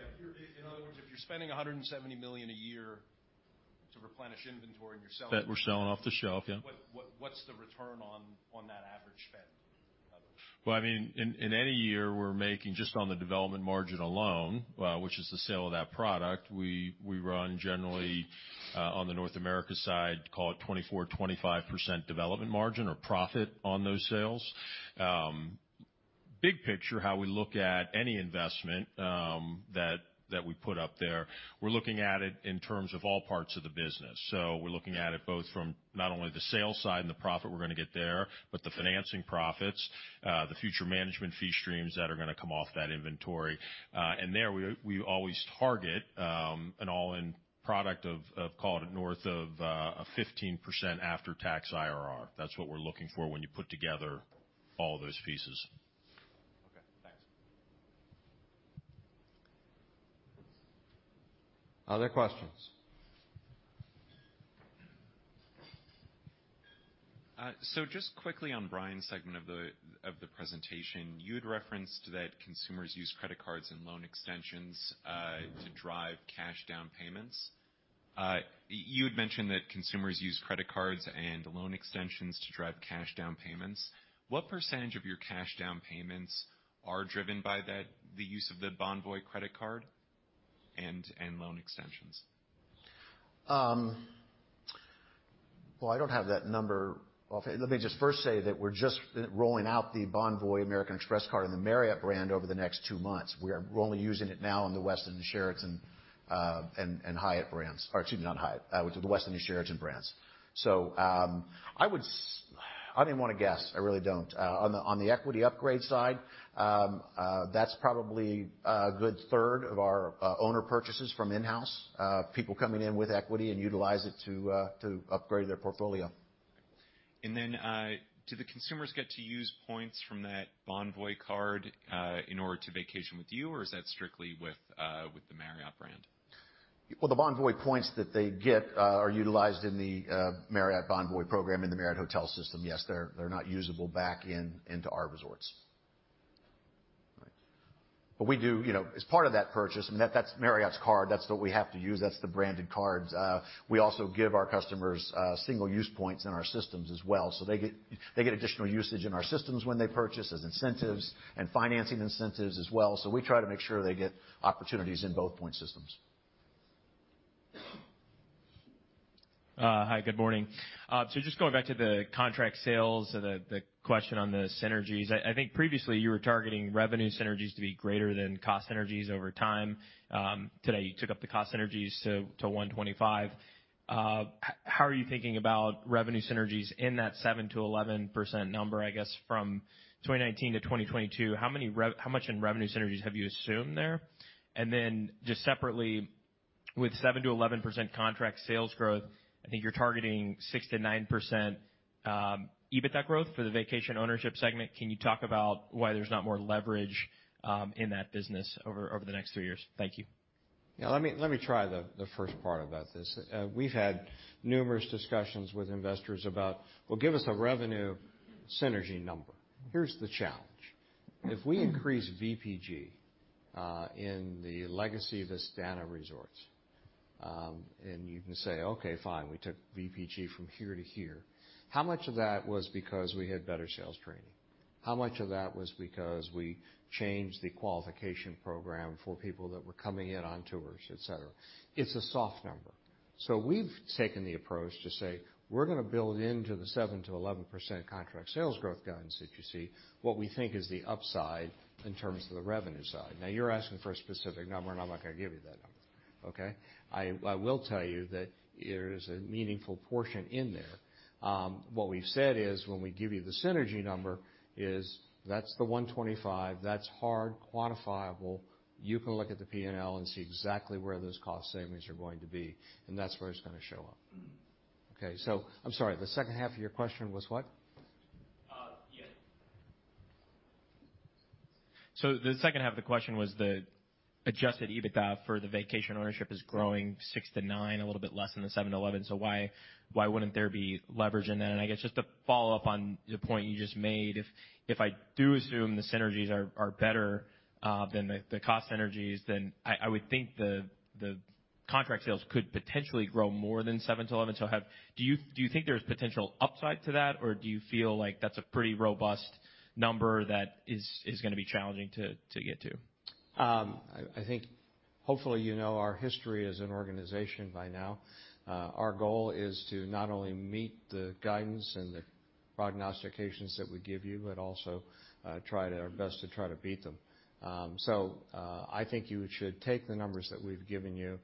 [SPEAKER 4] In other words, if you're spending $170 million a year to replenish inventory and you're selling.
[SPEAKER 20] That we're selling off the shelf. Yeah.
[SPEAKER 4] What's the return on that average spend?
[SPEAKER 20] Well, in any year, we're making, just on the development margin alone, which is the sale of that product, we run generally, on the North America side, call it 24%, 25% development margin or profit on those sales. Big picture, how we look at any investment that we put up there, we're looking at it in terms of all parts of the business. We're looking at it both from not only the sales side and the profit we're going to get there, but the financing profits, the future management fee streams that are going to come off that inventory. There we always target an all-in product of, call it, north of 15% after-tax IRR. That's what we're looking for when you put together all those pieces.
[SPEAKER 4] Okay. Thanks.
[SPEAKER 2] Other questions?
[SPEAKER 4] Just quickly on Brian's segment of the presentation, you had referenced that consumers use credit cards and loan extensions to drive cash down payments. You had mentioned that consumers use credit cards and loan extensions to drive cash down payments. What % of your cash down payments are driven by the use of the Bonvoy credit card and loan extensions?
[SPEAKER 19] Well, I don't have that number off. Let me just first say that we're just rolling out the Marriott Bonvoy American Express Card and the Marriott brand over the next two months. We're only using it now in the Westin, Sheraton, and Hyatt brands. Excuse me, not Hyatt. The Westin and Sheraton brands. I didn't want to guess. I really don't. On the equity upgrade side, that's probably a good third of our owner purchases from in-house, people coming in with equity and utilize it to upgrade their portfolio.
[SPEAKER 4] Do the consumers get to use points from that Bonvoy card in order to vacation with you, or is that strictly with the Marriott brand?
[SPEAKER 19] Well, the Marriott Bonvoy points that they get are utilized in the Marriott Bonvoy program in the Marriott hotel system. Yes, they're not usable back into our resorts. We do, as part of that purchase, and that's Marriott's card. That's what we have to use. That's the branded cards. We also give our customers single-use points in our systems as well. They get additional usage in our systems when they purchase as incentives and financing incentives as well. We try to make sure they get opportunities in both point systems.
[SPEAKER 4] Hi, good morning. Just going back to the contract sales, the question on the synergies. I think previously you were targeting revenue synergies to be greater than cost synergies over time. Today, you took up the cost synergies to $125. How are you thinking about revenue synergies in that 7%-11% number, I guess, from 2019 to 2022? How much in revenue synergies have you assumed there? Just separately, with 7%-11% contract sales growth, I think you're targeting 6%-9% EBITDA growth for the vacation ownership segment. Can you talk about why there's not more leverage in that business over the next three years? Thank you.
[SPEAKER 2] Yeah. Let me try the first part about this. We've had numerous discussions with investors about, "Well, give us a revenue synergy number." Here's the challenge. If we increase VPG in the legacy of Vistana Resorts, and you can say, "Okay, fine, we took VPG from here to here." How much of that was because we had better sales training? How much of that was because we changed the qualification program for people that were coming in on tours, et cetera? It's a soft number. We've taken the approach to say we're going to build into the 7%-11% contract sales growth guidance that you see what we think is the upside in terms of the revenue side. You're asking for a specific number, and I'm not going to give you that number. Okay. I will tell you that there's a meaningful portion in there. What we've said is when we give you the synergy number is that's the $125. That's hard, quantifiable. You can look at the P&L and see exactly where those cost savings are going to be, and that's where it's going to show up. Okay. I'm sorry, the second half of your question was what?
[SPEAKER 4] The second half of the question was the adjusted EBITDA for the vacation ownership is growing 6%-9%, a little bit less than the 7%-11%. Why wouldn't there be leverage in that? I guess just to follow up on the point you just made, if I do assume the synergies are better than the cost synergies, then I would think the contract sales could potentially grow more than 7%-11%. Do you think there's potential upside to that, or do you feel like that's a pretty robust number that is going to be challenging to get to?
[SPEAKER 2] I think hopefully, you know our history as an organization by now. Our goal is to not only meet the guidance and the prognostications that we give you, but also try our best to try to beat them. I think you should take the numbers that we've given you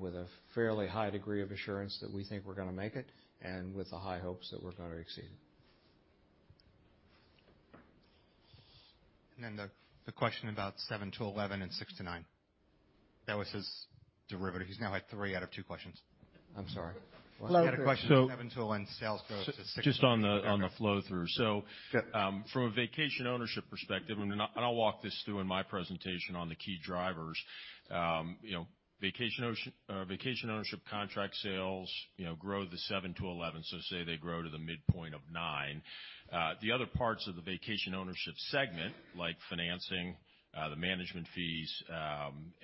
[SPEAKER 2] with a fairly high degree of assurance that we think we're going to make it and with the high hopes that we're going to exceed it.
[SPEAKER 1] The question about seven to 11 and six to nine. That was his derivative. He's now had three out of two questions.
[SPEAKER 2] I'm sorry.
[SPEAKER 1] He had a question on seven%-11% sales growth to six%-nine%.
[SPEAKER 20] Just on the flow through. From a vacation ownership perspective, and I'll walk this through in my presentation on the key drivers. Vacation ownership contract sales grow the 7%-11%, say they grow to the midpoint of 9%. The other parts of the vacation ownership segment, like financing, the management fees,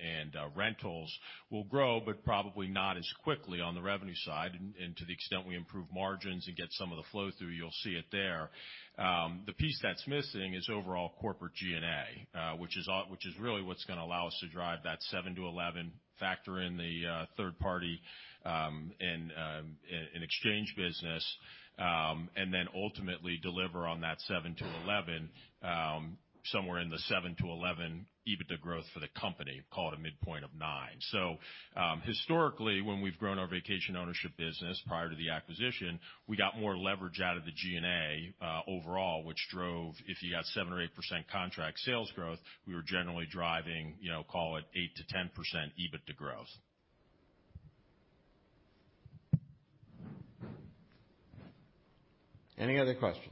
[SPEAKER 20] and rentals will grow, but probably not as quickly on the revenue side. To the extent we improve margins and get some of the flow through, you'll see it there. The piece that's missing is overall corporate G&A, which is really what's going to allow us to drive that 7%-11% factor in the third party and in exchange business, and then ultimately deliver on that 7%-11%, somewhere in the 7%-11% EBITDA growth for the company, call it a midpoint of 9%. Historically, when we've grown our vacation ownership business prior to the acquisition, we got more leverage out of the G&A overall, which drove, if you got 7% or 8% contract sales growth, we were generally driving call it 8%-10% EBITDA growth.
[SPEAKER 2] Any other questions?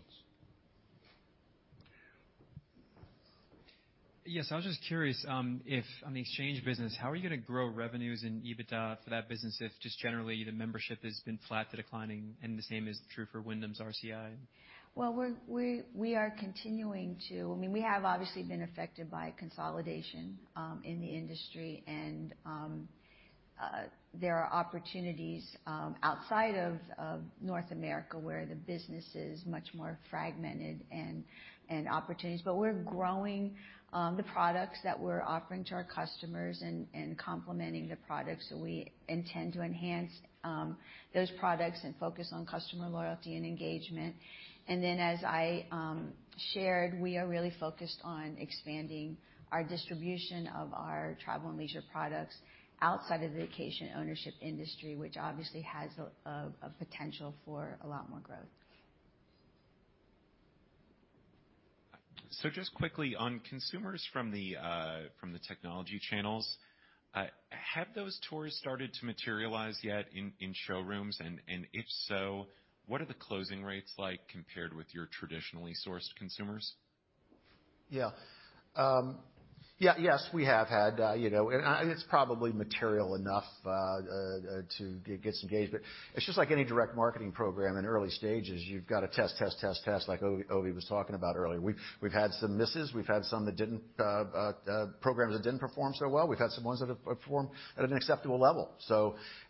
[SPEAKER 4] Yes. I was just curious if on the exchange business, how are you going to grow revenues in EBITDA for that business if just generally the membership has been flat to declining and the same is true for Wyndham's RCI?
[SPEAKER 6] We have obviously been affected by consolidation in the industry, and there are opportunities outside of North America where the business is much more fragmented and opportunities. We're growing the products that we're offering to our customers and complementing the products, so we intend to enhance those products and focus on customer loyalty and engagement. As I shared, we are really focused on expanding our distribution of our travel and leisure products outside of the vacation ownership industry, which obviously has a potential for a lot more growth.
[SPEAKER 4] Just quickly on consumers from the technology channels, have those tours started to materialize yet in showrooms? If so, what are the closing rates like compared with your traditionally sourced consumers?
[SPEAKER 19] Yes, we have had. It's probably material enough to get some gauge. It's just like any direct marketing program in early stages, you've got to test, test, like Ovi was talking about earlier. We've had some misses. We've had some programs that didn't perform so well. We've had some ones that have performed at an acceptable level.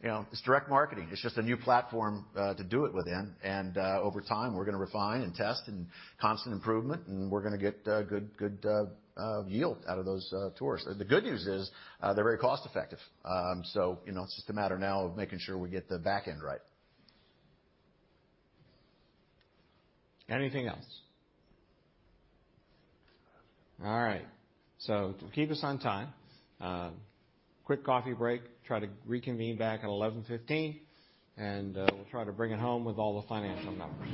[SPEAKER 19] It's direct marketing. It's just a new platform to do it within. Over time, we're going to refine and test and constant improvement, and we're going to get good yield out of those tours. The good news is they're very cost-effective. It's just a matter now of making sure we get the back end right. Anything else? All right. To keep us on time, quick coffee break, try to reconvene back at 11:15, and we'll try to bring it home with all the financial numbers.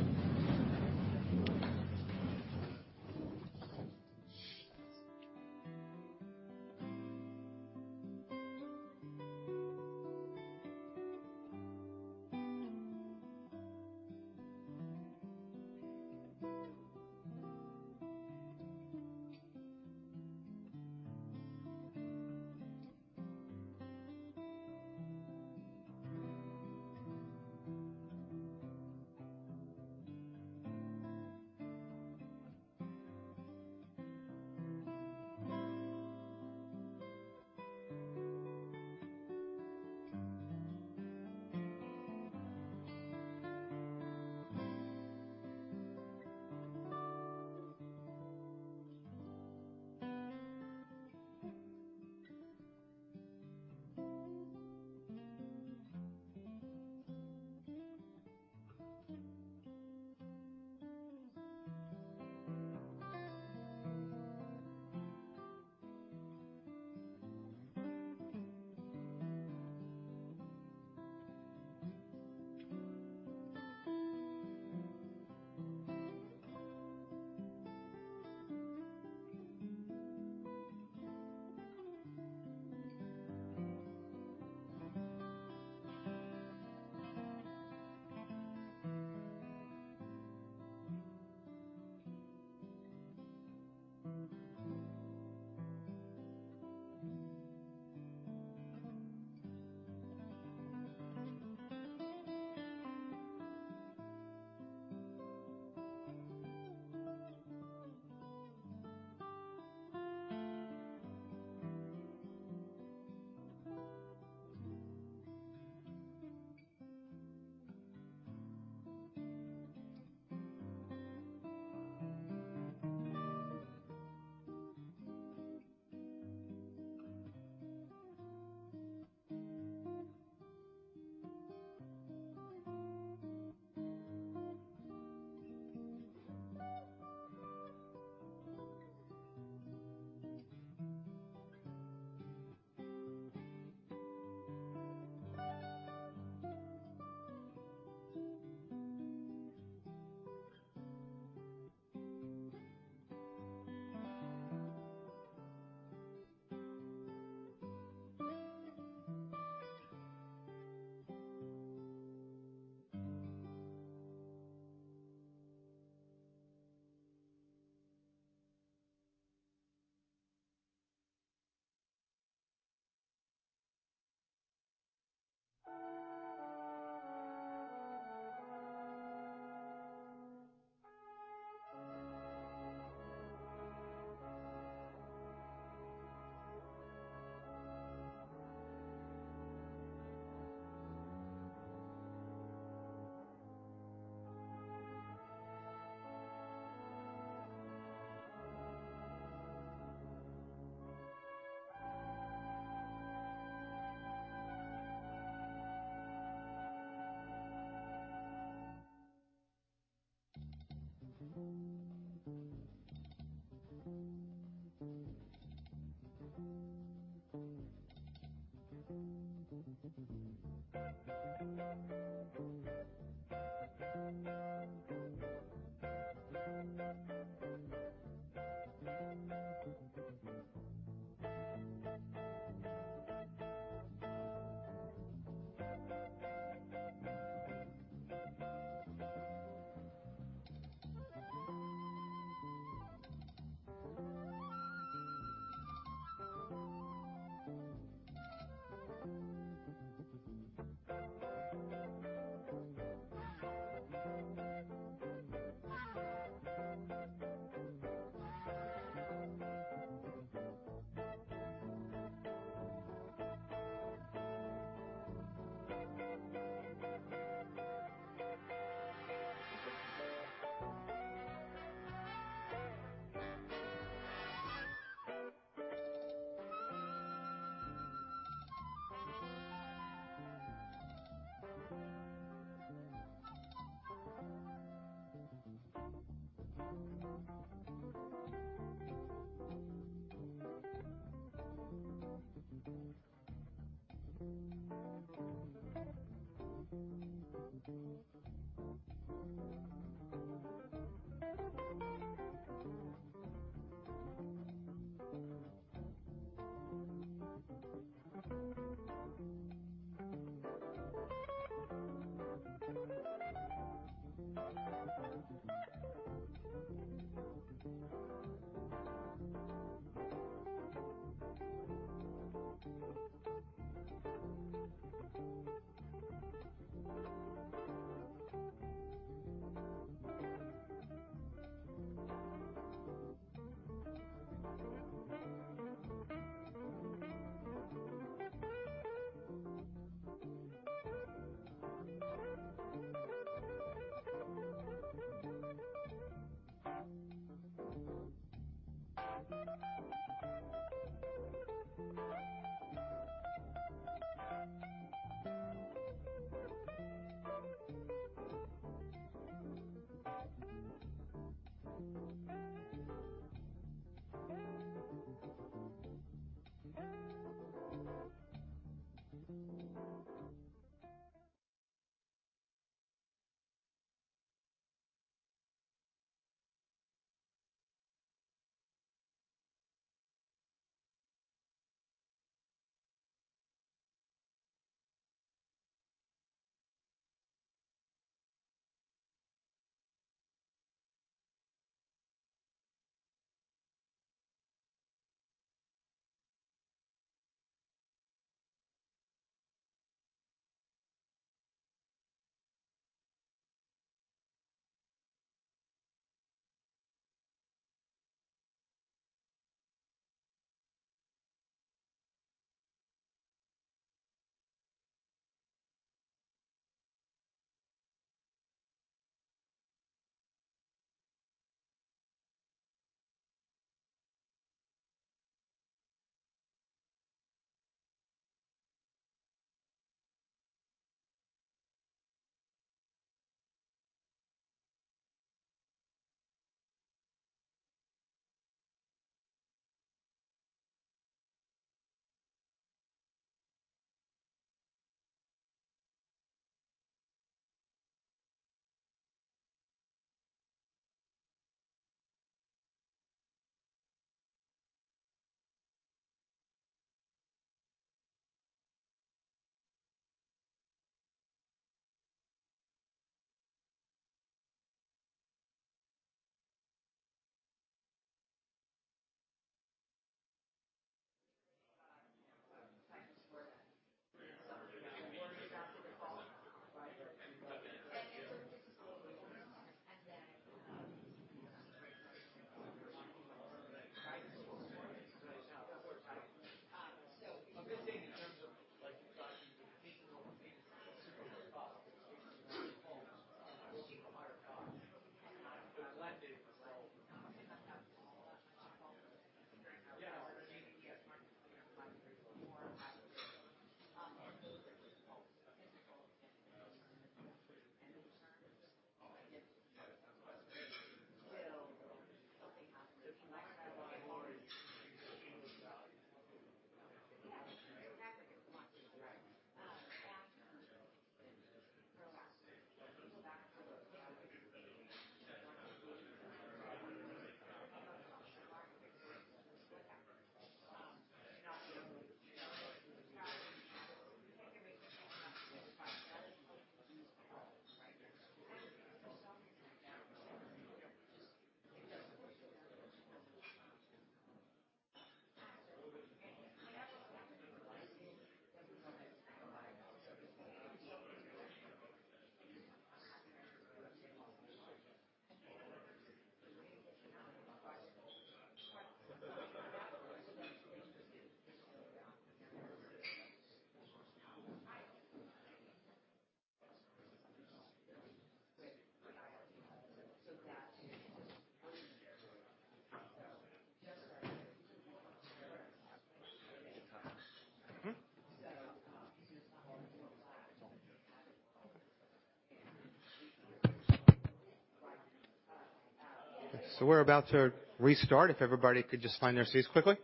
[SPEAKER 1] We're about to restart if everybody could just find their seats quickly.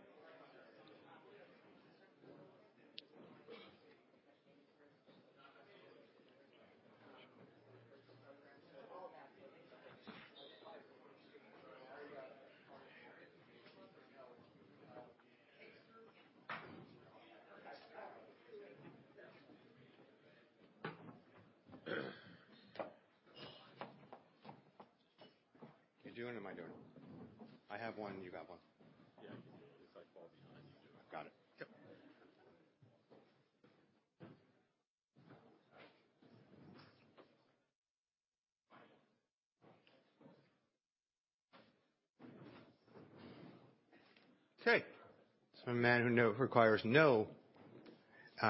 [SPEAKER 1] You doing it or am I doing it? I have one, you got one.
[SPEAKER 20] Yeah. If I fall behind you, do it.
[SPEAKER 1] Got it.
[SPEAKER 20] Yep.
[SPEAKER 1] Okay. A man who requires no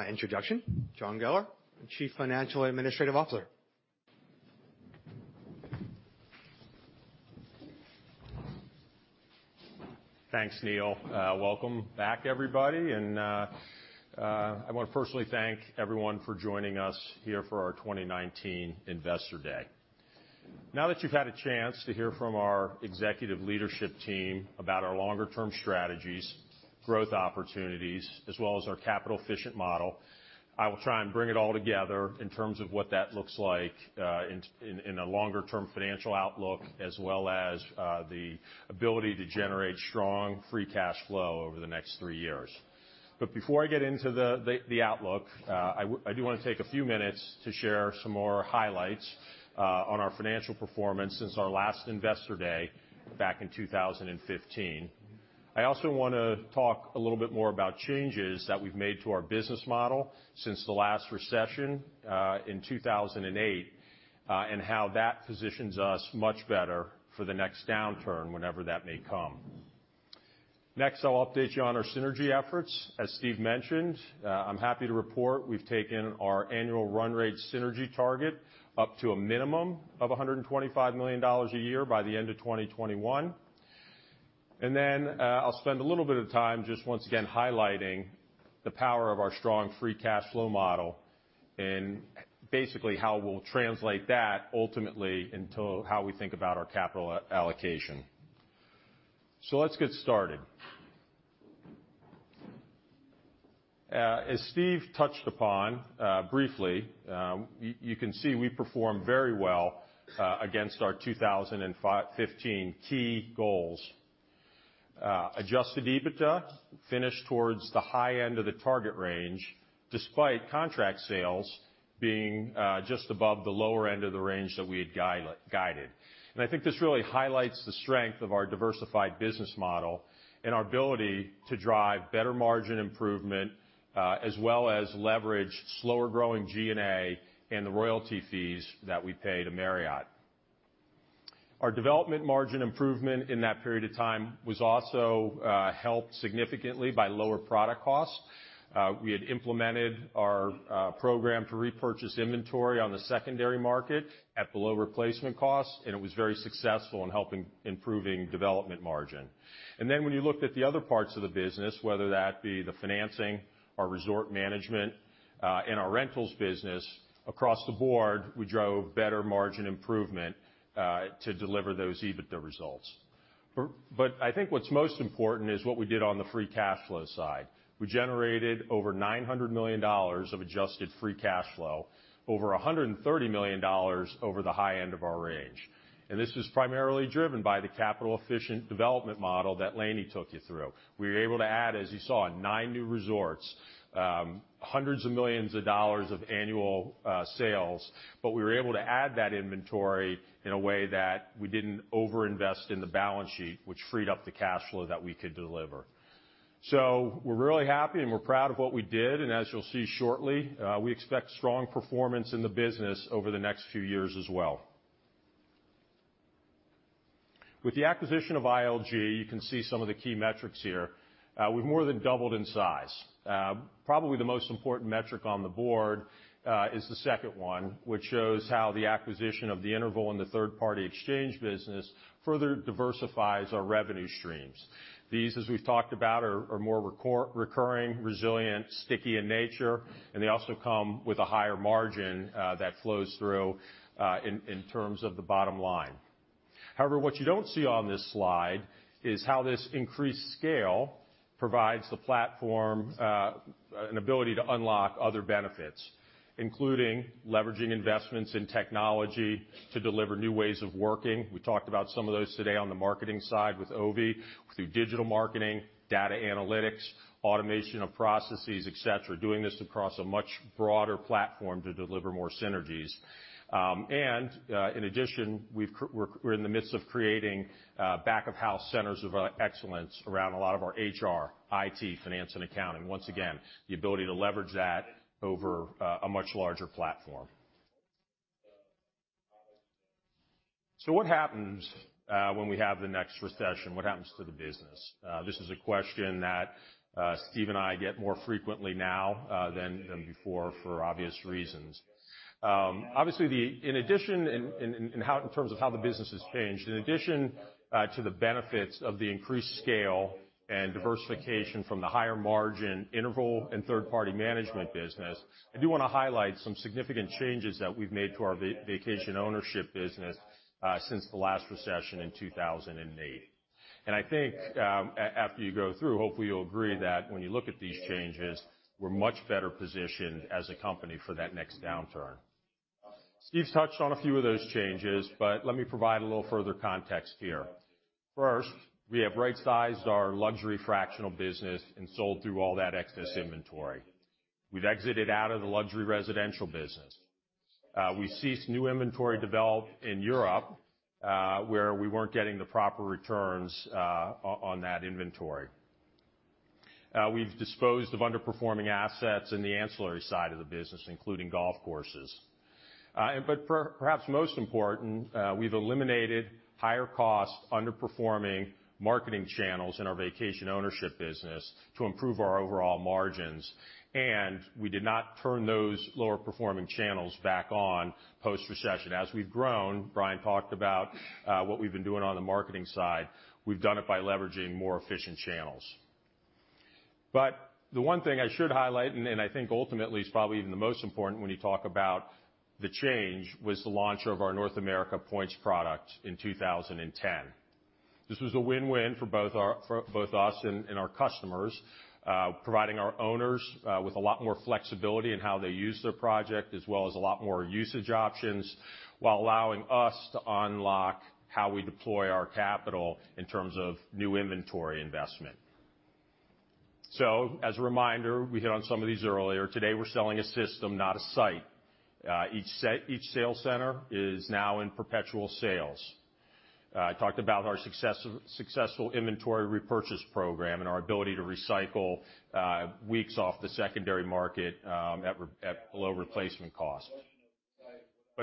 [SPEAKER 1] introduction, John Geller, Chief Financial Administrative Officer.
[SPEAKER 20] Thanks, Neal. Welcome back, everybody. I want to personally thank everyone for joining us here for our 2019 Investor Day. Now that you've had a chance to hear from our executive leadership team about our longer-term strategies, growth opportunities, as well as our capital-efficient model, I will try and bring it all together in terms of what that looks like in a longer-term financial outlook, as well as the ability to generate strong free cash flow over the next three years. Before I get into the outlook, I do want to take a few minutes to share some more highlights on our financial performance since our last Investor Day back in 2015. I also want to talk a little bit more about changes that we've made to our business model since the last recession in 2008, and how that positions us much better for the next downturn, whenever that may come. I'll update you on our synergy efforts. As Steve mentioned, I'm happy to report we've taken our annual run rate synergy target up to a minimum of $125 million a year by the end of 2021. I'll spend a little bit of time just once again highlighting the power of our strong free cash flow model, and basically how we'll translate that ultimately into how we think about our capital allocation. Let's get started. As Steve touched upon briefly, you can see we performed very well against our 2015 key goals. Adjusted EBITDA finished towards the high end of the target range, despite contract sales being just above the lower end of the range that we had guided. I think this really highlights the strength of our diversified business model and our ability to drive better margin improvement, as well as leverage slower-growing G&A and the royalty fees that we pay to Marriott. Our development margin improvement in that period of time was also helped significantly by lower product costs. We had implemented our program to repurchase inventory on the secondary market at below replacement costs, and it was very successful in helping improving development margin. When you looked at the other parts of the business, whether that be the financing, our resort management, and our rentals business, across the board, we drove better margin improvement to deliver those EBITDA results. I think what's most important is what we did on the free cash flow side. We generated over $900 million of adjusted free cash flow, over $130 million over the high end of our range. This is primarily driven by the capital-efficient development model that Lani took you through. We were able to add, as you saw, nine new resorts, hundreds of millions of dollars of annual sales. We were able to add that inventory in a way that we didn't over-invest in the balance sheet, which freed up the cash flow that we could deliver. We're really happy, and we're proud of what we did, and as you'll see shortly, we expect strong performance in the business over the next few years as well. With the acquisition of ILG, you can see some of the key metrics here. We've more than doubled in size. Probably the most important metric on the board is the second one, which shows how the acquisition of the Interval in the third-party exchange business further diversifies our revenue streams. These, as we've talked about, are more recurring, resilient, sticky in nature, and they also come with a higher margin that flows through in terms of the bottom line. What you don't see on this slide is how this increased scale provides the platform an ability to unlock other benefits, including leveraging investments in technology to deliver new ways of working. We talked about some of those today on the marketing side with Ovi, through digital marketing, data analytics, automation of processes, et cetera, doing this across a much broader platform to deliver more synergies. In addition, we're in the midst of creating back-of-house centers of excellence around a lot of our HR, IT, finance, and accounting. Once again, the ability to leverage that over a much larger platform. What happens when we have the next recession? What happens to the business? This is a question that Steve and I get more frequently now than before, for obvious reasons. Obviously, in terms of how the business has changed, in addition to the benefits of the increased scale and diversification from the higher margin Interval and third-party management business, I do want to highlight some significant changes that we've made to our vacation ownership business since the last recession in 2008. I think, after you go through, hopefully you'll agree that when you look at these changes, we're much better positioned as a company for that next downturn. Steve's touched on a few of those changes, let me provide a little further context here. First, we have right-sized our luxury fractional business and sold through all that excess inventory. We've exited out of the luxury residential business. We ceased new inventory developed in Europe, where we weren't getting the proper returns on that inventory. We've disposed of underperforming assets in the ancillary side of the business, including golf courses. Perhaps most important, we've eliminated higher-cost, underperforming marketing channels in our vacation ownership business to improve our overall margins, and we did not turn those lower-performing channels back on post-recession. As we've grown, Brian talked about what we've been doing on the marketing side. We've done it by leveraging more efficient channels. The one thing I should highlight, and I think ultimately is probably even the most important when you talk about the change, was the launch of our North America Points Product in 2010. This was a win-win for both us and our customers, providing our owners with a lot more flexibility in how they use their project, as well as a lot more usage options, while allowing us to unlock how we deploy our capital in terms of new inventory investment. As a reminder, we hit on some of these earlier. Today, we're selling a system, not a site. Each sales center is now in perpetual sales. I talked about our successful inventory repurchase program and our ability to recycle weeks off the secondary market at below replacement cost.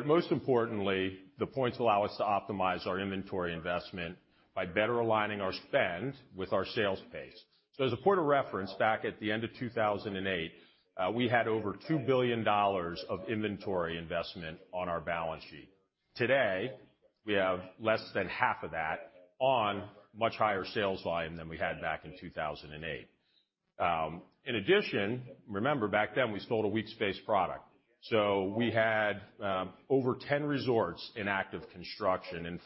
[SPEAKER 20] Most importantly, the points allow us to optimize our inventory investment by better aligning our spend with our sales pace. As a point of reference, back at the end of 2008, we had over $2 billion of inventory investment on our balance sheet. Today, we have less than half of that on much higher sales volume than we had back in 2008. Remember, back then we sold a weeks-based product. We had over 10 resorts in active construction.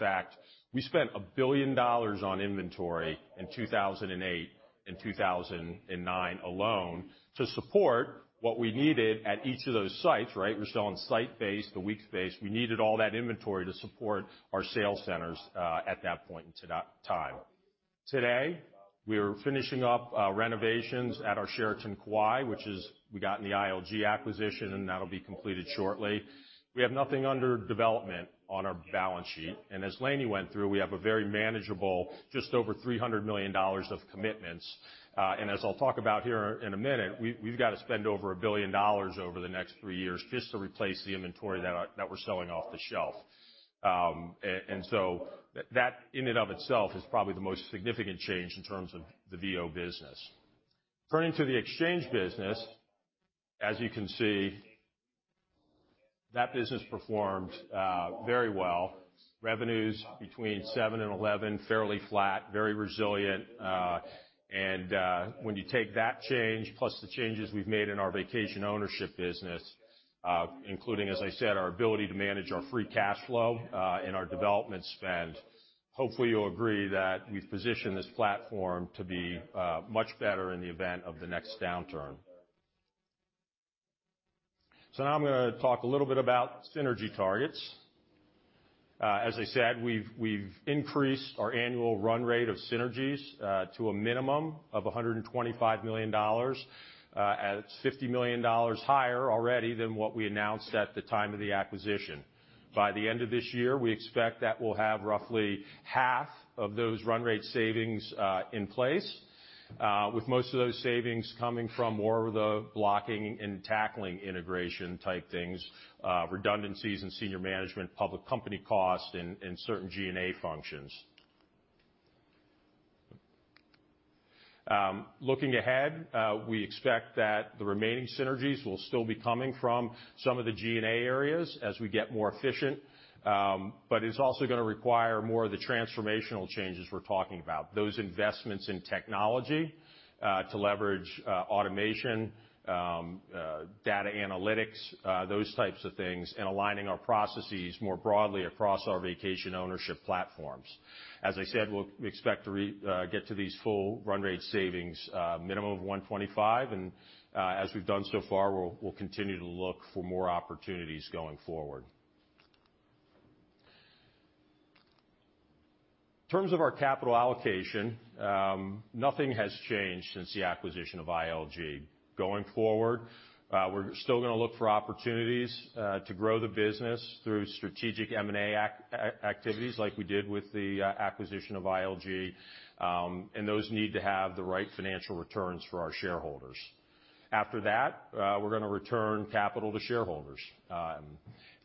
[SPEAKER 20] We spent $1 billion on inventory in 2008 and 2009 alone to support what we needed at each of those sites. We're selling site-based, the weeks-based. We needed all that inventory to support our sales centers at that point in time. Today, we are finishing up renovations at our Sheraton Kauai, which we got in the ILG acquisition, and that'll be completed shortly. We have nothing under development on our balance sheet. As Lani went through, we have a very manageable, just over $300 million of commitments. As I'll talk about here in a minute, we've got to spend over $1 billion over the next three years just to replace the inventory that we're selling off the shelf. That in and of itself is probably the most significant change in terms of the VO business. Turning to the exchange business, as you can see, that business performed very well. Revenues between seven and 11, fairly flat, very resilient. When you take that change plus the changes we've made in our vacation ownership business, including, as I said, our ability to manage our free cash flow and our development spend, hopefully you'll agree that we've positioned this platform to be much better in the event of the next downturn. I'm going to talk a little bit about synergy targets. As I said, we've increased our annual run rate of synergies to a minimum of $125 million. That's $50 million higher already than what we announced at the time of the acquisition. By the end of this year, we expect that we'll have roughly half of those run rate savings in place, with most of those savings coming from more of the blocking-and-tackling integration type things, redundancies in senior management, public company cost, and certain G&A functions. Looking ahead, we expect that the remaining synergies will still be coming from some of the G&A areas as we get more efficient, but it's also going to require more of the transformational changes we're talking about. Those investments in technology to leverage automation, data analytics, those types of things, and aligning our processes more broadly across our vacation ownership platforms. As I said, we expect to get to these full run rate savings, a minimum of 125, and as we've done so far, we'll continue to look for more opportunities going forward. In terms of our capital allocation, nothing has changed since the acquisition of ILG. Going forward, we're still going to look for opportunities to grow the business through strategic M&A activities like we did with the acquisition of ILG, and those need to have the right financial returns for our shareholders. After that, we're going to return capital to shareholders.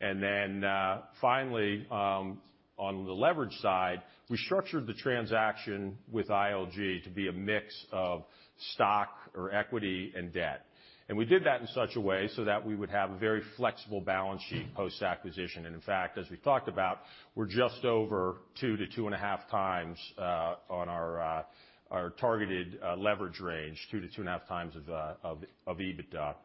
[SPEAKER 20] Then finally, on the leverage side, we structured the transaction with ILG to be a mix of stock or equity and debt. We did that in such a way so that we would have a very flexible balance sheet post-acquisition. In fact, as we talked about, we're just over 2 to 2.5 times on our targeted leverage range, 2 to 2.5 times of EBITDA.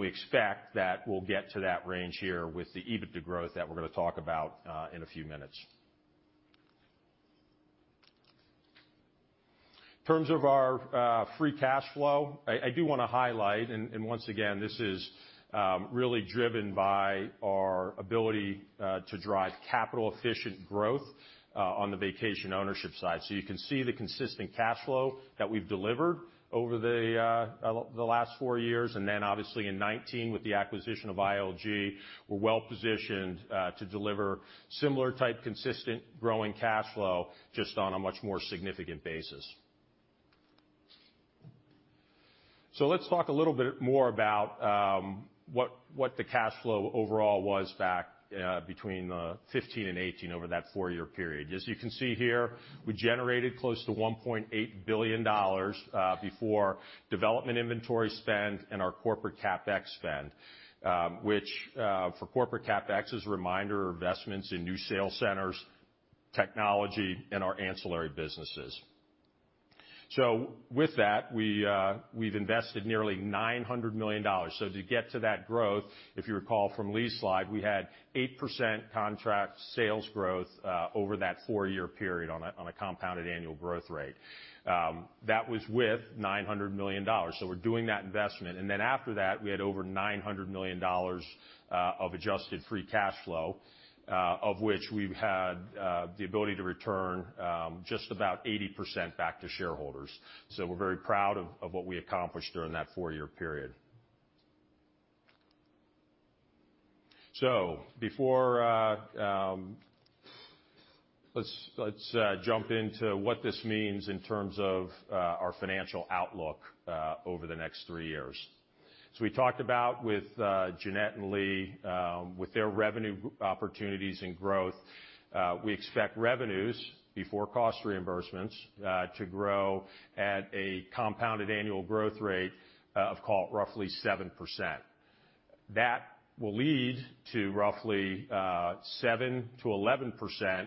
[SPEAKER 20] We expect that we'll get to that range here with the EBITDA growth that we're going to talk about in a few minutes. In terms of our free cash flow, I do want to highlight, and once again, this is really driven by our ability to drive capital-efficient growth on the vacation ownership side. You can see the consistent cash flow that we've delivered over the last four years, and then obviously in 2019 with the acquisition of ILG, we're well-positioned to deliver similar type consistent growing cash flow, just on a much more significant basis. Let's talk a little bit more about what the cash flow overall was back between 2015 and 2018 over that four-year period. As you can see here, we generated close to $1.8 billion before development inventory spend and our corporate CapEx spend, which for corporate CapEx is a reminder of investments in new sales centers, technology, and our ancillary businesses. With that, we've invested nearly $900 million. To get to that growth, if you recall from Lee's slide, we had 8% contract sales growth over that four-year period on a compounded annual growth rate. That was with $900 million. After that, we had over $900 million of adjusted free cash flow of which we've had the ability to return just about 80% back to shareholders. So we're very proud of what we accomplished during that four-year period. Let's jump into what this means in terms of our financial outlook over the next three years. We talked about, with Jeanette and Lee, with their revenue opportunities and growth, we expect revenues before cost reimbursements to grow at a compounded annual growth rate of roughly 7%. That will lead to roughly 7%-11%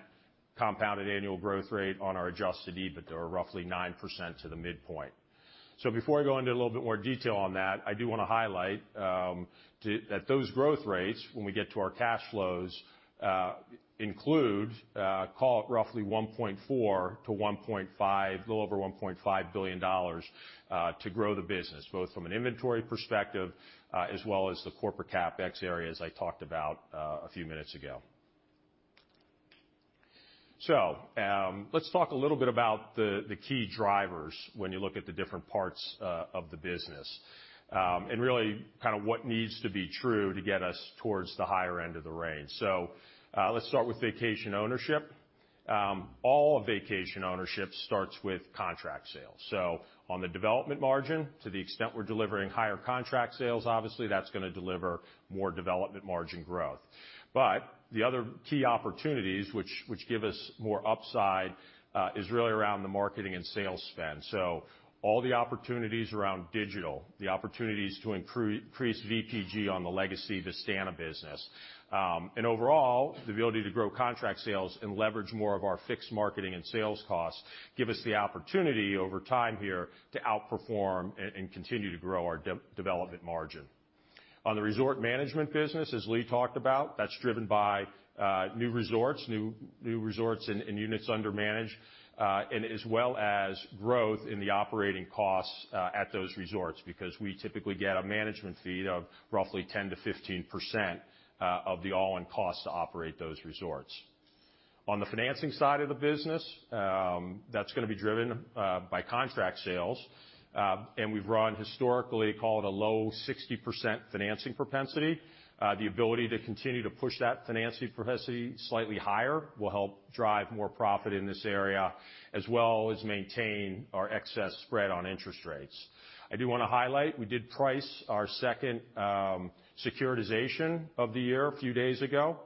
[SPEAKER 20] compounded annual growth rate on our adjusted EBITDA, or roughly 9% to the midpoint. Before I go into a little bit more detail on that, I do want to highlight that those growth rates, when we get to our cash flows, include call it roughly $1.4 billion-$1.5 billion, a little over $1.5 billion to grow the business, both from an inventory perspective as well as the corporate CapEx areas I talked about a few minutes ago. Let's talk a little bit about the key drivers when you look at the different parts of the business, and really what needs to be true to get us towards the higher end of the range. Let's start with vacation ownership. All of vacation ownership starts with contract sales. On the development margin, to the extent we're delivering higher contract sales, obviously, that's going to deliver more development margin growth. The other key opportunities, which give us more upside, is really around the marketing and sales spend. All the opportunities around digital, the opportunities to increase VPG on the legacy Vistana business, and overall, the ability to grow contract sales and leverage more of our fixed marketing and sales costs give us the opportunity over time here to outperform and continue to grow our development margin. On the resort management business, as Lee talked about, that's driven by new resorts, new resorts and units under management, as well as growth in the operating costs at those resorts, because we typically get a management fee of roughly 10%-15% of the all-in costs to operate those resorts. On the financing side of the business, that's going to be driven by contract sales. We've run historically, call it, a low 60% financing propensity. The ability to continue to push that financing propensity slightly higher will help drive more profit in this area, as well as maintain our excess spread on interest rates. I do want to highlight, we did price our second securitization of the year a few days ago.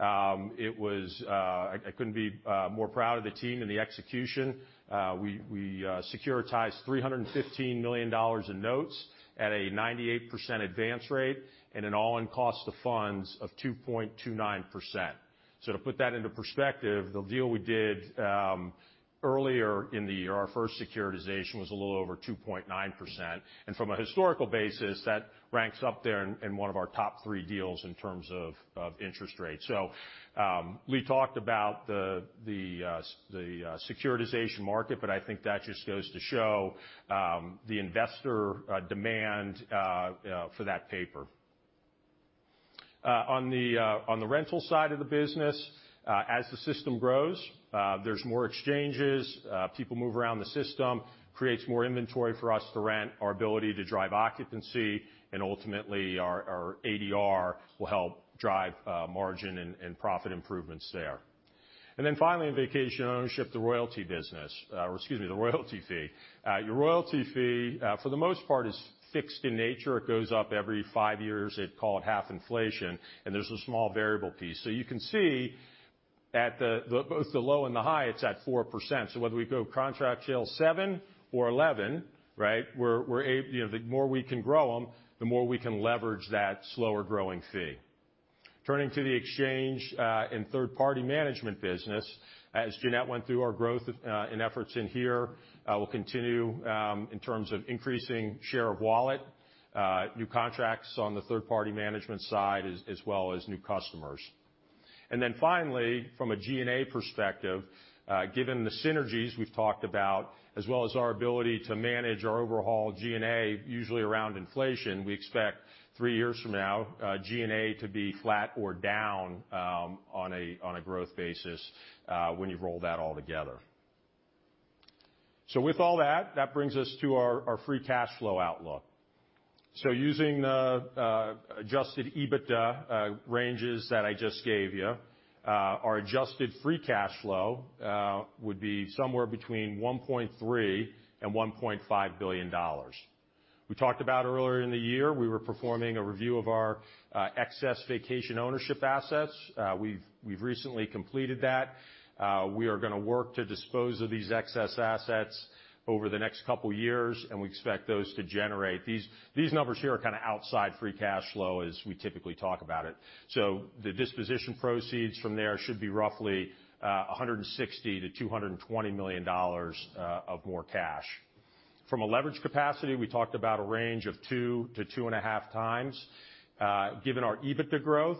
[SPEAKER 20] I couldn't be more proud of the team and the execution. We securitized $315 million in notes at a 98% advance rate and an all-in cost to funds of 2.29%. To put that into perspective, the deal we did earlier in the year, our first securitization was a little over 2.9%. From a historical basis, that ranks up there in one of our top three deals in terms of interest rates. Lee talked about the securitization market, but I think that just goes to show the investor demand for that paper. On the rental side of the business, as the system grows, there's more exchanges. People move around the system, creates more inventory for us to rent. Our ability to drive occupancy and ultimately our ADR will help drive margin and profit improvements there. Finally, in vacation ownership, the royalty fee. Your royalty fee, for the most part, is fixed in nature. It goes up every five years at, call it, half inflation, and there's a small variable piece. You can see both the low and the high, it's at 4%. Whether we grow contract sales seven or 11, the more we can grow them, the more we can leverage that slower-growing fee. Turning to the exchange and third-party management business. As Jeanette went through our growth and efforts in here will continue in terms of increasing share of wallet, new contracts on the third-party management side, as well as new customers. Finally, from a G&A perspective, given the synergies we've talked about as well as our ability to manage our overall G&A usually around inflation, we expect three years from now G&A to be flat or down on a growth basis when you roll that all together. With all that brings us to our free cash flow outlook. Using adjusted EBITDA ranges that I just gave you, our adjusted free cash flow would be somewhere between $1.3 billion and $1.5 billion. We talked about earlier in the year, we were performing a review of our excess vacation ownership assets. We've recently completed that. We are going to work to dispose of these excess assets over the next couple of years. These numbers here are kind of outside free cash flow as we typically talk about it. The disposition proceeds from there should be roughly $160 million-$220 million of more cash. From a leverage capacity, we talked about a range of 2 to 2.5 times. Given our EBITDA growth,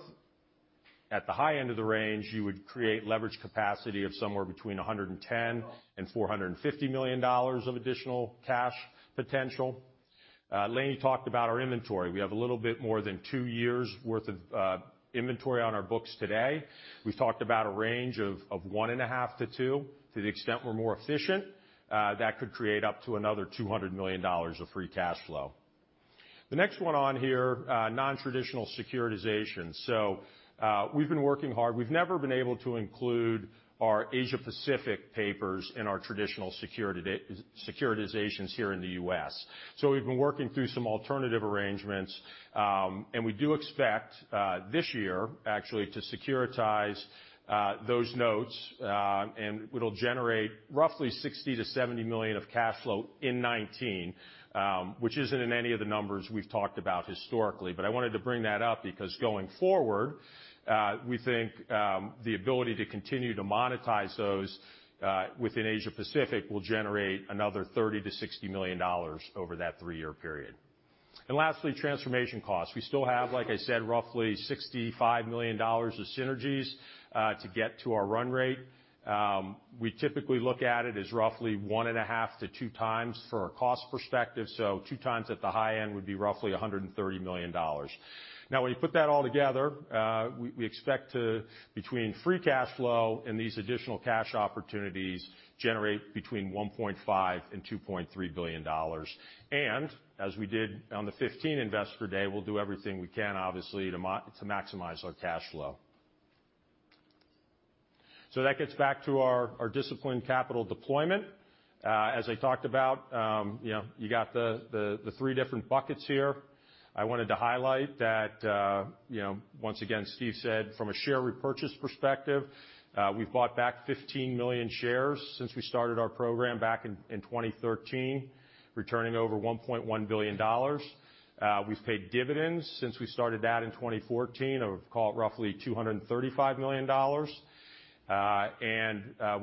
[SPEAKER 20] at the high end of the range, you would create leverage capacity of somewhere between $110 million and $450 million of additional cash potential. Lani talked about our inventory. We have a little bit more than 2 years' worth of inventory on our books today. We've talked about a range of 1.5 to 2. To the extent we're more efficient, that could create up to another $200 million of free cash flow. The next one on here, nontraditional securitization. We've been working hard. We've never been able to include our Asia Pacific papers in our traditional securitizations here in the U.S. We've been working through some alternative arrangements, and we do expect, this year, actually, to securitize those notes, and it'll generate roughly $60 million-$70 million of cash flow in 2019, which isn't in any of the numbers we've talked about historically. I wanted to bring that up because, going forward, we think the ability to continue to monetize those, within Asia Pacific, will generate another $30 million-$60 million over that three-year period. Lastly, transformation costs. We still have, like I said, roughly $65 million of synergies to get to our run rate. We typically look at it as roughly one and a half to two times for our cost perspective. Two times at the high end would be roughly $130 million. When you put that all together, we expect to, between free cash flow and these additional cash opportunities, generate between $1.5 billion and $2.3 billion. As we did on the 2015 Investor Day, we'll do everything we can, obviously, to maximize our cash flow. That gets back to our disciplined capital deployment. As I talked about, you got the three different buckets here. I wanted to highlight that, once again, Steve said from a share repurchase perspective, we've bought back 15 million shares since we started our program back in 2013, returning over $1.1 billion. We've paid dividends since we started that in 2014, of, call it, roughly $235 million.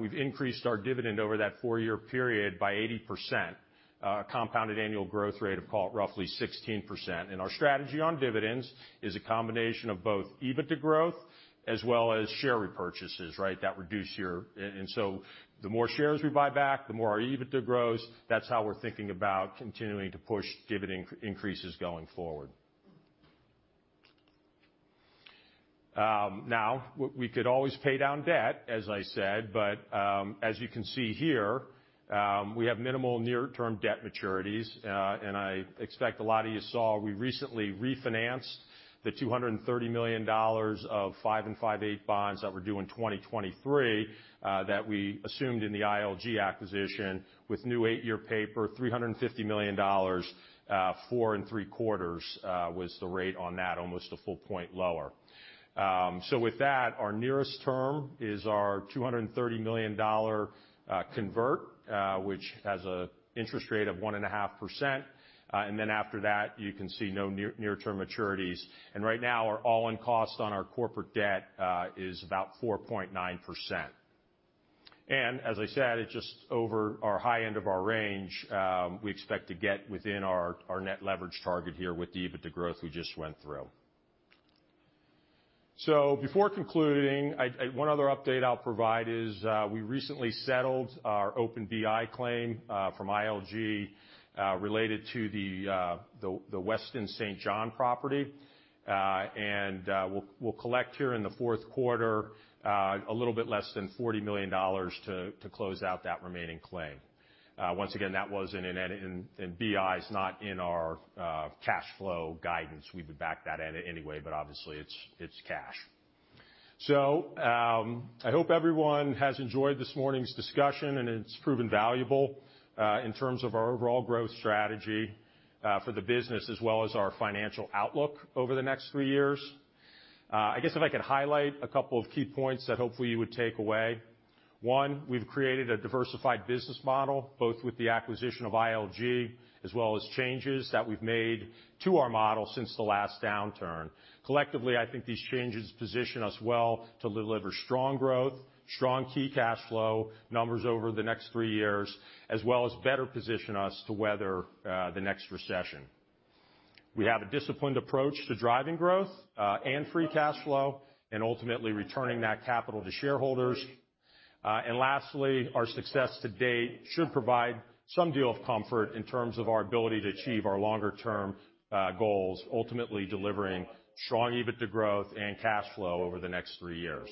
[SPEAKER 20] We've increased our dividend over that four-year period by 80%, a compounded annual growth rate of, call it, roughly 16%. Our strategy on dividends is a combination of both EBITDA growth as well as share repurchases, right? The more shares we buy back, the more our EBITDA grows. That's how we're thinking about continuing to push dividend increases going forward. We could always pay down debt, as I said, but as you can see here, we have minimal near-term debt maturities. I expect a lot of you saw we recently refinanced the $230 million of five and five-eighths bonds that were due in 2023, that we assumed in the ILG acquisition with new eight-year paper, $350 million, four and three quarters was the rate on that, almost a full point lower. With that, our nearest term is our $230 million convert, which has an interest rate of 1.5%. After that, you can see no near-term maturities. Right now, our all-in cost on our corporate debt is about 4.9%. As I said, it's just over our high end of our range. We expect to get within our net leverage target here with the EBITDA growth we just went through. Before concluding, one other update I'll provide is we recently settled our open BI claim from ILG, related to the Westin St. John property. We'll collect here in the fourth quarter a little bit less than $40 million to close out that remaining claim. Once again, that was in BI's not in our cash flow guidance. We would back that anyway, but obviously it's cash. I hope everyone has enjoyed this morning's discussion and it's proven valuable in terms of our overall growth strategy for the business as well as our financial outlook over the next three years. I guess if I could highlight a couple of key points that hopefully you would take away. One, we've created a diversified business model, both with the acquisition of ILG as well as changes that we've made to our model since the last downturn. Collectively, I think these changes position us well to deliver strong growth, strong key cash flow numbers over the next three years, as well as better position us to weather the next recession. We have a disciplined approach to driving growth and free cash flow and ultimately returning that capital to shareholders. Lastly, our success to date should provide some deal of comfort in terms of our ability to achieve our longer-term goals, ultimately delivering strong EBITDA growth and cash flow over the next three years.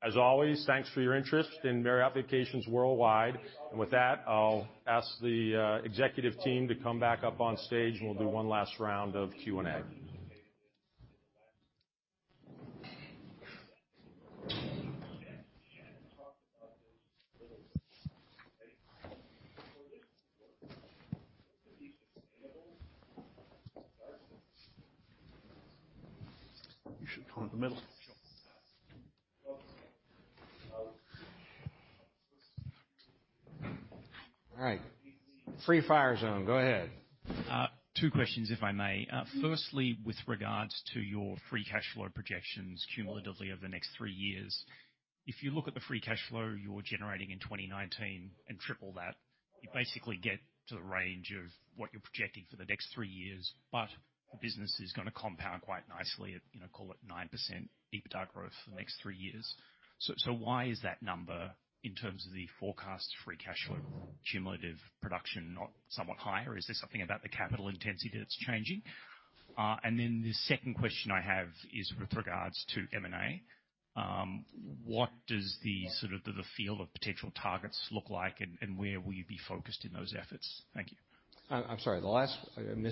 [SPEAKER 20] As always, thanks for your interest in Marriott Vacations Worldwide. With that, I'll ask the executive team to come back up on stage and we'll do one last round of Q&A.
[SPEAKER 2] You should come to the middle.
[SPEAKER 3] Sure.
[SPEAKER 2] All right. Free fire zone. Go ahead.
[SPEAKER 4] Two questions, if I may. Firstly, with regards to your free cash flow projections cumulatively over the next three years, if you look at the free cash flow you're generating in 2019 and triple that, you basically get to the range of what you're projecting for the next three years. The business is going to compound quite nicely at call it 9% EBITDA growth for the next three years. Why is that number in terms of the forecast free cash flow cumulative production not somewhat higher? Is there something about the capital intensity that's changing? The second question I have is with regards to M&A. What does the field of potential targets look like, and where will you be focused in those efforts? Thank you.
[SPEAKER 2] I'm sorry.
[SPEAKER 4] M&A.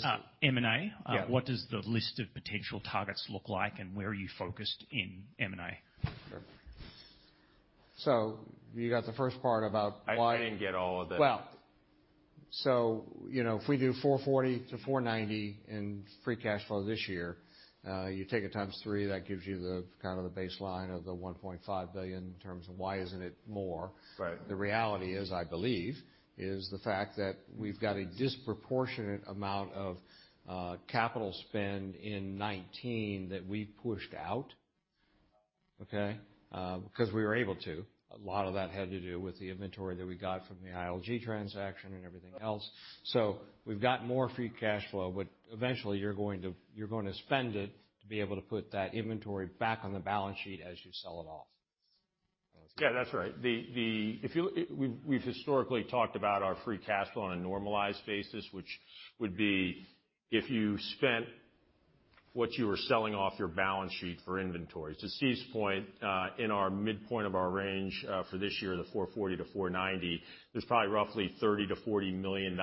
[SPEAKER 2] Yeah.
[SPEAKER 4] What does the list of potential targets look like, and where are you focused in M&A?
[SPEAKER 2] You got the first part about.
[SPEAKER 20] I didn't get all of that.
[SPEAKER 2] Well, if we do $440-$490 in free cash flow this year, you take it times three, that gives you the baseline of the $1.5 billion in terms of why isn't it more.
[SPEAKER 20] Right.
[SPEAKER 2] The reality is, I believe, is the fact that we've got a disproportionate amount of capital spend in 2019 that we pushed out. Okay? We were able to. A lot of that had to do with the inventory that we got from the ILG transaction and everything else. We've got more free cash flow, but eventually you're going to spend it to be able to put that inventory back on the balance sheet as you sell it off.
[SPEAKER 20] Yeah, that's right. We've historically talked about our free cash flow on a normalized basis, which would be if you spent what you were selling off your balance sheet for inventory. To Steve's point, in our midpoint of our range for this year, the $440 million-$490 million, there's probably roughly $30 million-$40 million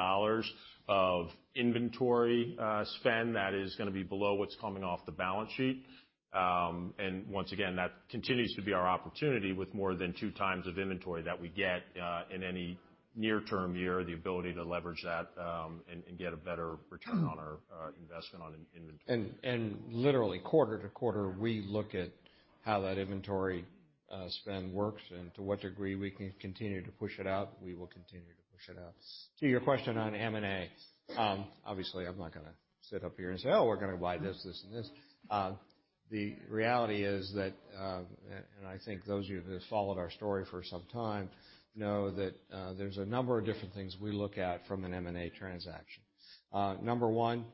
[SPEAKER 20] of inventory spend that is going to be below what's coming off the balance sheet. Once again, that continues to be our opportunity with more than 2 times of inventory that we get in any near term year, the ability to leverage that and get a better return on our investment on inventory.
[SPEAKER 2] Literally quarter-to-quarter, we look at how that inventory spend works and to what degree we can continue to push it out. We will continue to push it out. To your question on M&A, obviously, I'm not going to sit up here and say, Oh, we're going to buy this, and this. The reality is that, and I think those of you that have followed our story for some time know that there's a number of different things we look at from an M&A transaction. Number one: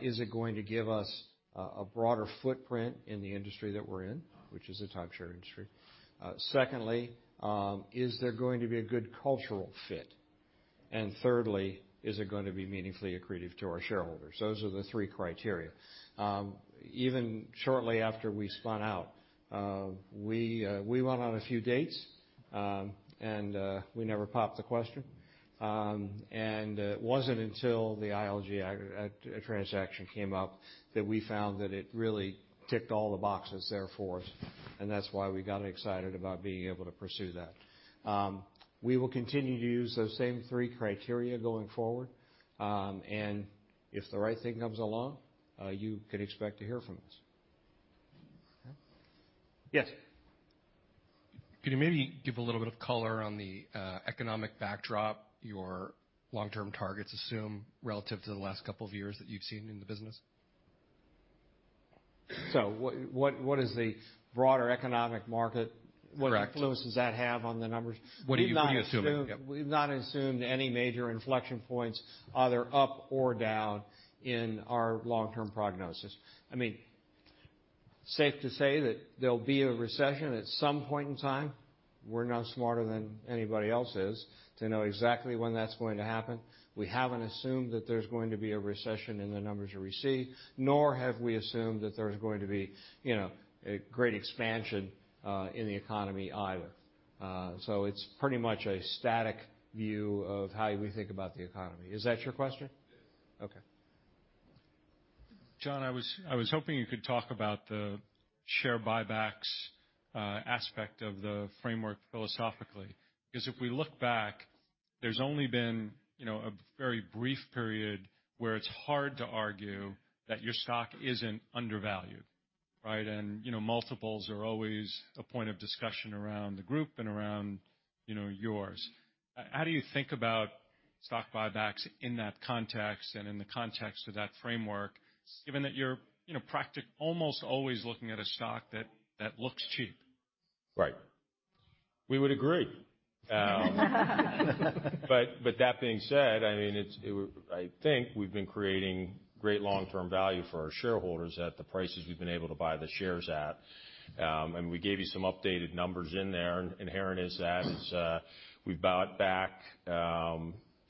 [SPEAKER 2] Is it going to give us a broader footprint in the industry that we're in? Which is a top share industry. Secondly: Is there going to be a good cultural fit? Thirdly: Is it going to be meaningfully accretive to our shareholders? Those are the three criteria. Even shortly after we spun out, we went on a few dates. We never popped the question. It wasn't until the ILG transaction came up that we found that it really ticked all the boxes there for us, and that's why we got excited about being able to pursue that. We will continue to use those same three criteria going forward. If the right thing comes along, you can expect to hear from us. Okay? Yes.
[SPEAKER 4] Can you maybe give a little bit of color on the economic backdrop your long-term targets assume relative to the last couple of years that you've seen in the business?
[SPEAKER 2] What is the broader economic market?
[SPEAKER 4] Correct.
[SPEAKER 2] What influence does that have on the numbers?
[SPEAKER 4] What are you assuming? Yep.
[SPEAKER 2] We've not assumed any major inflection points, either up or down in our long-term prognosis. Safe to say that there'll be a recession at some point in time. We're no smarter than anybody else is to know exactly when that's going to happen. We haven't assumed that there's going to be a recession in the numbers you receive, nor have we assumed that there's going to be a great expansion in the economy either. It's pretty much a static view of how we think about the economy. Is that your question?
[SPEAKER 4] It is.
[SPEAKER 2] Okay.
[SPEAKER 5] John, I was hoping you could talk about the share buybacks aspect of the framework philosophically. If we look back, there's only been a very brief period where it's hard to argue that your stock isn't undervalued. Right? Multiples are always a point of discussion around the group and around yours. How do you think about stock buybacks in that context and in the context of that framework, given that you're almost always looking at a stock that looks cheap?
[SPEAKER 20] Right. We would agree. That being said, I think we've been creating great long-term value for our shareholders at the prices we've been able to buy the shares at. We gave you some updated numbers in there, inherent is that is we've bought back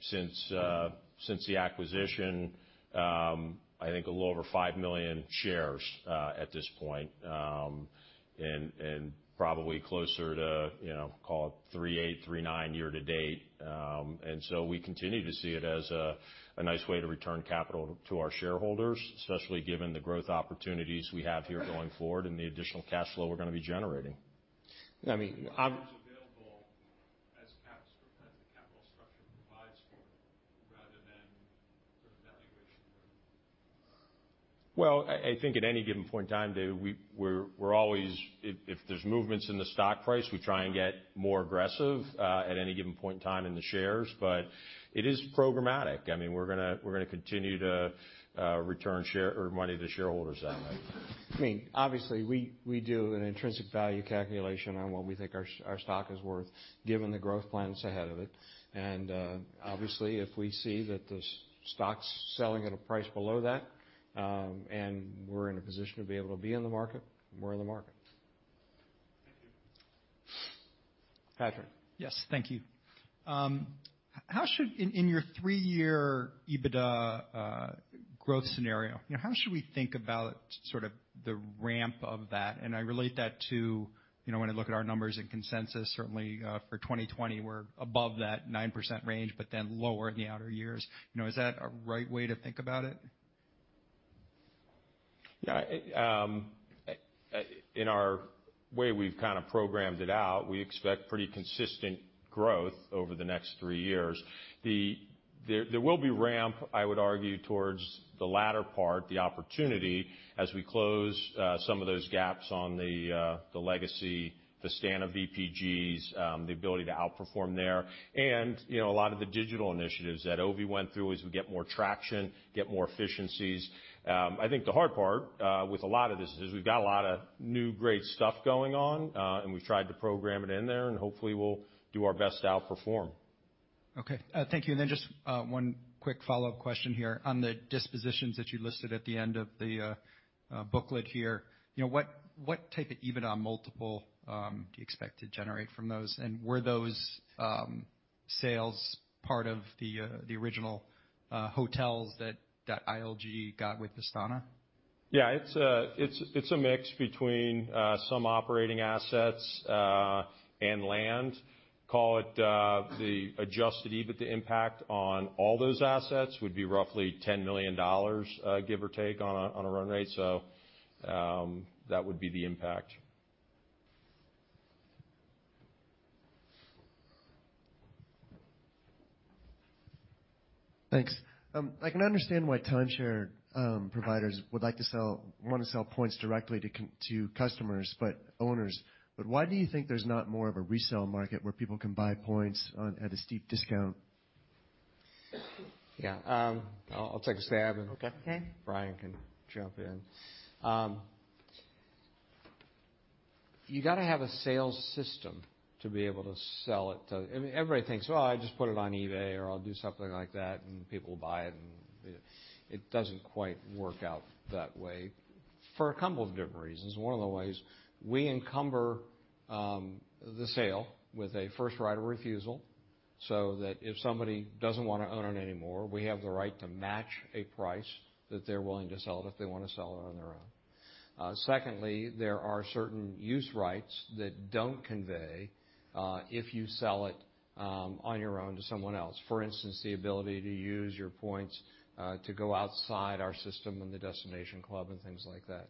[SPEAKER 20] since the acquisition, I think a little over 5 million shares at this point. Probably closer to call it 3.8, 3.9 year to date. We continue to see it as a nice way to return capital to our shareholders, especially given the growth opportunities we have here going forward and the additional cash flow we're going to be generating.
[SPEAKER 2] I mean,
[SPEAKER 20] Well, I think at any given point in time, Dave, if there's movements in the stock price, we try and get more aggressive at any given point in time in the shares. It is programmatic. We're going to continue to return money to shareholders that way.
[SPEAKER 2] Obviously, we do an intrinsic value calculation on what we think our stock is worth given the growth plans ahead of it. Obviously, if we see that the stock's selling at a price below that, and we're in a position to be able to be in the market, we're in the market.
[SPEAKER 20] Patrick?
[SPEAKER 21] Yes. Thank you. In your three-year EBITDA growth scenario, how should we think about the ramp of that? I relate that to when I look at our numbers and consensus, certainly for 2020, we're above that 9% range, but then lower in the outer years. Is that a right way to think about it?
[SPEAKER 20] Yeah. In our way, we've programmed it out, we expect pretty consistent growth over the next three years. There will be ramp, I would argue, towards the latter part, the opportunity, as we close some of those gaps on the legacy, the VPGs, the ability to outperform there. A lot of the digital initiatives that Ovi went through as we get more traction, get more efficiencies. I think the hard part with a lot of this is we've got a lot of new great stuff going on, and we've tried to program it in there, and hopefully we'll do our best to outperform.
[SPEAKER 21] Okay. Thank you. Just one quick follow-up question here. On the dispositions that you listed at the end of the booklet here, what type of EBITDA multiple do you expect to generate from those? Were those sales part of the original hotels that ILG got with Vistana?
[SPEAKER 20] Yeah. It's a mix between some operating assets and land. Call it the adjusted EBITDA impact on all those assets would be roughly $10 million, give or take, on a run rate. That would be the impact.
[SPEAKER 4] Thanks. I can understand why timeshare providers would want to sell points directly to customers, owners, but why do you think there's not more of a resell market where people can buy points at a steep discount?
[SPEAKER 19] Yeah. I'll take a stab.
[SPEAKER 4] Okay.
[SPEAKER 2] Brian can jump in. You got to have a sales system to be able to sell it to. Everybody thinks, "Oh, I just put it on eBay," or, "I'll do something like that, and people will buy it." It doesn't quite work out that way for a couple of different reasons. One of the ways, we encumber the sale with a first right of refusal, so that if somebody doesn't want to own it anymore, we have the right to match a price that they're willing to sell it if they want to sell it on their own. Secondly, there are certain use rights that don't convey if you sell it on your own to someone else. For instance, the ability to use your points to go outside our system in the Destination Club and things like that.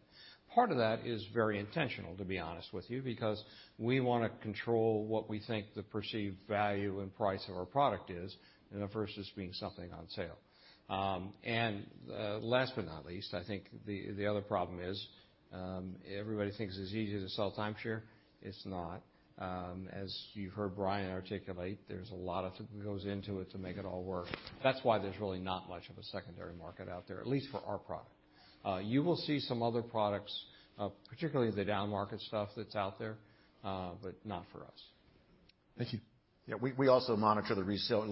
[SPEAKER 2] Part of that is very intentional, to be honest with you, because we want to control what we think the perceived value and price of our product is versus being something on sale. Last but not least, I think the other problem is everybody thinks it's easy to sell timeshare. It's not. As you heard Brian articulate, there's a lot that goes into it to make it all work. That's why there's really not much of a secondary market out there, at least for our product. You will see some other products, particularly the downmarket stuff that's out there, but not for us.
[SPEAKER 4] Thank you.
[SPEAKER 19] Yeah. We also monitor the resale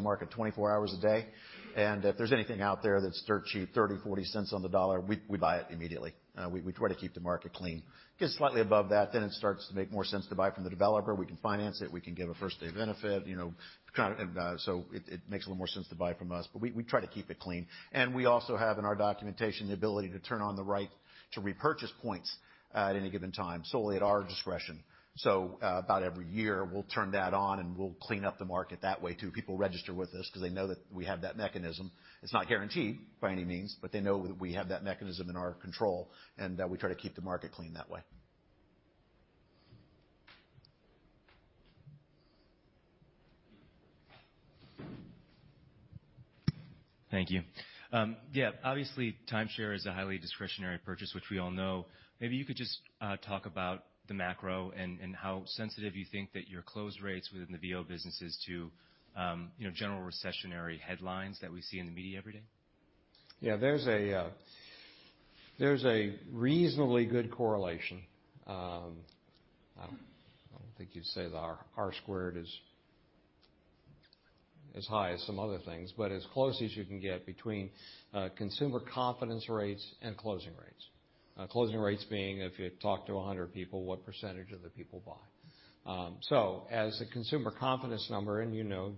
[SPEAKER 19] market 24 hours a day. If there's anything out there that's dirt cheap, $0.30, $0.40 on the dollar, we buy it immediately. We try to keep the market clean. Gets slightly above that, it starts to make more sense to buy from the developer. We can finance it. We can give a first-day benefit. It makes a little more sense to buy from us, but we try to keep it clean. We also have in our documentation the ability to turn on the right to repurchase points at any given time, solely at our discretion. About every year, we'll turn that on, we'll clean up the market that way, too. People register with us because they know that we have that mechanism. It's not guaranteed, by any means, but they know that we have that mechanism in our control, and that we try to keep the market clean that way.
[SPEAKER 4] Thank you. Yeah. Obviously, timeshare is a highly discretionary purchase, which we all know. Maybe you could just talk about the macro and how sensitive you think that your close rates within the VO business is to general recessionary headlines that we see in the media every day?
[SPEAKER 2] Yeah. There's a reasonably good correlation. I don't think you'd say that our R squared is as high as some other things, but as close as you can get between consumer confidence rates and closing rates. Closing rates being if you talk to 100 people, what % of the people buy? As the consumer confidence number, and you know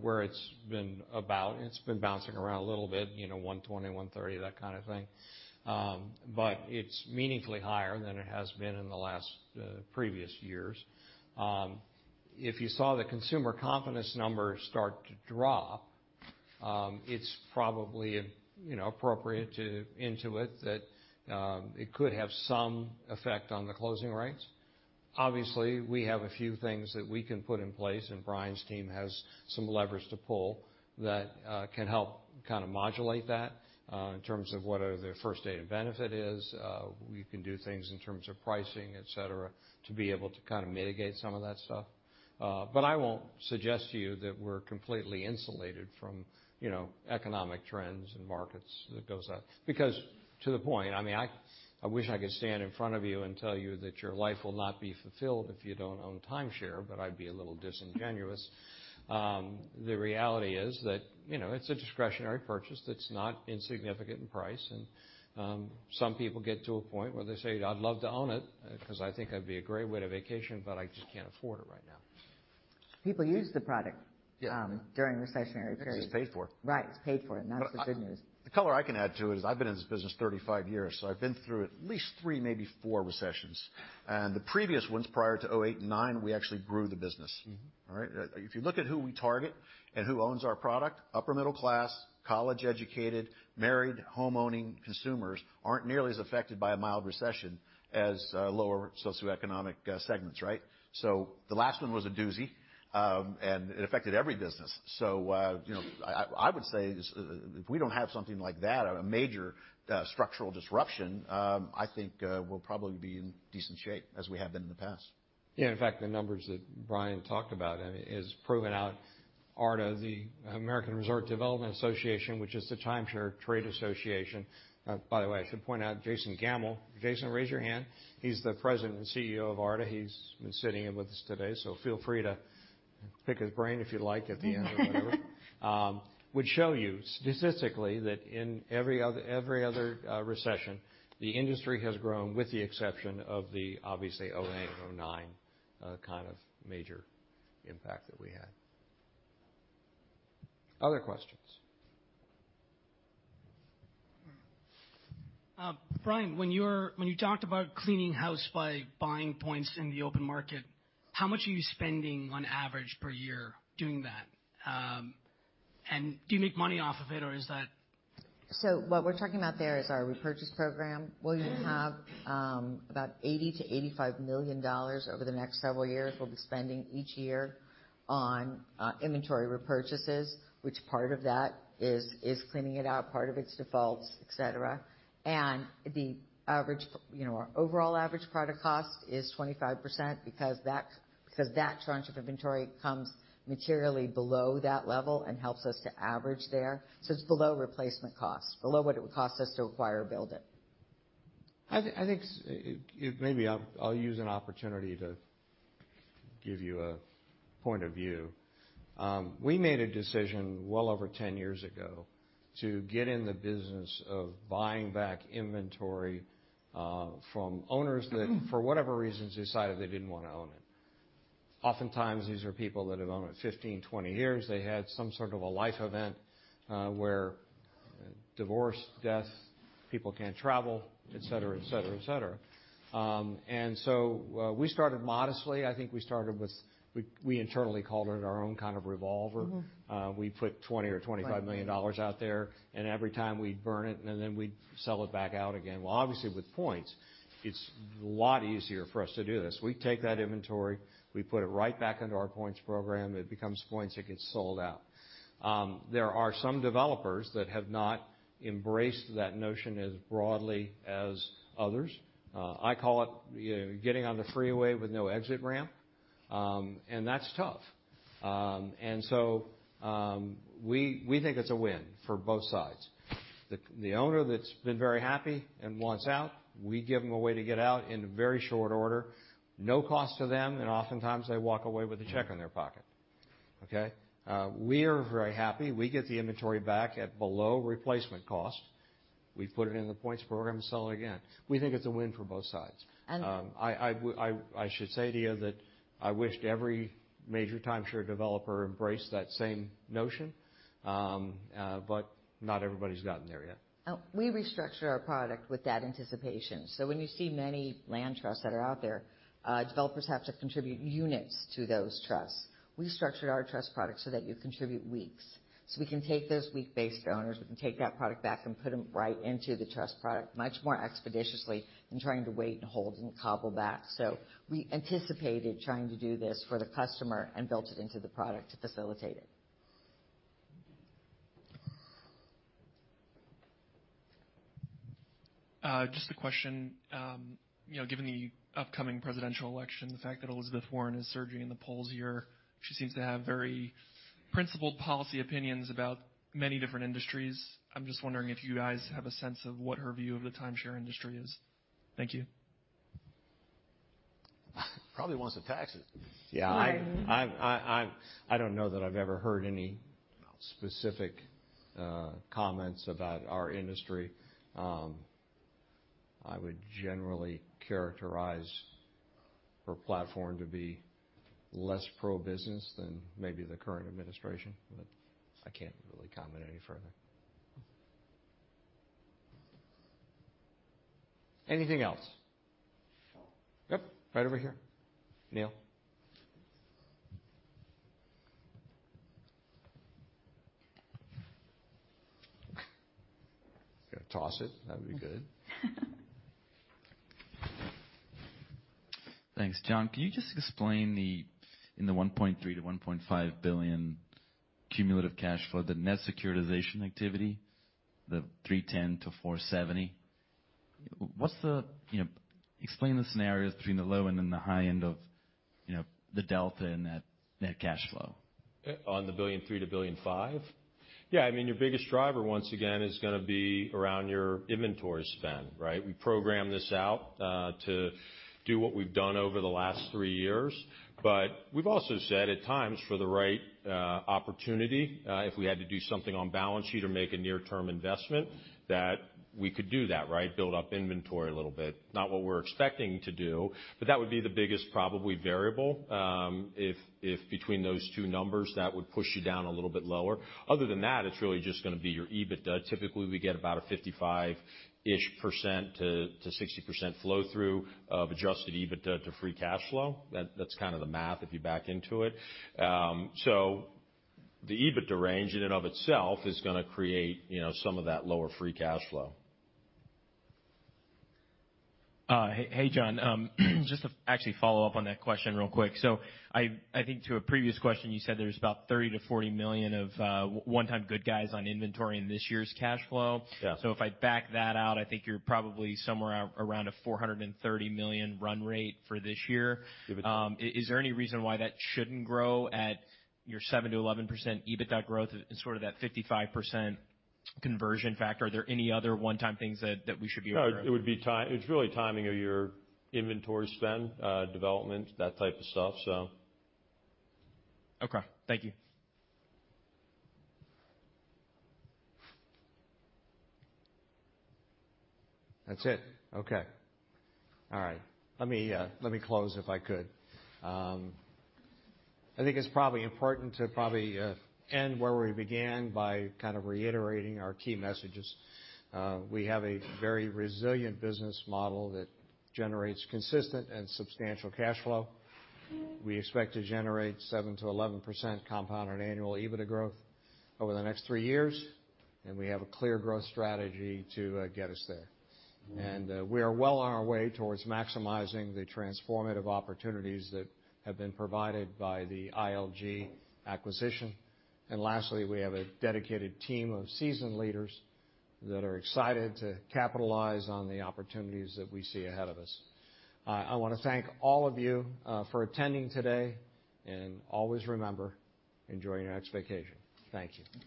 [SPEAKER 2] where it's been about, it's been bouncing around a little bit, 120, 130, that kind of thing. It's meaningfully higher than it has been in the last previous years. If you saw the consumer confidence numbers start to drop, it's probably appropriate into it that it could have some effect on the closing rates. Obviously, we have a few things that we can put in place, and Brian's team has some levers to pull that can help modulate that, in terms of what their first date of benefit is.
[SPEAKER 19] We can do things in terms of pricing, et cetera, to be able to mitigate some of that stuff. I won't suggest to you that we're completely insulated from economic trends and markets that goes up. Because to the point, I wish I could stand in front of you and tell you that your life will not be fulfilled if you don't own timeshare, but I'd be a little disingenuous. The reality is that it's a discretionary purchase that's not insignificant in price, and some people get to a point where they say, "I'd love to own it because I think it'd be a great way to vacation, but I just can't afford it right now.
[SPEAKER 18] People use the product.
[SPEAKER 2] Yeah
[SPEAKER 18] during recessionary periods.
[SPEAKER 2] It's paid for. Right. It's paid for, and that's the good news. The color I can add to it is, I've been in this business 35 years, so I've been through at least three, maybe four recessions. The previous ones, prior to 2008 and 2009, we actually grew the business. All right? If you look at who we target and who owns our product, upper middle class, college-educated, married, home-owning consumers aren't nearly as affected by a mild recession as lower socioeconomic segments. Right? The last one was a doozy, and it affected every business. I would say, if we don't have something like that, a major structural disruption, I think we'll probably be in decent shape as we have been in the past. Yeah. In fact, the numbers that Brian talked about, has proven out ARDA, the American Resort Development Association, which is the timeshare trade association. By the way, I should point out Jason Gamel. Jason, raise your hand. He's the President and CEO of ARDA. He's been sitting in with us today, so feel free to pick his brain if you'd like at the end or whatever. Would show you statistically that in every other recession, the industry has grown with the exception of the obviously 2008 and 2009 kind of major impact that we had. Other questions?
[SPEAKER 4] Brian, when you talked about cleaning house by buying points in the open market, how much are you spending on average per year doing that? Do you make money off of it, or is that?
[SPEAKER 18] What we're talking about there is our repurchase program, where you have about $80 million-$85 million over the next several years, we'll be spending each year on inventory repurchases, which part of that is cleaning it out, part of it's defaults, et cetera. Our overall average product cost is 25% because that tranche of inventory comes materially below that level and helps us to average there. It's below replacement cost, below what it would cost us to acquire or build it.
[SPEAKER 2] Maybe I'll use an opportunity to give you a point of view. We made a decision well over 10 years ago to get in the business of buying back inventory from owners that, for whatever reasons, decided they didn't want to own it. Oftentimes, these are people that have owned it 15, 20 years. They had some sort of a life event where divorce, death, people can't travel, et cetera. We started modestly. I think we started with, we internally called it our own kind of revolver. We put $20 million or $25 million out there, and every time we'd burn it, and then we'd sell it back out again. Well, obviously with points, it's a lot easier for us to do this. We take that inventory, we put it right back into our points program. It becomes points. It gets sold out. There are some developers that have not embraced that notion as broadly as others. I call it getting on the freeway with no exit ramp. That's tough. We think it's a win for both sides. The owner that's been very happy and wants out, we give them a way to get out in very short order, no cost to them, and oftentimes they walk away with a check in their pocket. Okay? We are very happy. We get the inventory back at below replacement cost. We put it in the points program, sell it again. We think it's a win for both sides.
[SPEAKER 18] And-
[SPEAKER 2] I should say to you that I wished every major timeshare developer embraced that same notion. Not everybody's gotten there yet.
[SPEAKER 18] We restructure our product with that anticipation. When you see many land trusts that are out there, developers have to contribute units to those trusts. We structured our trust product so that you contribute weeks. We can take those week-based owners, we can take that product back and put them right into the trust product much more expeditiously than trying to wait and hold and cobble back. We anticipated trying to do this for the customer and built it into the product to facilitate it.
[SPEAKER 4] Just a question. Given the upcoming presidential election, the fact that Elizabeth Warren is surging in the polls here, she seems to have very principled policy opinions about many different industries. I'm just wondering if you guys have a sense of what her view of the timeshare industry is. Thank you.
[SPEAKER 19] Probably wants to tax it.
[SPEAKER 2] Yeah. I don't know that I've ever heard any specific comments about our industry. I would generally characterize her platform to be less pro-business than maybe the current administration. I can't really comment any further. Anything else? Yep, right over here. Neal. If you toss it, that'd be good.
[SPEAKER 4] Thanks. John, can you just explain in the $1.3 billion-$1.5 billion cumulative cash flow, the net securitization activity, the $310 million-$470 million? Explain the scenarios between the low and then the high end of, you know, the delta in that net cash flow.
[SPEAKER 20] On the $1.3 billion-$1.5 billion? Yeah, I mean, your biggest driver once again is gonna be around your inventory spend, right? We program this out to do what we've done over the last three years. We've also said at times for the right opportunity, if we had to do something on balance sheet or make a near-term investment, that we could do that, right? Build up inventory a little bit. Not what we're expecting to do, that would be the biggest probably variable. If between those two numbers, that would push you down a little bit lower. Other than that, it's really just gonna be your EBITDA. Typically, we get about a 55-ish%-60% flow-through of adjusted EBITDA to free cash flow. That's kind of the math if you back into it. The EBITDA range in and of itself is gonna create some of that lower free cash flow.
[SPEAKER 4] Hey, John. Just to actually follow up on that question real quick. I think to a previous question, you said there's about $30 million-$40 million of one-time good guys on inventory in this year's cash flow.
[SPEAKER 20] Yeah.
[SPEAKER 4] If I back that out, I think you're probably somewhere around a $430 million run rate for this year.
[SPEAKER 20] EBITDA.
[SPEAKER 4] Is there any reason why that shouldn't grow at your 7%-11% EBITDA growth and sort of that 55% conversion factor? Are there any other one-time things that we should be aware of?
[SPEAKER 20] No, it's really timing of your inventory spend, development, that type of stuff.
[SPEAKER 4] Okay. Thank you.
[SPEAKER 2] That's it. Okay. All right. Let me close if I could. I think it's probably important to probably end where we began by reiterating our key messages. We have a very resilient business model that generates consistent and substantial cash flow. We expect to generate 7%-11% compounded annual EBITDA growth over the next three years, and we have a clear growth strategy to get us there. We are well on our way towards maximizing the transformative opportunities that have been provided by the ILG acquisition. Lastly, we have a dedicated team of seasoned leaders that are excited to capitalize on the opportunities that we see ahead of us. I want to thank all of you for attending today. Always remember, enjoy your next vacation. Thank you